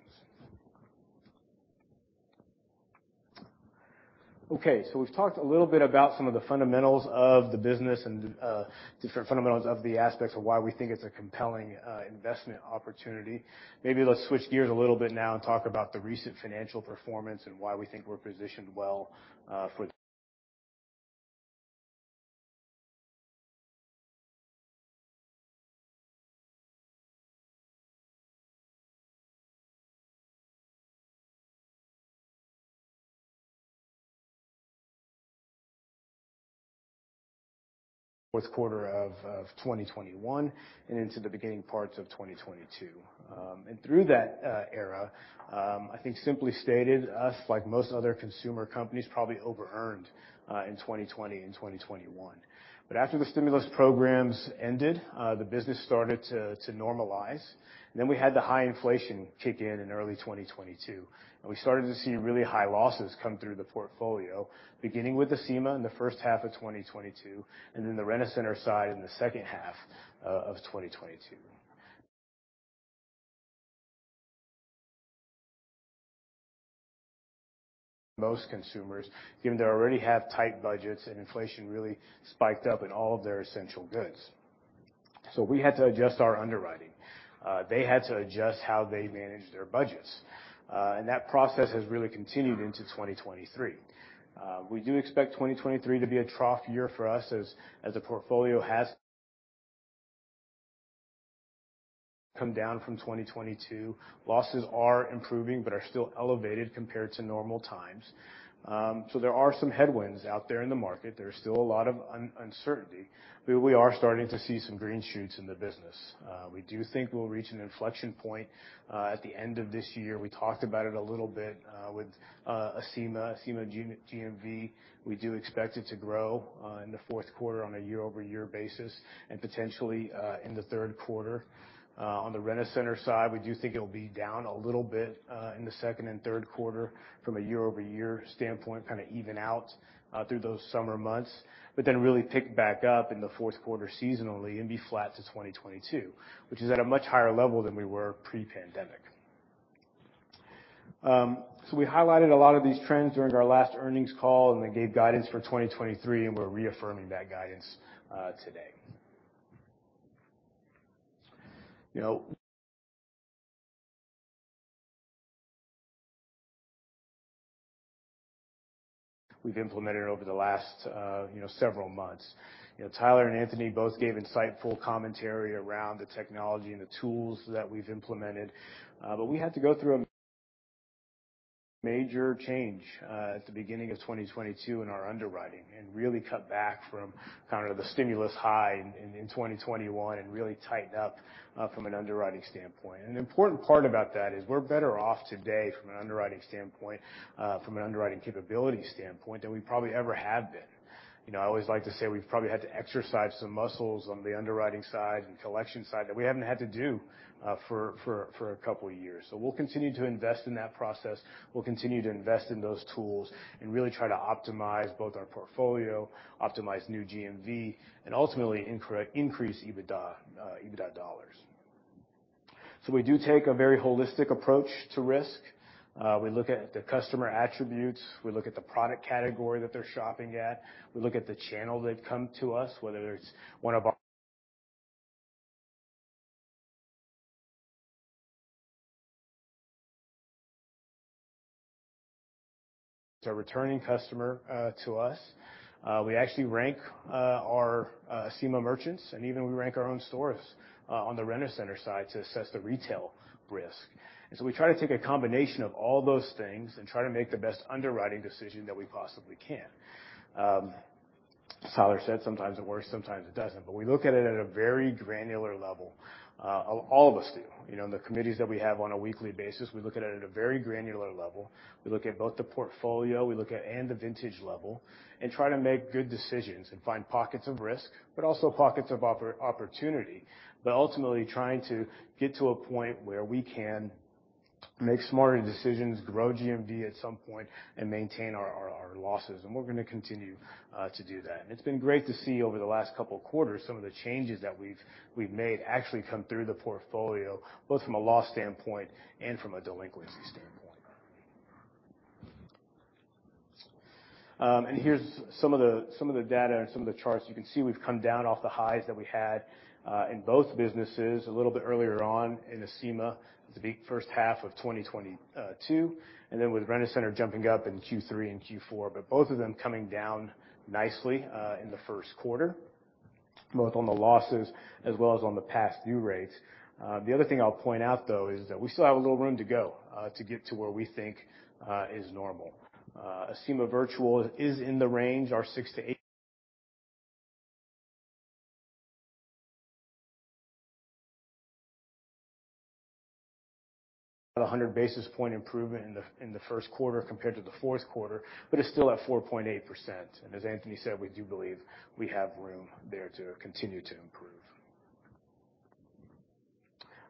We've talked a little bit about some of the fundamentals of the business and different fundamentals of the aspects of why we think it's a compelling investment opportunity. Maybe let's switch gears a little bit now and talk about the recent financial performance and why we think we're positioned well for Q4 of 2021 and into the beginning parts of 2022. And through that era, I think simply stated, us, like most other consumer companies, probably overearned in 2020 and 2021. After the stimulus programs ended, the business started to normalize. We had the high inflation kick in in early 2022, and we started to see really high losses come through the portfolio, beginning with the Acima in the first half of 2022, and then the Rent-A-Center side in the second half of 2022. Most consumers, given they already have tight budgets and inflation really spiked up in all of their essential goods. We had to adjust our underwriting. They had to adjust how they manage their budgets. That process has really continued into 2023. We do expect 2023 to be a trough year for us as the portfolio has come down from 2022. Losses are improving but are still elevated compared to normal times. There are some headwinds out there in the market. There's still a lot of uncertainty, but we are starting to see some green shoots in the business. We do think we'll reach an inflection point at the end of this year. We talked about it a little bit with Acima. SEMAA G-GMV, we do expect it to grow, in the fourth quarter on a year-over-year basis and potentially, in the third quarter. On the Rent-A-Center side, we do think it'll be down a little bit, in the second and third quarter from a year-over-year standpoint, kinda even out through those summer months, but then really pick back up in the fourth quarter seasonally and be flat to 2022, which is at a much higher level than we were pre-pandemic. We highlighted a lot of these trends during our last earnings call and then gave guidance for 2023, and we're reaffirming that guidance today. You know, We've implemented over the last, you know, several months. You know, Tyler and Anthony both gave insightful commentary around the technology and the tools that we've implemented. We had to go through a Major change at the beginning of 2022 in our underwriting and really cut back from kind of the stimulus high in 2021 and really tighten up from an underwriting standpoint. An important part about that is we're better off today from an underwriting standpoint, from an underwriting capability standpoint, than we probably ever have been. You know, I always like to say we've probably had to exercise some muscles on the underwriting side and collection side that we haven't had to do for a couple of years. We'll continue to invest in that process. We'll continue to invest in those tools and really try to optimize both our portfolio, optimize new GMV, and ultimately increase EBITDA dollars. We do take a very holistic approach to risk. We look at the customer attributes. We look at the product category that they're shopping at. We look at the channel they've come to us, whether it's one of our It's a returning customer to us. We actually rank our Acima merchants, and even we rank our own stores on the Rent-A-Center side to assess the retail risk. We try to take a combination of all those things and try to make the best underwriting decision that we possibly can. As Tyler said, sometimes it works, sometimes it doesn't. We look at it at a very granular level. All of us do. You know, in the committees that we have on a weekly basis, we look at it at a very granular level. We look at both the portfolio and the vintage level, try to make good decisions and find pockets of risk, but also pockets of opportunity. Ultimately, trying to get to a point where we can make smarter decisions, grow GMV at some point, and maintain our losses. We're going to continue to do that. It's been great to see over the last couple quarters some of the changes that we've made actually come through the portfolio, both from a loss standpoint and from a delinquency standpoint. Here's some of the data and some of the charts. You can see we've come down off the highs that we had in both businesses a little bit earlier on in Acima, the first half of 2022. With Rent-A-Center jumping up in Q3 and Q4, both of them coming down nicely in the first quarter, both on the losses as well as on the past due rates. The other thing I'll point out though is that we still have a little room to go to get to where we think is normal. Acima Virtual is in the range, our 600-800 basis point improvement in the first quarter compared to the fourth quarter, but is still at 4.8%. As Anthony said, we do believe we have room there to continue to improve.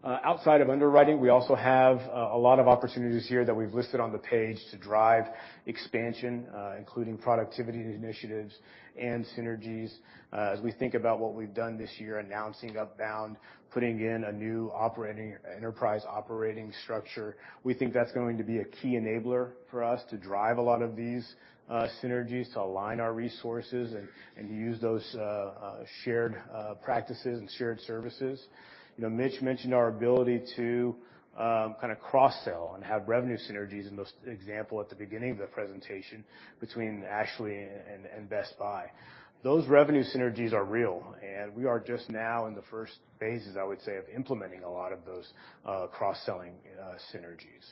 Outside of underwriting, we also have a lot of opportunities here that we've listed on the page to drive expansion, including productivity initiatives and synergies. As we think about what we've done this year, announcing Upbound, putting in a new enterprise operating structure, we think that's going to be a key enabler for us to drive a lot of these synergies to align our resources and use those shared practices and shared services. You know, Mitch mentioned our ability to kind of cross-sell and have revenue synergies in those example at the beginning of the presentation between Ashley and Best Buy. Those revenue synergies are real, we are just now in the first phases, I would say, of implementing a lot of those cross-selling synergies.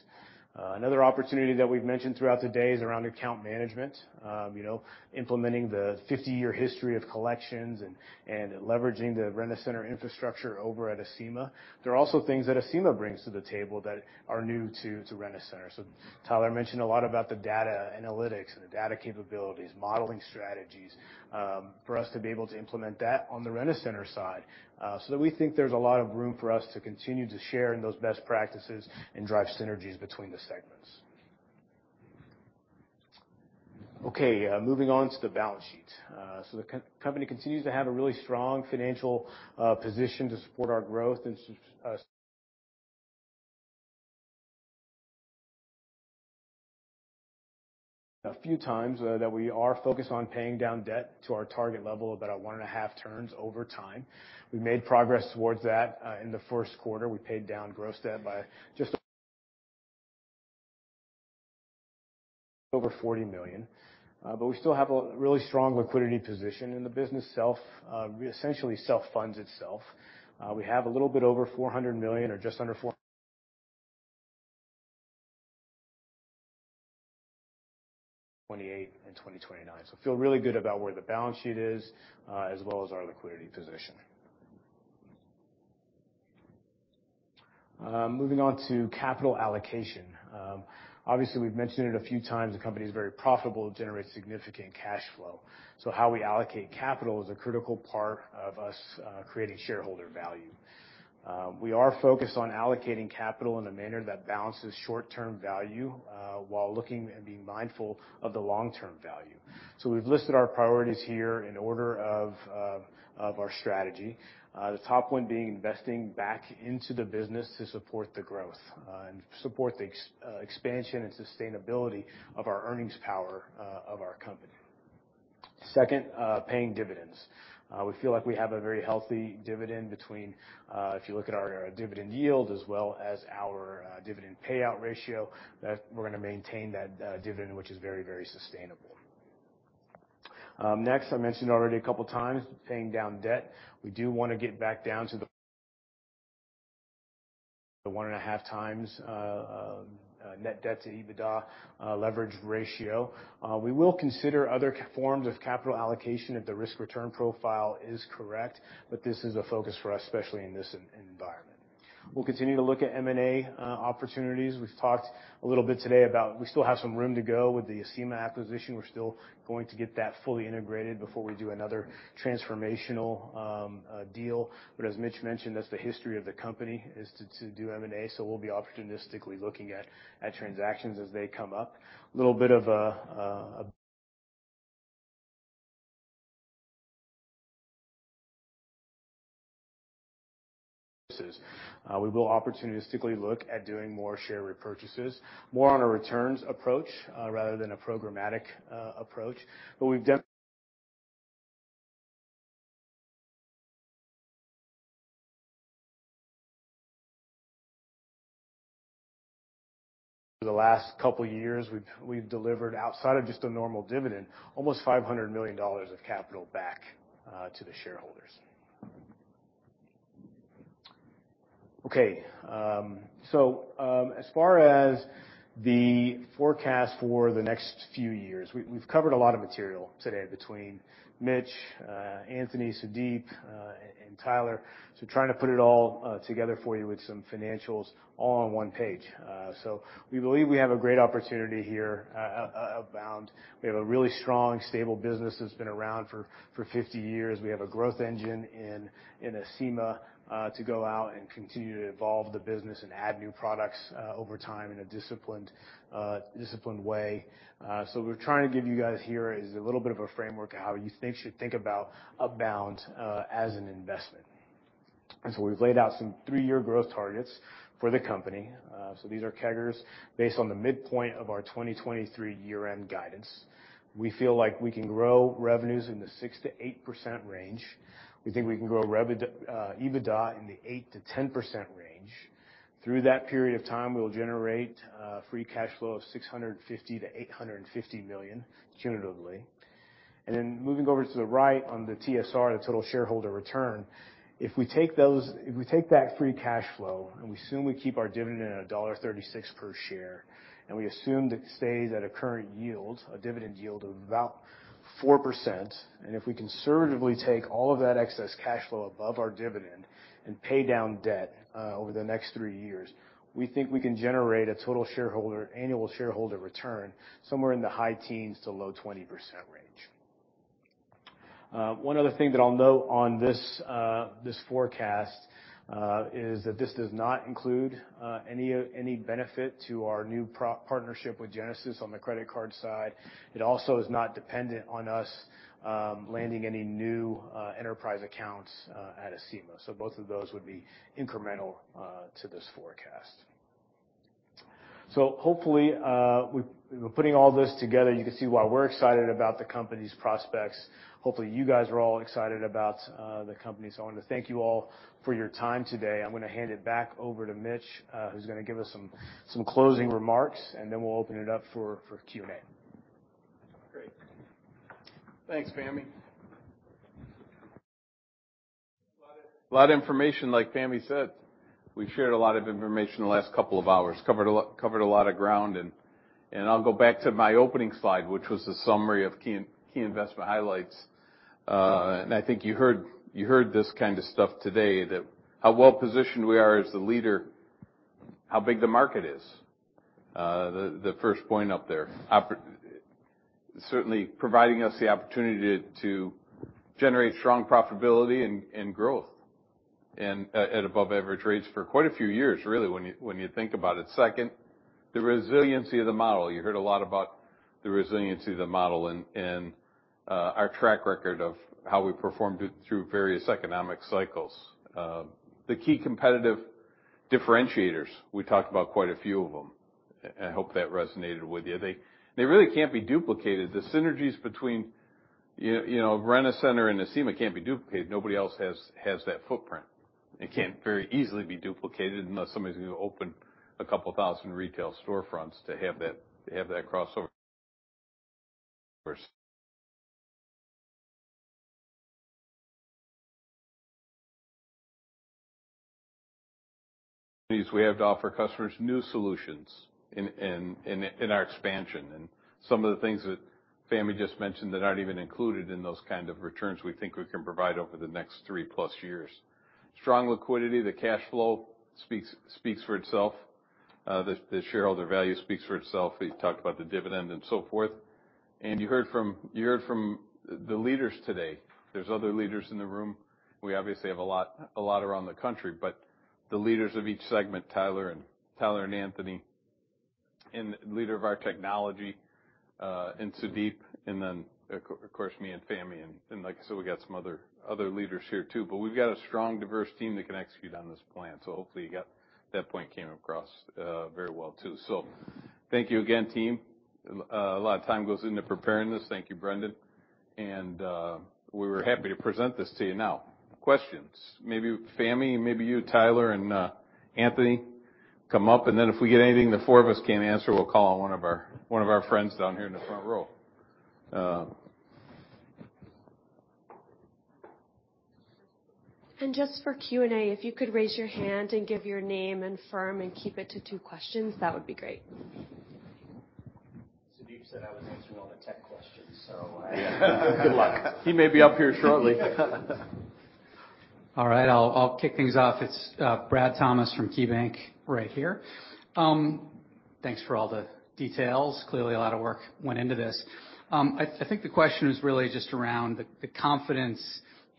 Another opportunity that we've mentioned throughout the day is around account management. You know, implementing the 50 years history of collections and leveraging the Rent-A-Center infrastructure over at Acima. There are also things that Acima brings to the table that are new to Rent-A-Center. Tyler mentioned a lot about the data analytics and the data capabilities, modeling strategies, for us to be able to implement that on the Rent-A-Center side. That we think there's a lot of room for us to continue to share in those best practices and drive synergies between the segments. Okay, moving on to the balance sheet. The company continues to have a really strong financial position to support our growth. A few times, that we are focused on paying down debt to our target level of about one and a half turns over time. We made progress towards that. In the first quarter, we paid down gross debt by just over $40 million. We still have a really strong liquidity position, and the business essentially self-funds itself. We have a little bit over $400 million or just under $428 and 2029. Feel really good about where the balance sheet is, as well as our liquidity position. Moving on to capital allocation. Obviously, we've mentioned it a few times, the company is very profitable, generates significant cash flow. How we allocate capital is a critical part of us creating shareholder value. We are focused on allocating capital in a manner that balances short-term value, while looking and being mindful of the long-term value. We've listed our priorities here in order of our strategy. The top one being investing back into the business to support the growth and support the expansion and sustainability of our earnings power of our company. Second, paying dividends. We feel like we have a very healthy dividend between if you look at our dividend yield as well as our dividend payout ratio, that we're gonna maintain that dividend, which is very, very sustainable. Next, I mentioned already a couple of times, paying down debt. We do wanna get back down to the 1.5 times net debt to EBITDA leverage ratio. We will consider other forms of capital allocation if the risk-return profile is correct, but this is a focus for us, especially in this environment. We'll continue to look at M&A opportunities. We've talked a little bit today about we still have some room to go with the Acima acquisition. We're still going to get that fully integrated before we do another transformational deal. As Mitch mentioned, that's the history of the company is to do M&A. We'll be opportunistically looking at transactions as they come up. We will opportunistically look at doing more share repurchases, more on a returns approach, rather than a programmatic approach. Over the last couple years, we've delivered outside of just a normal dividend, almost $500 million of capital back to the shareholders. As far as the forecast for the next few years, we've covered a lot of material today between Mitch, Anthony, Sudeep, and Tyler. Trying to put it all together for you with some financials all on one page. We believe we have a great opportunity here, Upbound. We have a really strong, stable business that's been around for 50 years. We have a growth engine in Acima to go out and continue to evolve the business and add new products over time in a disciplined way. We're trying to give you guys here is a little bit of a framework of how you should think about Upbound as an investment. We've laid out some three-year growth targets for the company. These are CAGRs based on the midpoint of our 2023 year-end guidance. We feel like we can grow revenues in the 6%-8% range. We think we can grow EBITDA in the 8%-10% range. Through that period of time, we'll generate free cash flow of $650 million to $850 million cumulatively. Then moving over to the right on the TSR, the total shareholder return, if we take that free cash flow, and we assume we keep our dividend at $1.36 per share, and we assume that it stays at a current yield, a dividend yield of about 4%, and if we conservatively take all of that excess cash flow above our dividend and pay down debt over the next three years, we think we can generate a total shareholder, annual shareholder return somewhere in the high teens to low 20% range. One other thing that I'll note on this forecast is that this does not include any benefit to our new partnership with Genesis on the credit card side. It also is not dependent on us landing any new enterprise accounts at Acima. Both of those would be incremental to this forecast. Hopefully, with putting all this together, you can see why we're excited about the company's prospects. Hopefully, you guys are all excited about the company. I want to thank you all for your time today. I'm gonna hand it back over to Mitch, who's gonna give us some closing remarks, and then we'll open it up for Q&A. Great. Thanks, Fahmi. Lot of information, like Fahmi said. We've shared a lot of information in the last hours. Covered a lot of ground, and I'll go back to my opening slide, which was a summary of key investment highlights. I think you heard this kind of stuff today that how well-positioned we are as the leader, how big the market is, the first point up there. Certainly providing us the opportunity to generate strong profitability and growth and above average rates for quite a few years, really, when you think about it. Second, the resiliency of the model. You heard a lot about the resiliency of the model and our track record of how we performed through various economic cycles. The key competitive differentiators, we talked about quite a few of them. I hope that resonated with you. They really can't be duplicated. The synergies between, you know, Rent-A-Center and Acima can't be duplicated. Nobody else has that footprint. It can't very easily be duplicated unless somebody's gonna open a couple thousand retail storefronts to have that crossover. First. We have to offer customers new solutions in our expansion. Some of the things that Fahhmi just mentioned that aren't even included in those kind of returns we think we can provide over the next three+ years. Strong liquidity, the cash flow speaks for itself. The shareholder value speaks for itself. We talked about the dividend and so forth. You heard from the leaders today. There's other leaders in the room. We obviously have a lot around the country, but the leaders of each segment, Tyler and Anthony, and leader of our technology, and Sudeep, and then of course, me and Fahmi, and like I said, we got some other leaders here too. We've got a strong, diverse team that can execute on this plan. Hopefully you got that point came across very well too. Thank you again, team. A lot of time goes into preparing this. Thank you, Brendan. We were happy to present this to you. Now, questions. Maybe Fahmi, maybe you, Tyler, and Anthony come up, and then if we get anything the four of us can't answer, we'll call on one of our friends down here in the front row. Just for Q&A, if you could raise your hand and give your name and firm and keep it to two questions, that would be great. Sudeep said I was answering all the tech questions. Good luck. He may be up here shortly. All right, I'll kick things off. It's Bradley Thomas from KeyBanc right here. Thanks for all the details. Clearly, a lot of work went into this. I think the question is really just around the confidence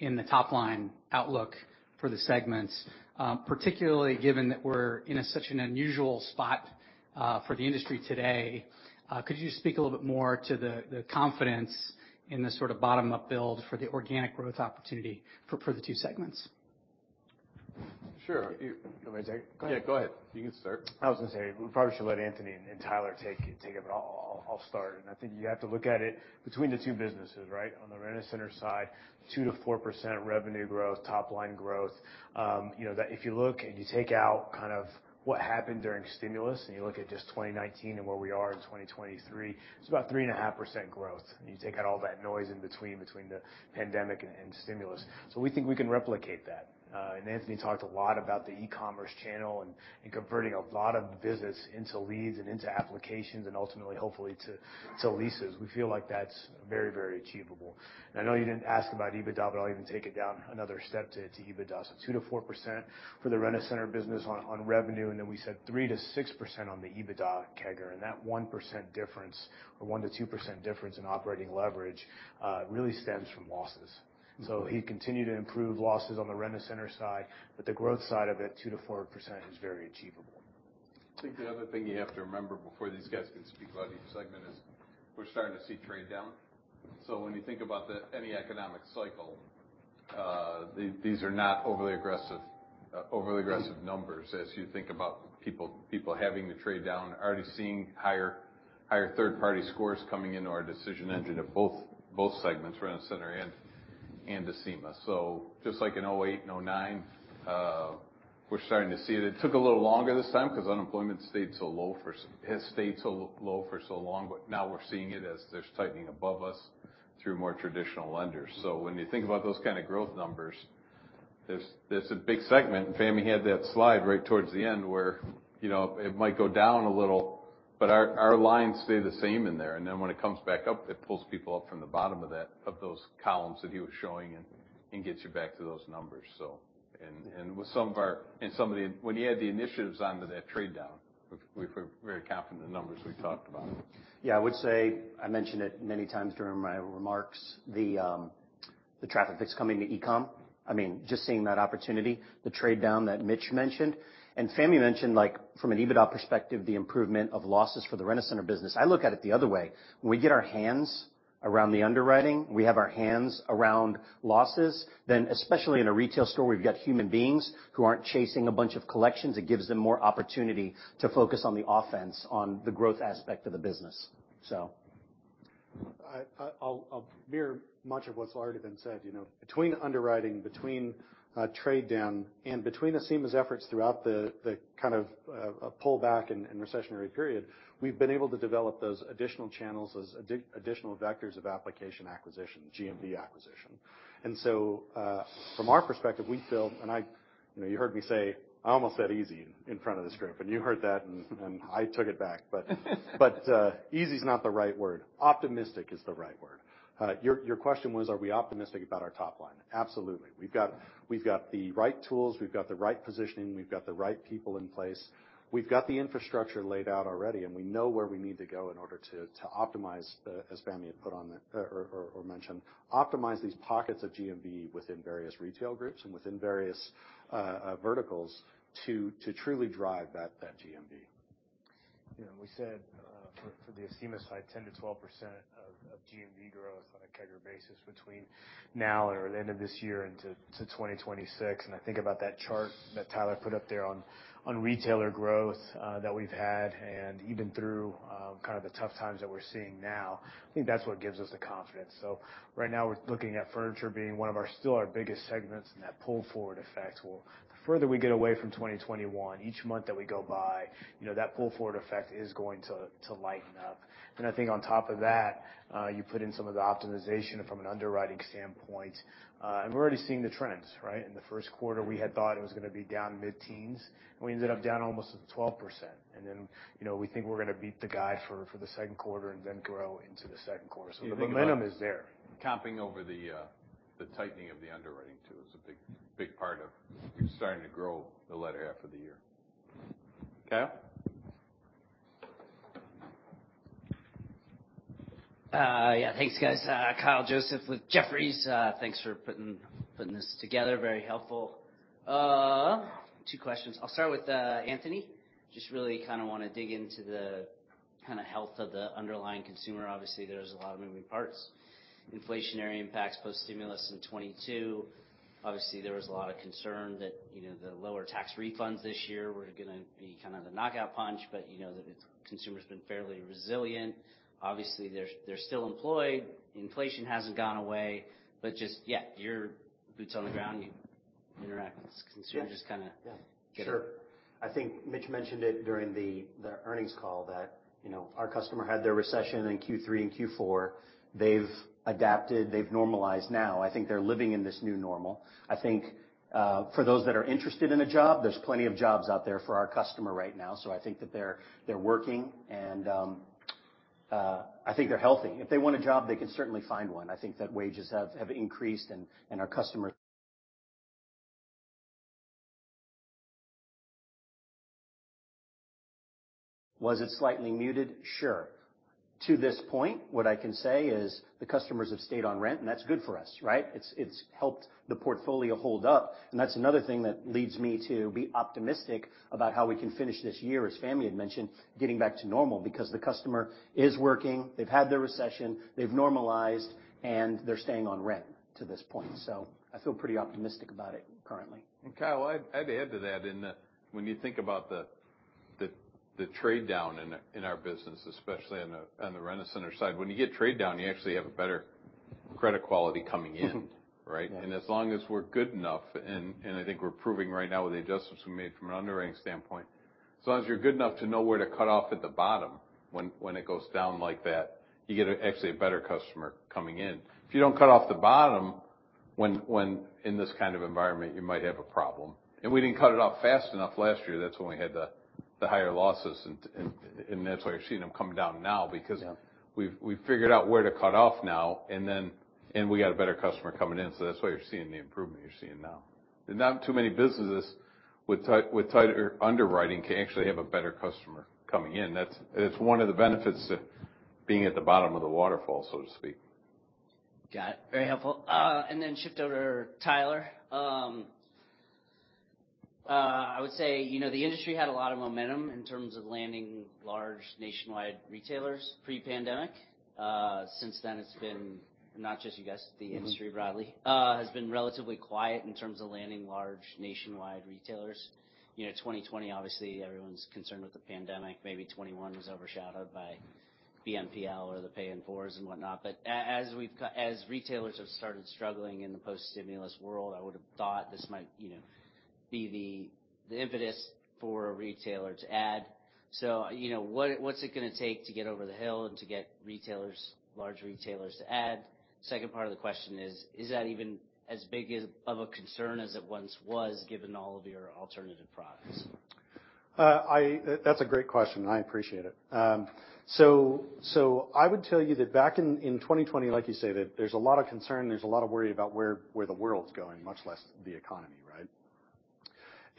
in the top line outlook for the segments, particularly given that we're in a such an unusual spot for the industry today. Could you speak a little bit more to the confidence in the sort of bottom-up build for the organic growth opportunity for the two segments? Sure. You want me to take it? Yeah, go ahead. You can start. I was gonna say, we probably should let Anthony and Tyler take it, take it, but I'll, I'll start. I think you have to look at it between the two businesses, right? On the Rent-A-Center side, 2%-4% revenue growth, top line growth. you know, that if you look and you take out kind of what happened during stimulus and you look at just 2019 and where we are in 2023, it's about 3.5% growth, and you take out all that noise in between the pandemic and stimulus. We think we can replicate that. Anthony talked a lot about the e-commerce channel and converting a lot of visits into leads and into applications and ultimately, hopefully to leases. We feel like that's very, very achievable. I know you didn't ask about EBITDA, but I'll even take it down another step to EBITDA. 2%-4% for the Rent-A-Center business on revenue, and then we said 3%-6% on the EBITDA CAGR. That 1% difference or 1%-2% difference in operating leverage really stems from losses. He continued to improve losses on the Rent-A-Center side, but the growth side of it, 2%-4%, is very achievable. I think the other thing you have to remember before these guys can speak about each segment is we're starting to see trade down. When you think about any economic cycle, these are not overly aggressive, overly aggressive numbers as you think about people having to trade down, already seeing higher third-party scores coming into our decision engine at both segments, Rent-A-Center and Acima. Just like in 2008 and 2009, we're starting to see it. It took a little longer this time because unemployment has stayed so low for so long, but now we're seeing it as there's tightening above us through more traditional lenders. When you think about those kind of growth numbers, there's a big segment. Fahmi had that slide right towards the end where, you know, it might go down a little, but our lines stay the same in there. When it comes back up, it pulls people up from the bottom of those columns that he was showing and gets you back to those numbers, so. With some of our and some of the When you add the initiatives onto that trade down, we're very confident in the numbers we talked about. Yeah. I would say, I mentioned it many times during my remarks, the traffic that's coming to e-com. I mean, just seeing that opportunity, the trade down that Mitch Fadel mentioned. Fahmi Karam mentioned, like, from an EBITDA perspective, the improvement of losses for the Rent-A-Center business. I look at it the other way. When we get our hands around the underwriting, we have our hands around losses, then especially in a retail store, where you've got human beings who aren't chasing a bunch of collections, it gives them more opportunity to focus on the offense, on the growth aspect of the business. I'll mirror much of what's already been said, you know. Between underwriting, between trade down, and between Acima's efforts throughout the kind of pullback and recessionary period, we've been able to develop those additional channels as additional vectors of application acquisition, GMV acquisition. From our perspective, we feel, and you know, you heard me say, I almost said easy in front of this group, and you heard that, and I took it back. Easy is not the right word. Optimistic is the right word. Your question was, are we optimistic about our top line? Absolutely. We've got the right tools, we've got the right positioning, we've got the right people in place, we've got the infrastructure laid out already, and we know where we need to go in order to optimize, as Fahmi had put on the or mentioned, optimize these pockets of GMV within various retail groups and within various verticals to truly drive that GMV. You know, we said, for the Acima side, 10%-12% of GMV growth on a CAGR basis between now or the end of this year to 2026. I think about that chart that Tyler put up there on retailer growth that we've had, and even through kind of the tough times that we're seeing now, I think that's what gives us the confidence. Right now, we're looking at furniture being one of our still our biggest segments, and that pull forward effect will. The further we get away from 2021, each month that we go by, you know, that pull forward effect is going to lighten up. I think on top of that, you put in some of the optimization from an underwriting standpoint, and we're already seeing the trends, right? In the first quarter, we had thought it was gonna be down mid-teens, and we ended up down almost at 12%. You know, we think we're gonna beat the guide for the second quarter and then grow into the second quarter. The momentum is there. If you look at Comping over the tightening of the underwriting too is a big part of starting to grow the latter half of the year. Kyle? Yeah. Thanks, guys. Kyle Joseph with Jefferies. Thanks for putting this together. Very helpful. Two questions. I'll start with Anthony. Just really kinda wanna dig into the kinda health of the underlying consumer. Obviously, there's a lot of moving parts. Inflationary impacts, post stimulus in 2022. Obviously, there was a lot of concern that, you know, the lower tax refunds this year were gonna be kind of the knockout punch, but you know that it's consumer's been fairly resilient. Obviously, they're still employed. Inflation hasn't gone away. Just, yeah, you're boots on the ground. You interact with consumers. Yeah. Just kinda. Sure. I think Mitch mentioned it during the earnings call that, you know, our customer had their recession in Q3 and Q4. They've adapted, they've normalized now. I think they're living in this new normal. I think, for those that are interested in a job, there's plenty of jobs out there for our customer right now, so I think that they're working and, I think they're healthy. If they want a job, they can certainly find one. I think that wages have increased. Our customers Was it slightly muted? Sure. To this point, what I can say is the customers have stayed on rent, and that's good for us, right? It's helped the portfolio hold up. That's another thing that leads me to be optimistic about how we can finish this year, as Fahmi had mentioned, getting back to normal because the customer is working, they've had their recession, they've normalized, and they're staying on rent to this point. I feel pretty optimistic about it currently. Kyle, I'd add to that in that when you think about the trade down in our business, especially on the Rent-A-Center side. When you get trade down, you actually have a better credit quality coming in, right? Yeah. As long as we're good enough, and I think we're proving right now with the adjustments we made from an underwriting standpoint, as long as you're good enough to know where to cut off at the bottom when it goes down like that, you get actually a better customer coming in. If you don't cut off the bottom, when in this kind of environment, you might have a problem. We didn't cut it off fast enough last year. That's when we had the higher losses and that's why you're seeing them come down now. Yeah. We've figured out where to cut off now, and we got a better customer coming in, so that's why you're seeing the improvement you're seeing now. There's not too many businesses with tighter underwriting can actually have a better customer coming in. It's one of the benefits of being at the bottom of the waterfall, so to speak. Got it. Very helpful. Then shift over Tyler. I would say, you know, the industry had a lot of momentum in terms of landing large nationwide retailers pre-pandemic. Since then, it's been not just you guys, the industry broadly, has been relatively quiet in terms of landing large nationwide retailers. You know, 2020 obviously everyone's concerned with the pandemic. Maybe 2021 was overshadowed by BNPL or the pay in 4s and whatnot. As retailers have started struggling in the post-stimulus world, I would have thought this might, you know, be the impetus for a retailer to add. You know, what's it gonna take to get over the hill and to get retailers, large retailers to add? Second part of the question is that even as big of a concern as it once was, given all of your alternative products? That's a great question. I appreciate it. So I would tell you that back in 2020, like you say, that there's a lot of concern, there's a lot of worry about where the world's going, much less the economy,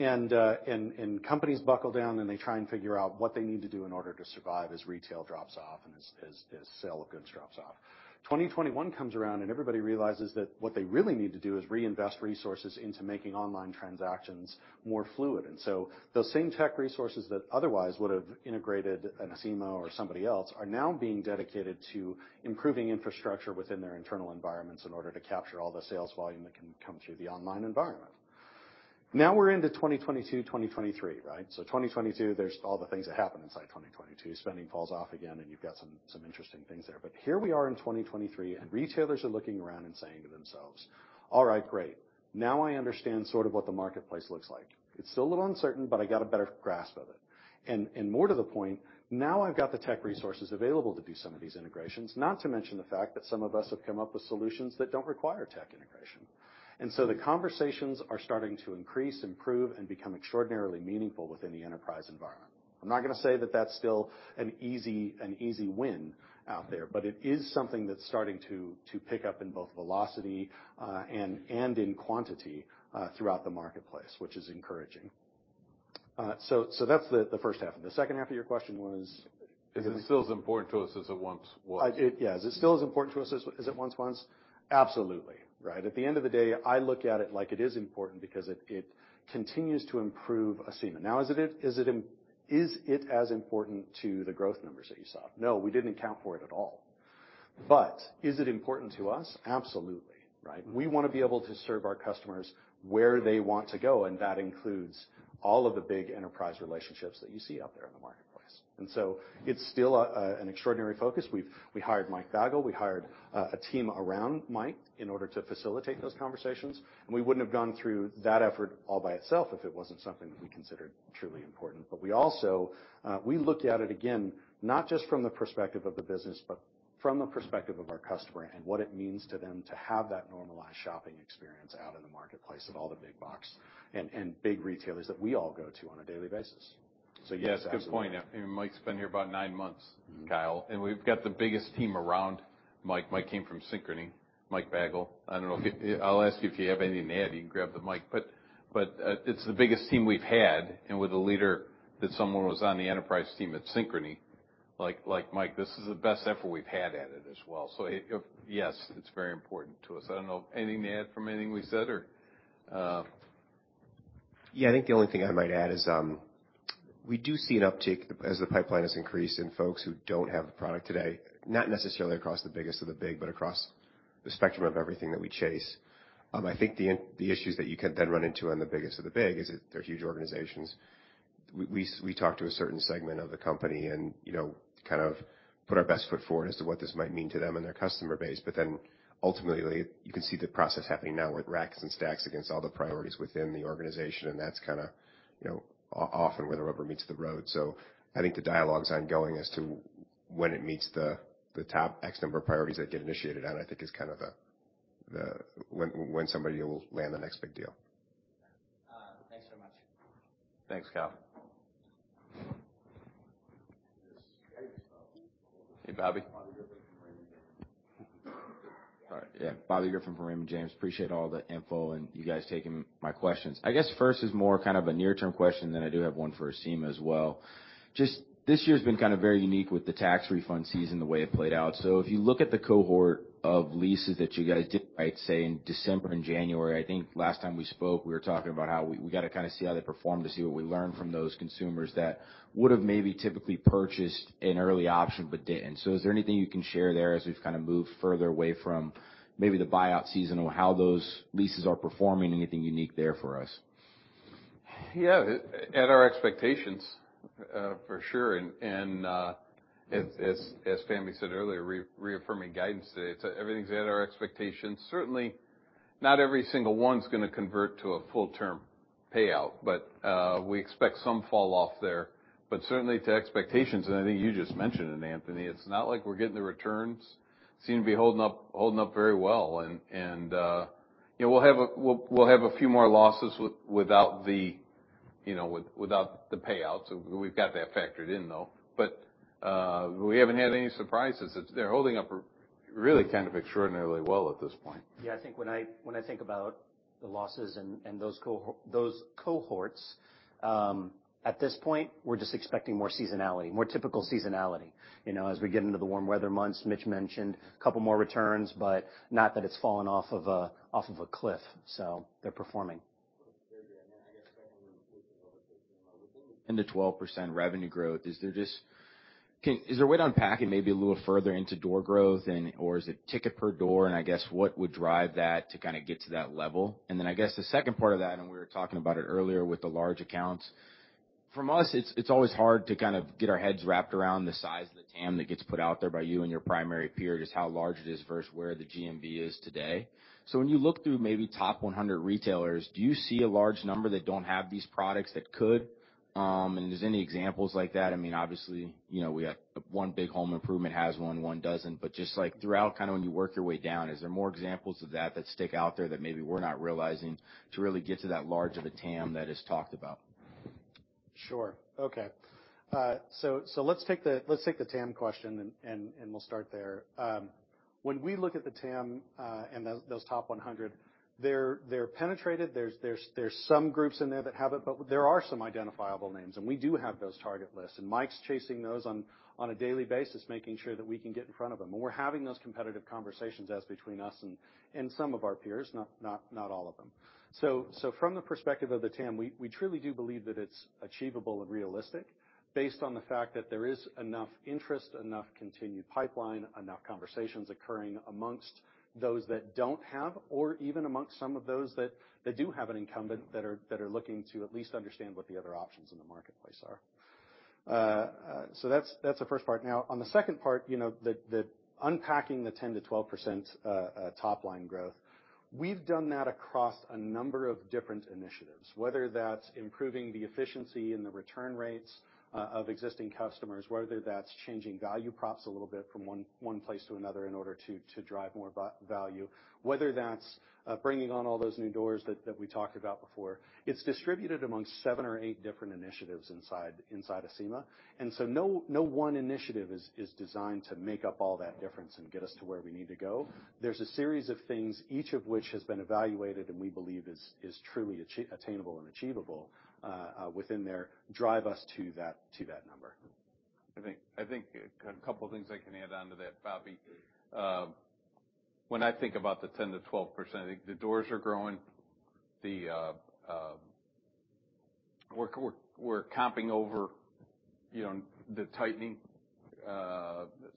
right? Companies buckle down, and they try and figure out what they need to do in order to survive as retail drops off and as sale of goods drops off. 2021 comes around, everybody realizes that what they really need to do is reinvest resources into making online transactions more fluid. Those same tech resources that otherwise would've integrated an Acima or somebody else are now being dedicated to improving infrastructure within their internal environments in order to capture all the sales volume that can come through the online environment. Now we're into 2022, 2023, right? 2022, there's all the things that happened inside 2022. Spending falls off again, and you've got some interesting things there. Here we are in 2023, and retailers are looking around and saying to themselves, "All right, great. Now I understand sort of what the marketplace looks like. It's still a little uncertain, but I got a better grasp of it." More to the point, now I've got the tech resources available to do some of these integrations Not to mention the fact that some of us have come up with solutions that don't require tech integration. The conversations are starting to increase, improve, and become extraordinarily meaningful within the enterprise environment. I'm not gonna say that that's still an easy, an easy win out there, but it is something that's starting to pick up in both velocity, and in quantity throughout the marketplace, which is encouraging. So that's the first half. The second half of your question was? Is it still as important to us as it once was? Yeah. Is it still as important to us as it once was? Absolutely, right? At the end of the day, I look at it like it is important because it continues to improve Acima. Now is it as important to the growth numbers that you saw? No, we didn't account for it at all. Is it important to us? Absolutely, right? We wanna be able to serve our customers where they want to go, and that includes all of the big enterprise relationships that you see out there in the marketplace. It's still an extraordinary focus. We hired Mike Bagull. We hired a team around Mike in order to facilitate those conversations. We wouldn't have gone through that effort all by itself if it wasn't something that we considered truly important. We also, we look at it again, not just from the perspective of the business, but from the perspective of our customer and what it means to them to have that normalized shopping experience out in the marketplace of all the big box and big retailers that we all go to on a daily basis. Yes, absolutely. Yeah, it's a good point. Mike's been here about nine months, Kyle, and we've got the biggest team around Mike. Mike came from Synchrony, Mike Bagull. I don't know. I'll ask you if you have anything to add. You can grab the mic. it's the biggest team we've had, and with a leader that someone was on the enterprise team at Synchrony, like Mike, this is the best effort we've had at it as well. Yes, it's very important to us. I don't know. Anything to add from anything we said? Yeah. I think the only thing I might add is, we do see an uptick as the pipeline has increased in folks who don't have the product today, not necessarily across the biggest of the big, but across the spectrum of everything that we chase. I think the issues that you can then run into on the biggest of the big is that they're huge organizations. We talk to a certain segment of the company and, you know, kind of put our best foot forward as to what this might mean to them and their customer base. Ultimately, you can see the process happening now with racks and stacks against all the priorities within the organization, That's kinda, you know, often where the rubber meets the road. I think the dialogue's ongoing as to when it meets the top X number of priorities that get initiated, and I think is kind of the when somebody will land the next big deal. Thanks very much. Thanks, Kyle. Hey, Bobby. Bobby Griffin from Raymond James. All right. Yeah. Bobby Griffin from Raymond James. Appreciate all the info and you guys taking my questions. I guess first is more kinda a near-term question, then I do have one for Acima as well. Just this year's been kinda very unique with the tax refund season, the way it played out. If you look at the cohort of leases that you guys did, right, say in December and January, I think last time we spoke, we were talking about how we gotta kinda see how they perform to see what we learn from those consumers that would've maybe typically purchased an early option but didn't. Is there anything you can share there as we've kinda moved further away from maybe the buyout season or how those leases are performing? Anything unique there for us? Yeah. At our expectations, for sure. As Stanley said earlier, reaffirming guidance today, everything's at our expectations. Certainly, not every single one's gonna convert to a full-term payout, but we expect some fall off there, but certainly to expectations, and I think you just mentioned it, Anthony. It's not like we're getting the returns. Seem to be holding up very well and, you know, we'll have a few more losses without the, you know, without the payouts. We've got that factored in, though. We haven't had any surprises. They're holding up really kind of extraordinarily well at this point. Yeah. I think when I think about the losses and those cohorts, at this point, we're just expecting more seasonality, more typical seasonality, you know, as we get into the warm weather months. Mitch mentioned a couple more returns, but not that it's fallen off of a cliff. They're performing. The 12% revenue growth, is there a way to unpack it maybe a little further into door growth or is it ticket per door, and I guess what would drive that to kinda get to that level? I guess the second part of that, and we were talking about it earlier with the large accounts, from us, it's always hard to kind of get our heads wrapped around the size of the TAM that gets put out there by you and your primary peer, just how large it is versus where the GMV is today. When you look through maybe top 100 retailers, do you see a large number that don't have these products that could? There's any examples like that? I mean, obviously, you know, we have one big home improvement has one doesn't. Just like throughout, kind of when you work your way down, is there more examples of that that stick out there that maybe we're not realizing to really get to that large of a TAM that is talked about? Sure. Okay. Let's take the TAM question and we'll start there. When we look at the TAM, and those top 100, they're penetrated. There's some groups in there that have it, but there are some identifiable names, and we do have those target lists. Mike's chasing those on a daily basis, making sure that we can get in front of them. We're having those competitive conversations as between us and some of our peers, not all of them. From the perspective of the TAM, we truly do believe that it's achievable and realistic based on the fact that there is enough interest, enough continued pipeline, enough conversations occurring amongst those that don't have or even amongst some of those that do have an incumbent that are looking to at least understand what the other options in the marketplace are. That's the first part. Now on the second part, you know, the unpacking the 10% to 12% top line growth, we've done that across a number of different initiatives, whether that's improving the efficiency and the return rates of existing customers, whether that's changing value props a little bit from one place to another in order to drive more value, whether that's bringing on all those new doors that we talked about before. It's distributed among seven or eight different initiatives inside Acima. No one initiative is designed to make up all that difference and get us to where we need to go. There's a series of things, each of which has been evaluated, and we believe is truly attainable and achievable within there, drive us to that, to that number. I think a couple things I can add on to that, Bobby. When I think about the 10%-12%, I think the doors are growing. The we're comping over, you know, the tightening. That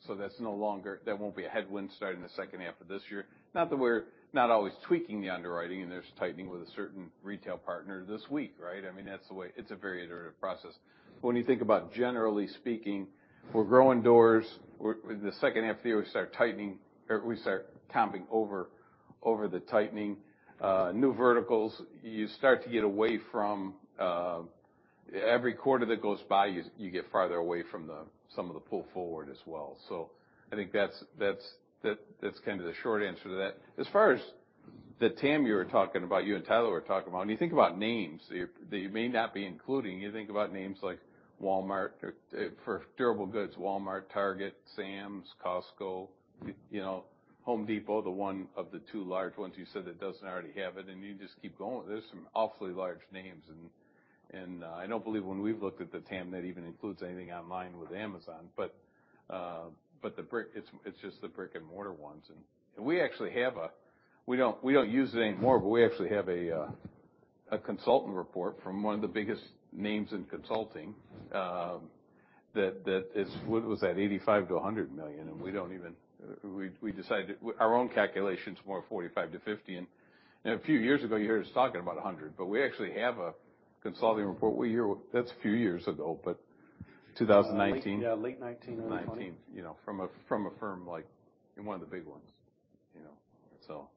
won't be a headwind starting the second half of this year. Not that we're not always tweaking the underwriting, and there's tightening with a certain retail partner this week, right? I mean, it's a very iterative process. When you think about generally speaking, we're growing doors. We're the second half of the year, we start tightening, or we start comping over the tightening. New verticals, you start to get away from every quarter that goes by, you get farther away from the some of the pull forward as well. I think that's kinda the short answer to that. As far as the TAM you and Tyler were talking about, when you think about names that you're, that you may not be including, you think about names like Walmart. For durable goods, Walmart, Target, Sam's, Costco, you know, Home Depot, the one of the two large ones you said that doesn't already have it, and you just keep going. There's some awfully large names, and I don't believe when we've looked at the TAM that even includes anything online with Amazon. It's just the brick-and-mortar ones. We actually have. We don't use it anymore, but we actually have a consultant report from one of the biggest names in consulting that is what was that $85 million to $100 million, and we don't even. We decided our own calculation is more $45 million to $50 million. A few years ago, you hear us talking about $100 million. We actually have a consulting report. We hear that's a few years ago, but 2019. Yeah, late 2019, early 2020. 19. You know, from a firm like, and one of the big ones, you know?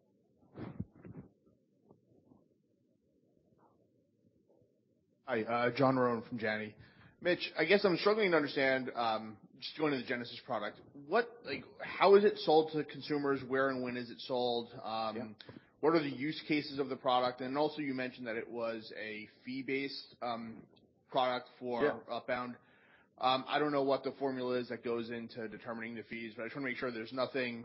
Hi. John Rowan from Janney. Mitch, I guess I'm struggling to understand, just going to the Genesis product, what, like, how is it sold to consumers? Where and when is it sold? Yeah. What are the use cases of the product? Also, you mentioned that it was a fee-based product. Yeah. Upbound. I don't know what the formula is that goes into determining the fees, but I just wanna make sure there's nothing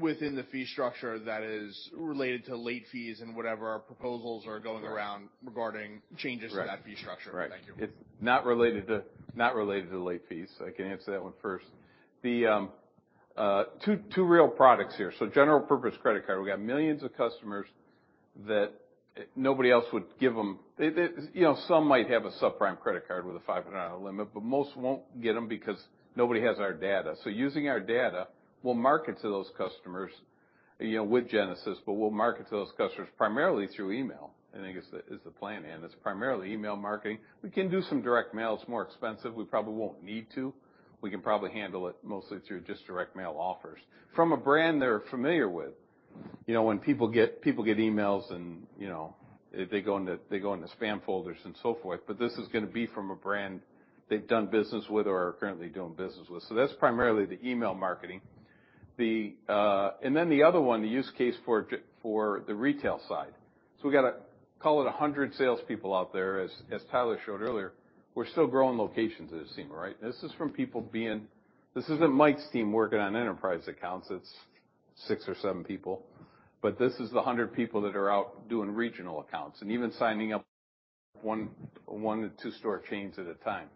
within the fee structure that is related to late fees and whatever proposals are going around... Right. regarding changes to that fee structure. Right. Right. Thank you. It's not related to late fees. I can answer that one first. The two real products here. General purpose credit card, we got millions of customers that nobody else would give them. They, you know, some might have a subprime credit card with a $500 limit, most won't get them because nobody has our data. Using our data, we'll market to those customers, you know, with Genesis, we'll market to those customers primarily through email, I think is the plan. It's primarily email marketing. We can do some direct mail. It's more expensive. We probably won't need to. We can probably handle it mostly through just direct mail offers from a brand they're familiar with. You know, when people get emails and, you know, they go into, they go into spam folders and so forth, but this is gonna be from a brand they've done business with or are currently doing business with. That's primarily the email marketing. The, and then the other one, the use case for the retail side. We got a, call it 100 salespeople out there, as Tyler showed earlier. We're still growing locations at Acima, right? This is from people being. This isn't Mike's team working on enterprise accounts. It's six or seven people, but this is the 100 people that are out doing regional accounts and even signing up one to two store chains at a time.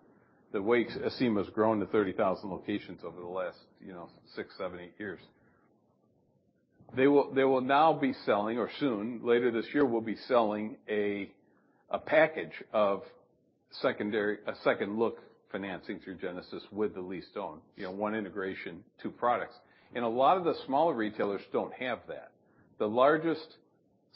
The way Acima has grown to 30,000 locations over the last, you know, six, seven, eight years. They will, they will now be selling or soon, later this year, will be selling a package of a second-look financing through Genesis with the lease-to-own. You know, one integration, two products. A lot of the smaller retailers don't have that. The largest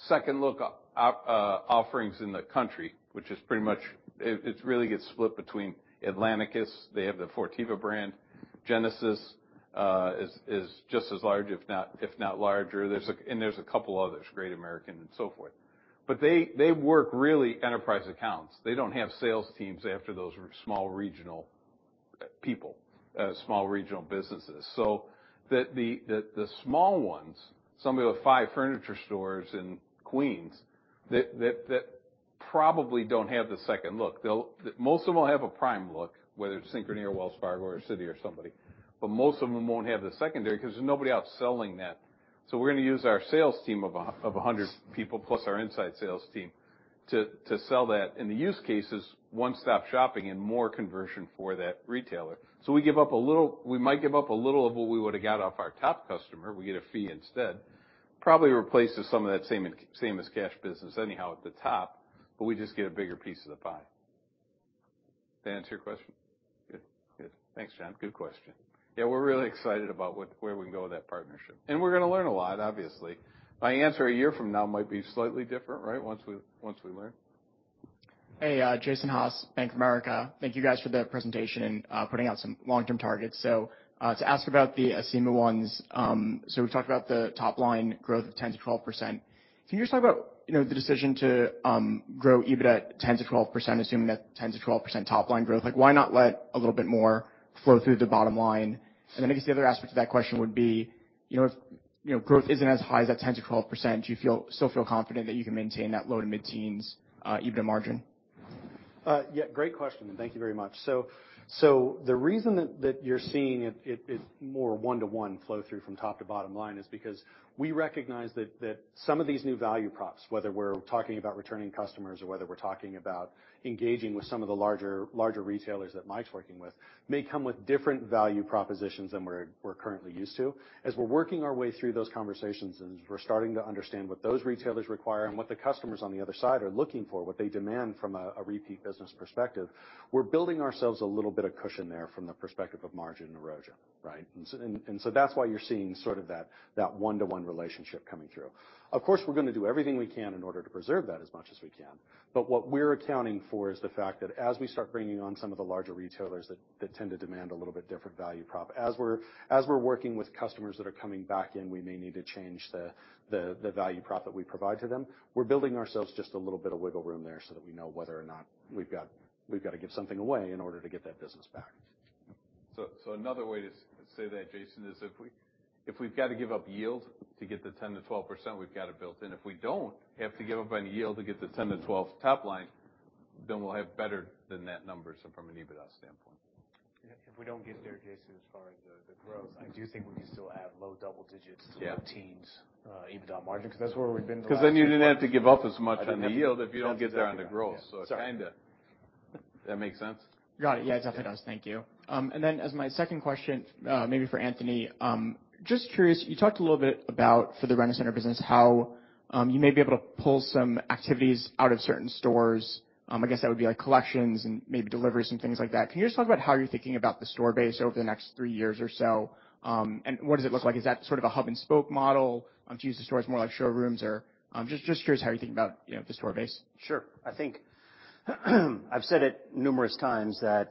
second-look offerings in the country, which is pretty much. It really gets split between Atlanticus, they have the Fortiva brand. Genesis is just as large, if not, if not larger. And there's a couple others, Great American and so forth. They work really enterprise accounts. They don't have sales teams after those small regional people, small regional businesses. The small ones, somebody with 5 furniture stores in Queens that probably don't have the second-look. Most of them will have a prime look, whether it's Synchrony or Wells Fargo or Citi or somebody. Most of them won't have the secondary because there's nobody out selling that. We're gonna use our sales team of 100 people plus our inside sales team to sell that. In the use cases, one-stop shopping and more conversion for that retailer. We give up a little, we might give up a little of what we would have got off our top customer. We get a fee instead. Probably replaces some of that same as cash business anyhow at the top, but we just get a bigger piece of the pie. That answer your question? Good. Thanks, John. Good question. Yeah, we're really excited about where we can go with that partnership. We're gonna learn a lot, obviously. My answer a year from now might be slightly different, right, once we, once we learn. Jason Haas, Bank of America. Thank you guys for the presentation and putting out some long-term targets. To ask about the Acima ones, we've talked about the top line growth of 10%-12%. Can you just talk about, you know, the decision to grow EBITDA 10%-12%, assuming that 10%-12% top line growth? Like, why not let a little bit more flow through the bottom line? I guess the other aspect of that question would be, you know, if, you know, growth isn't as high as that 10%-12%, do you still feel confident that you can maintain that low to mid-teens EBITDA margin? Yeah, great question. Thank you very much. The reason you're seeing it is more one-to-one flow through from top to bottom line is because we recognize some of these new value props, whether we're talking about returning customers or whether we're talking about engaging with some of the larger retailers that Mike's working with, may come with different value propositions than we're currently used to. As we're working our way through those conversations, and we're starting to understand what those retailers require and what the customers on the other side are looking for, what they demand from a repeat business perspective, we're building ourselves a little bit of cushion there from the perspective of margin erosion, right? That's why you're seeing sort of that one-to-one relationship coming through. Of course, we're gonna do everything we can in order to preserve that as much as we can. What we're accounting for is the fact that as we start bringing on some of the larger retailers that tend to demand a little bit different value prop, as we're working with customers that are coming back in, we may need to change the value prop that we provide to them. We're building ourselves just a little bit of wiggle room there so that we know whether or not we've got to give something away in order to get that business back. Another way to say that, Jason, is if we've got to give up yield to get the 10%-12%, we've got it built in. If we don't have to give up any yield to get the 10%-12% top line, then we'll have better than that number, so from an EBITDA standpoint. If we don't get there, Jason, as far as the growth, I do think we can still add low double digits. Yeah. To teens, EBITDA margin, 'cause that's where we've been the last few quarters. 'Cause then you didn't have to give up as much on the yield if you don't get there on the growth. Sorry. it kinda that make sense? Got it. Yeah, it definitely does. Thank you. As my second question, maybe for Anthony, just curious, you talked a little bit about for the Rent-A-Center business, how you may be able to pull some activities out of certain stores. I guess that would be like collections and maybe deliveries and things like that. Can you just talk about how you're thinking about the store base over the next three years or so? What does it look like? Is that sort of a hub and spoke model to use the stores more like showrooms? Just curious how you're thinking about, you know, the store base. Sure. I think, I've said it numerous times that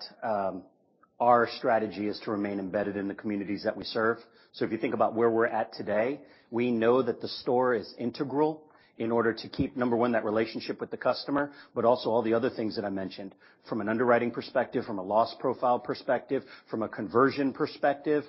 our strategy is to remain embedded in the communities that we serve. If you think about where we're at today, we know that the store is integral in order to keep, number one, that relationship with the customer, but also all the other things that I mentioned from an underwriting perspective, from a loss profile perspective, from a conversion perspective.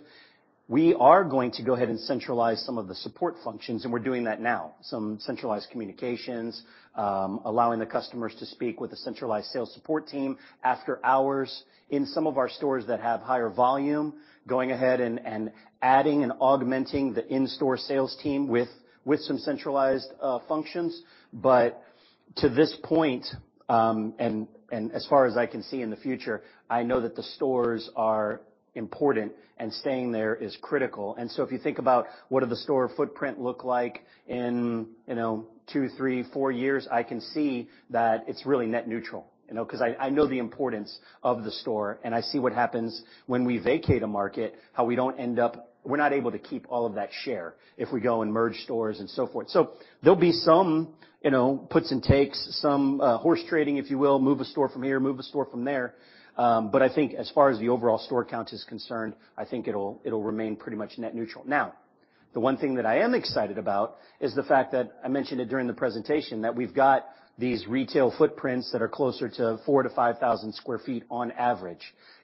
We are going to go ahead and centralize some of the support functions, and we're doing that now. Some centralized communications, allowing the customers to speak with a centralized sales support team after hours. In some of our stores that have higher volume, going ahead and adding and augmenting the in-store sales team with some centralized functions. To this point, and as far as I can see in the future, I know that the stores are important and staying there is critical. If you think about what do the store footprint look like in, you know, two, three, four years, I can see that it's really net neutral, you know. 'Cause I know the importance of the store, and I see what happens when we vacate a market, how we don't end up. We're not able to keep all of that share if we go and merge stores and so forth. There'll be some, you know, puts and takes, some horse trading, if you will. Move a store from here, move a store from there. I think as far as the overall store count is concerned, I think it'll remain pretty much net neutral. The one thing that I am excited about is the fact that I mentioned it during the presentation, that we've got these retail footprints that are closer to 4,000-5,000 sq ft on average.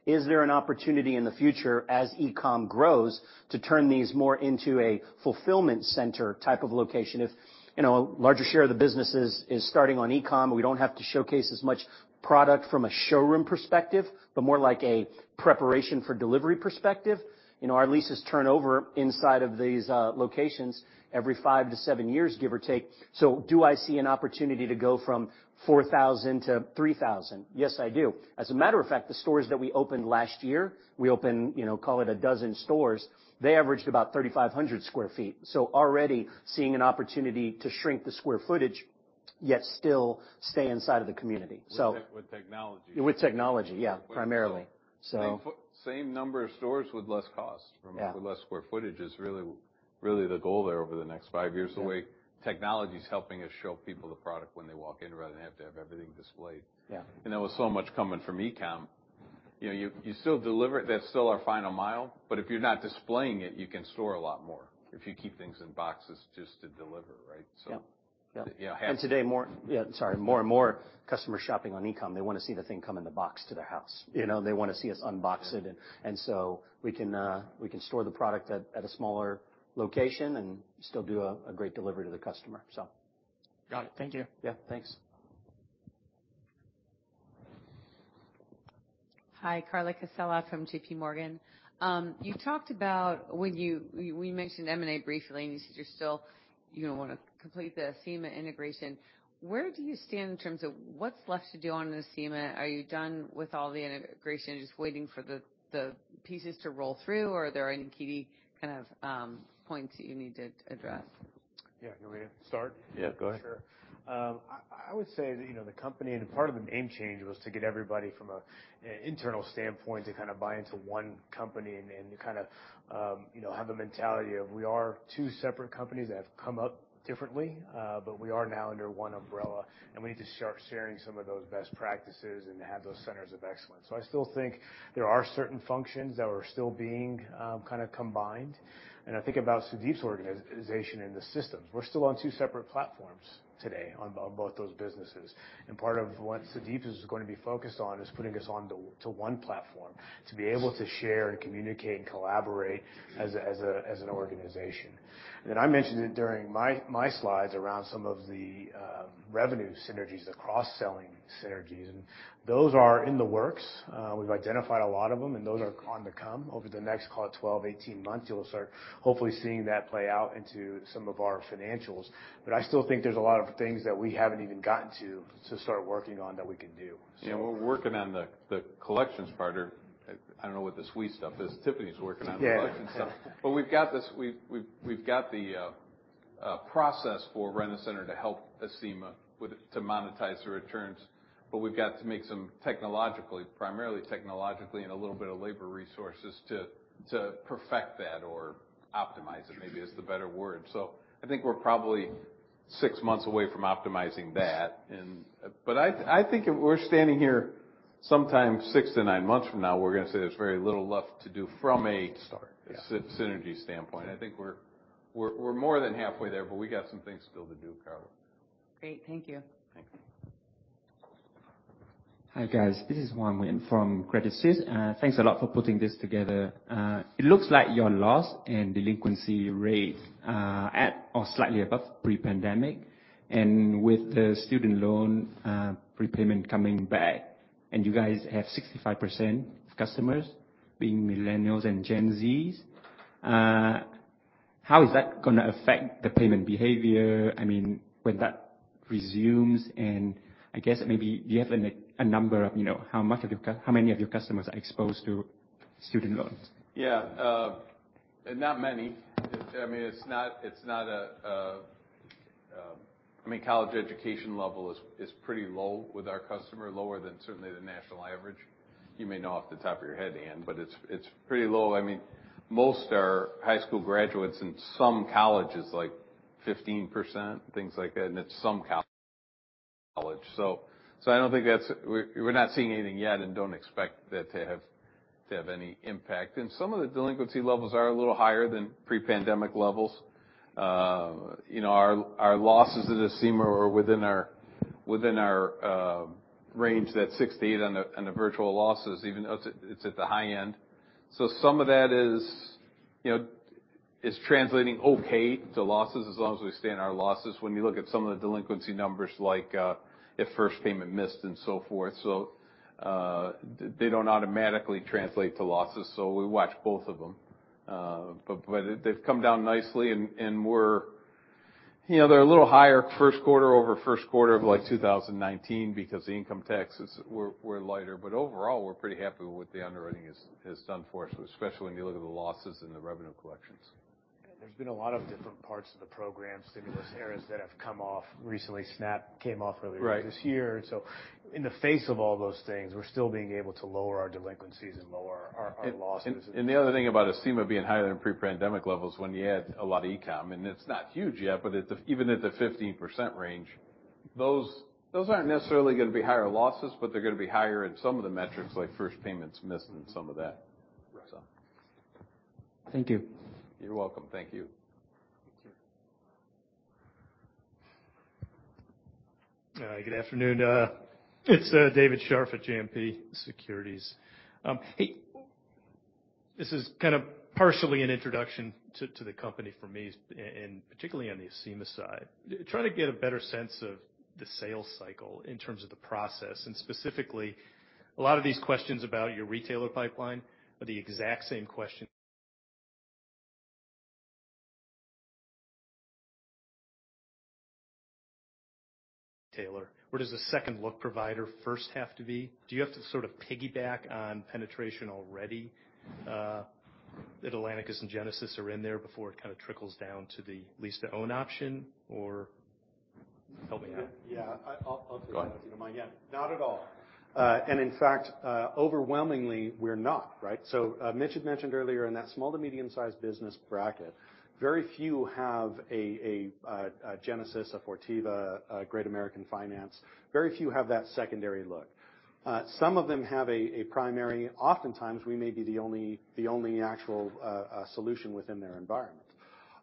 Is there an opportunity in the future as e-com grows to turn these more into a fulfillment center type of location? If, you know, a larger share of the business is starting on e-com, we don't have to showcase as much product from a showroom perspective, but more like a preparation for delivery perspective. You know, our leases turn over inside of these locations every five to seven years, give or take. Do I see an opportunity to go from 4,000 to 3,000? Yes, I do. As a matter of fact, the stores that we opened last year, we opened, you know, call it 12 stores. They averaged about 3,500 sq ft. Already seeing an opportunity to shrink the square footage. Still stay inside of the community. With technology. With technology, yeah, primarily. Same number of stores with less cost. Yeah Or less square footage is really, really the goal there over the next five years. Yeah. The way technology is helping us show people the product when they walk in rather than have to have everything displayed. Yeah. There was so much coming from e-com. You know, you still deliver. That's still our final mile, but if you're not displaying it, you can store a lot more if you keep things in boxes just to deliver, right? Yeah. You know Yeah, sorry. More and more customer shopping on e-com, they wanna see the thing come in the box to their house. You know, they wanna see us unbox it. We can store the product at a smaller location and still do a great delivery to the customer. Got it. Thank you. Yeah, thanks. Hi, Carla Casella from JPMorgan. You talked about when we mentioned M&A briefly, and you said you're still, you know, want to complete the Acima integration. Where do you stand in terms of what's left to do on this Acima? Are you done with all the integration, just waiting for the pieces to roll through, or are there any key kind of points that you need to address? Yeah. You want me to start? Yeah, go ahead. Sure. I would say that, you know, the company and part of the name change was to get everybody from an internal standpoint to kind of buy into one company and to kind of, you know, have a mentality of we are two separate companies that have come up differently, but we are now under one umbrella, and we need to start sharing some of those best practices and have those centers of excellence. I still think there are certain functions that are still being kind of combined. I think about Sudeep's organization and the systems. We're still on two separate platforms today on both those businesses. Part of what Sudeep is gonna be focused on is putting us onto one platform to be able to share and communicate and collaborate as an organization. I mentioned it during my slides around some of the revenue synergies, the cross-selling synergies, and those are in the works. We've identified a lot of them, and those are on to come. Over the next, call it 12, 18 months, you'll start hopefully seeing that play out into some of our financials. I still think there's a lot of things that we haven't even gotten to start working on that we can do, so. Yeah, we're working on the collections part. I don't know what the suite stuff is. Tiffany's working on the collections stuff. Yeah. We've got this. We've got the process for Rent-A-Center to help Acima to monetize the returns. We've got to make some technologically, primarily technologically and a little bit of labor resources to perfect that or optimize it, maybe is the better word. I think we're probably 6 months away from optimizing that. I think if we're standing here sometime 6-9 months from now, we're going to say there's very little left to do. Start, yeah synergy standpoint. I think we're more than halfway there, but we got some things still to do, Carla. Great. Thank you. Thanks. Hi, guys. This is Wan Lin from Credit Suisse. Thanks a lot for putting this together. It looks like your loss and delinquency rates are at or slightly above pre-pandemic. With the student loan, prepayment coming back, and you guys have 65% customers being millennials and Gen Z, how is that gonna affect the payment behavior? I mean, when that resumes and I guess maybe you have a number of, you know, how many of your customers are exposed to student loans? Yeah, not many. I mean, college education level is pretty low with our customer, lower than certainly the national average. You may know off the top of your head, Dan, but it's pretty low. I mean, most are high school graduates, and some college is like 15%, things like that, and it's some college. We're not seeing anything yet and don't expect that to have any impact. Some of the delinquency levels are a little higher than pre-pandemic levels. You know, our losses at Acima are within our range, that six to eight on the virtual losses, even though it's at the high end. Some of that is, you know, is translating okay to losses as long as we stay in our losses. When you look at some of the delinquency numbers like if first payment missed and so forth, they don't automatically translate to losses. We watch both of them. But they've come down nicely and we're. You know, they're a little higher first quarter over first quarter of like 2019 because the income taxes were lighter. Overall, we're pretty happy with what the underwriting has done for us, especially when you look at the losses and the revenue collections. There's been a lot of different parts of the program, stimulus areas that have come off recently. Snap came off earlier Right. this year. In the face of all those things, we're still being able to lower our delinquencies and lower our losses. The other thing about Acima being higher than pre-pandemic levels, when you add a lot of e-com, and it's not huge yet, but even at the 15% range, those aren't necessarily gonna be higher losses, but they're gonna be higher in some of the metrics like first payments missed and some of that. Right. So. Thank you. You're welcome. Thank you. Thank you. Good afternoon. It's David Scharf at JMP Securities. Hey, this is kind of partially an introduction to the company for me and particularly on the Acima side. Trying to get a better sense of the sales cycle in terms of the process, and specifically, a lot of these questions about your retailer pipeline are the exact same question. Where does the second look provider first have to be? Do you have to sort of piggyback on penetration already? That Atlanticus and Genesis are in there before it kind of trickles down to the lease-to-own option, or help me out? Yeah, I'll take that. Go ahead. If you don't mind. Yeah. Not at all. In fact, overwhelmingly, we're not, right? Mitch had mentioned earlier in that small to medium-sized business bracket, very few have a Genesis, a Fortiva, a Great American Finance. Very few have that secondary look. Some of them have a primary... oftentimes we may be the only actual solution within their environment.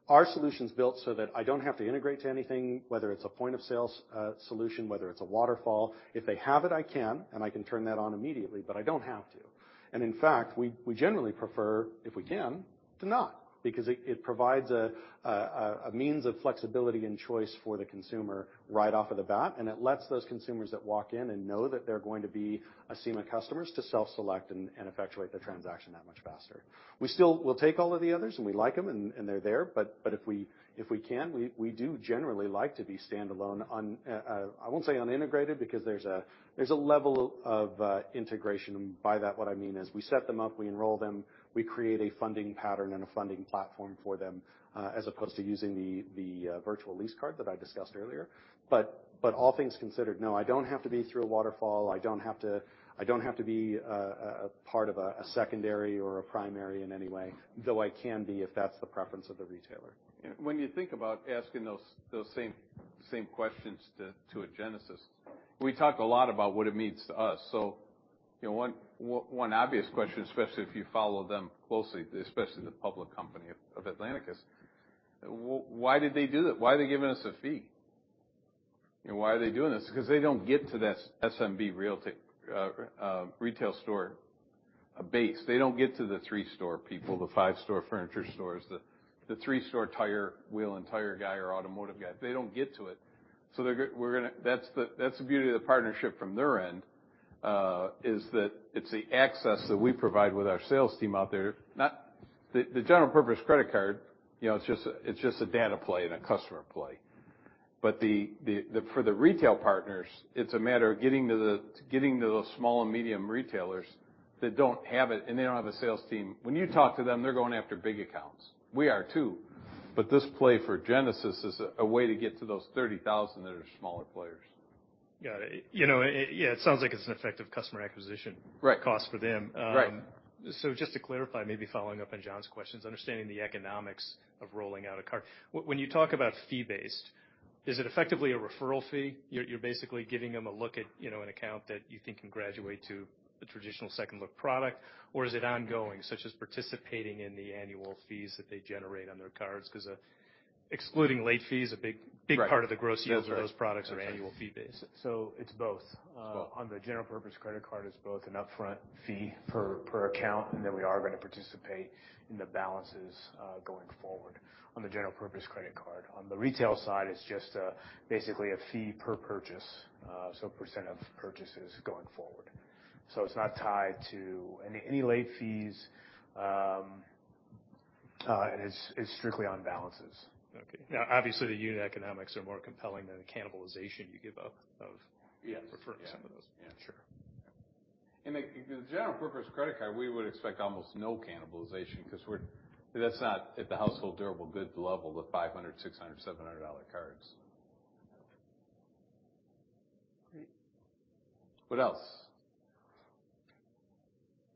Our solution's built so that I don't have to integrate to anything, whether it's a point of sales solution, whether it's a waterfall. If they have it, I can, and I can turn that on immediately, I don't have to. In fact, we generally prefer, if we can, to not, because it provides a means of flexibility and choice for the consumer right off of the bat, and it lets those consumers that walk in and know that they're going to be Acima customers to self-select and effectuate the transaction that much faster. We still we'll take all of the others, and we like them, and they're there. If we can, we do generally like to be standalone on, I won't say unintegrated, because there's a level of integration. By that, what I mean is we set them up, we enroll them, we create a funding pattern and a funding platform for them, as opposed to using the virtual lease card that I discussed earlier. All things considered, no, I don't have to be through a waterfall. I don't have to be a part of a secondary or a primary in any way, though I can be if that's the preference of the retailer. When you think about asking those same questions to a Genesis, we talk a lot about what it means to us. You know, one obvious question, especially if you follow them closely, especially the public company of Atlanticus, why did they do that? Why are they giving us a fee? You know, why are they doing this? They don't get to that SMB retail store base. They don't get to the three-store people, the five-store furniture stores, the three-store tire wheel and tire guy or automotive guy. They don't get to it. We're gonna that's the beauty of the partnership from their end, is that it's the access that we provide with our sales team out there, not. The general purpose credit card, you know, it's just a data play and a customer play. For the retail partners, it's a matter of getting to those small and medium retailers that don't have it, and they don't have a sales team. When you talk to them, they're going after big accounts. We are too. This play for Genesis is a way to get to those 30,000 that are smaller players. Got it. You know, yeah, it sounds like it's an effective customer acquisition- Right. cost for them. Right. Just to clarify, maybe following up on John's questions, understanding the economics of rolling out a card. When you talk about fee-based, is it effectively a referral fee? You're basically giving them a look at, you know, an account that you think can graduate to a traditional second look product. Or is it ongoing, such as participating in the annual fees that they generate on their cards? 'Cause, excluding late fees, a big. Right. Big part of the gross yields That's right. of those products are annual fee based. It's both. It's both. On the general purpose, credit card is both an upfront fee per account, and then we are gonna participate in the balances going forward on the general purpose credit card. On the retail side, it's just basically a fee per purchase, so % of purchases going forward. It's not tied to any late fees. It's strictly on balances. Okay. Now, obviously, the unit economics are more compelling than the cannibalization you give up of- Yeah. Referring some of those. Yeah. Sure. In the general purpose credit card, we would expect almost no cannibalization because that's not at the household durable goods level, the $500, $600, $700 cards. Great. What else?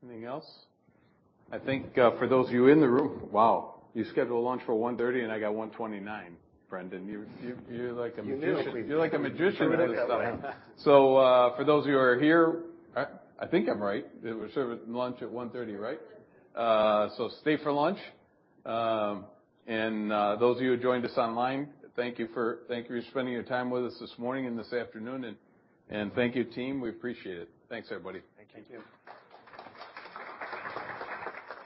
Anything else? I think, for those of you in the room. Wow, you scheduled lunch for 1:30, and I got 1:29. Brendan, you're like a magician. You knew. You're like a magician with this stuff. For those of you who are here, I think I'm right. We serve lunch at 1:30, right? Stay for lunch. And those of you who joined us online, thank you for spending your time with us this morning and this afternoon, and thank you, team. We appreciate it. Thanks, everybody. Thank you. Thank you.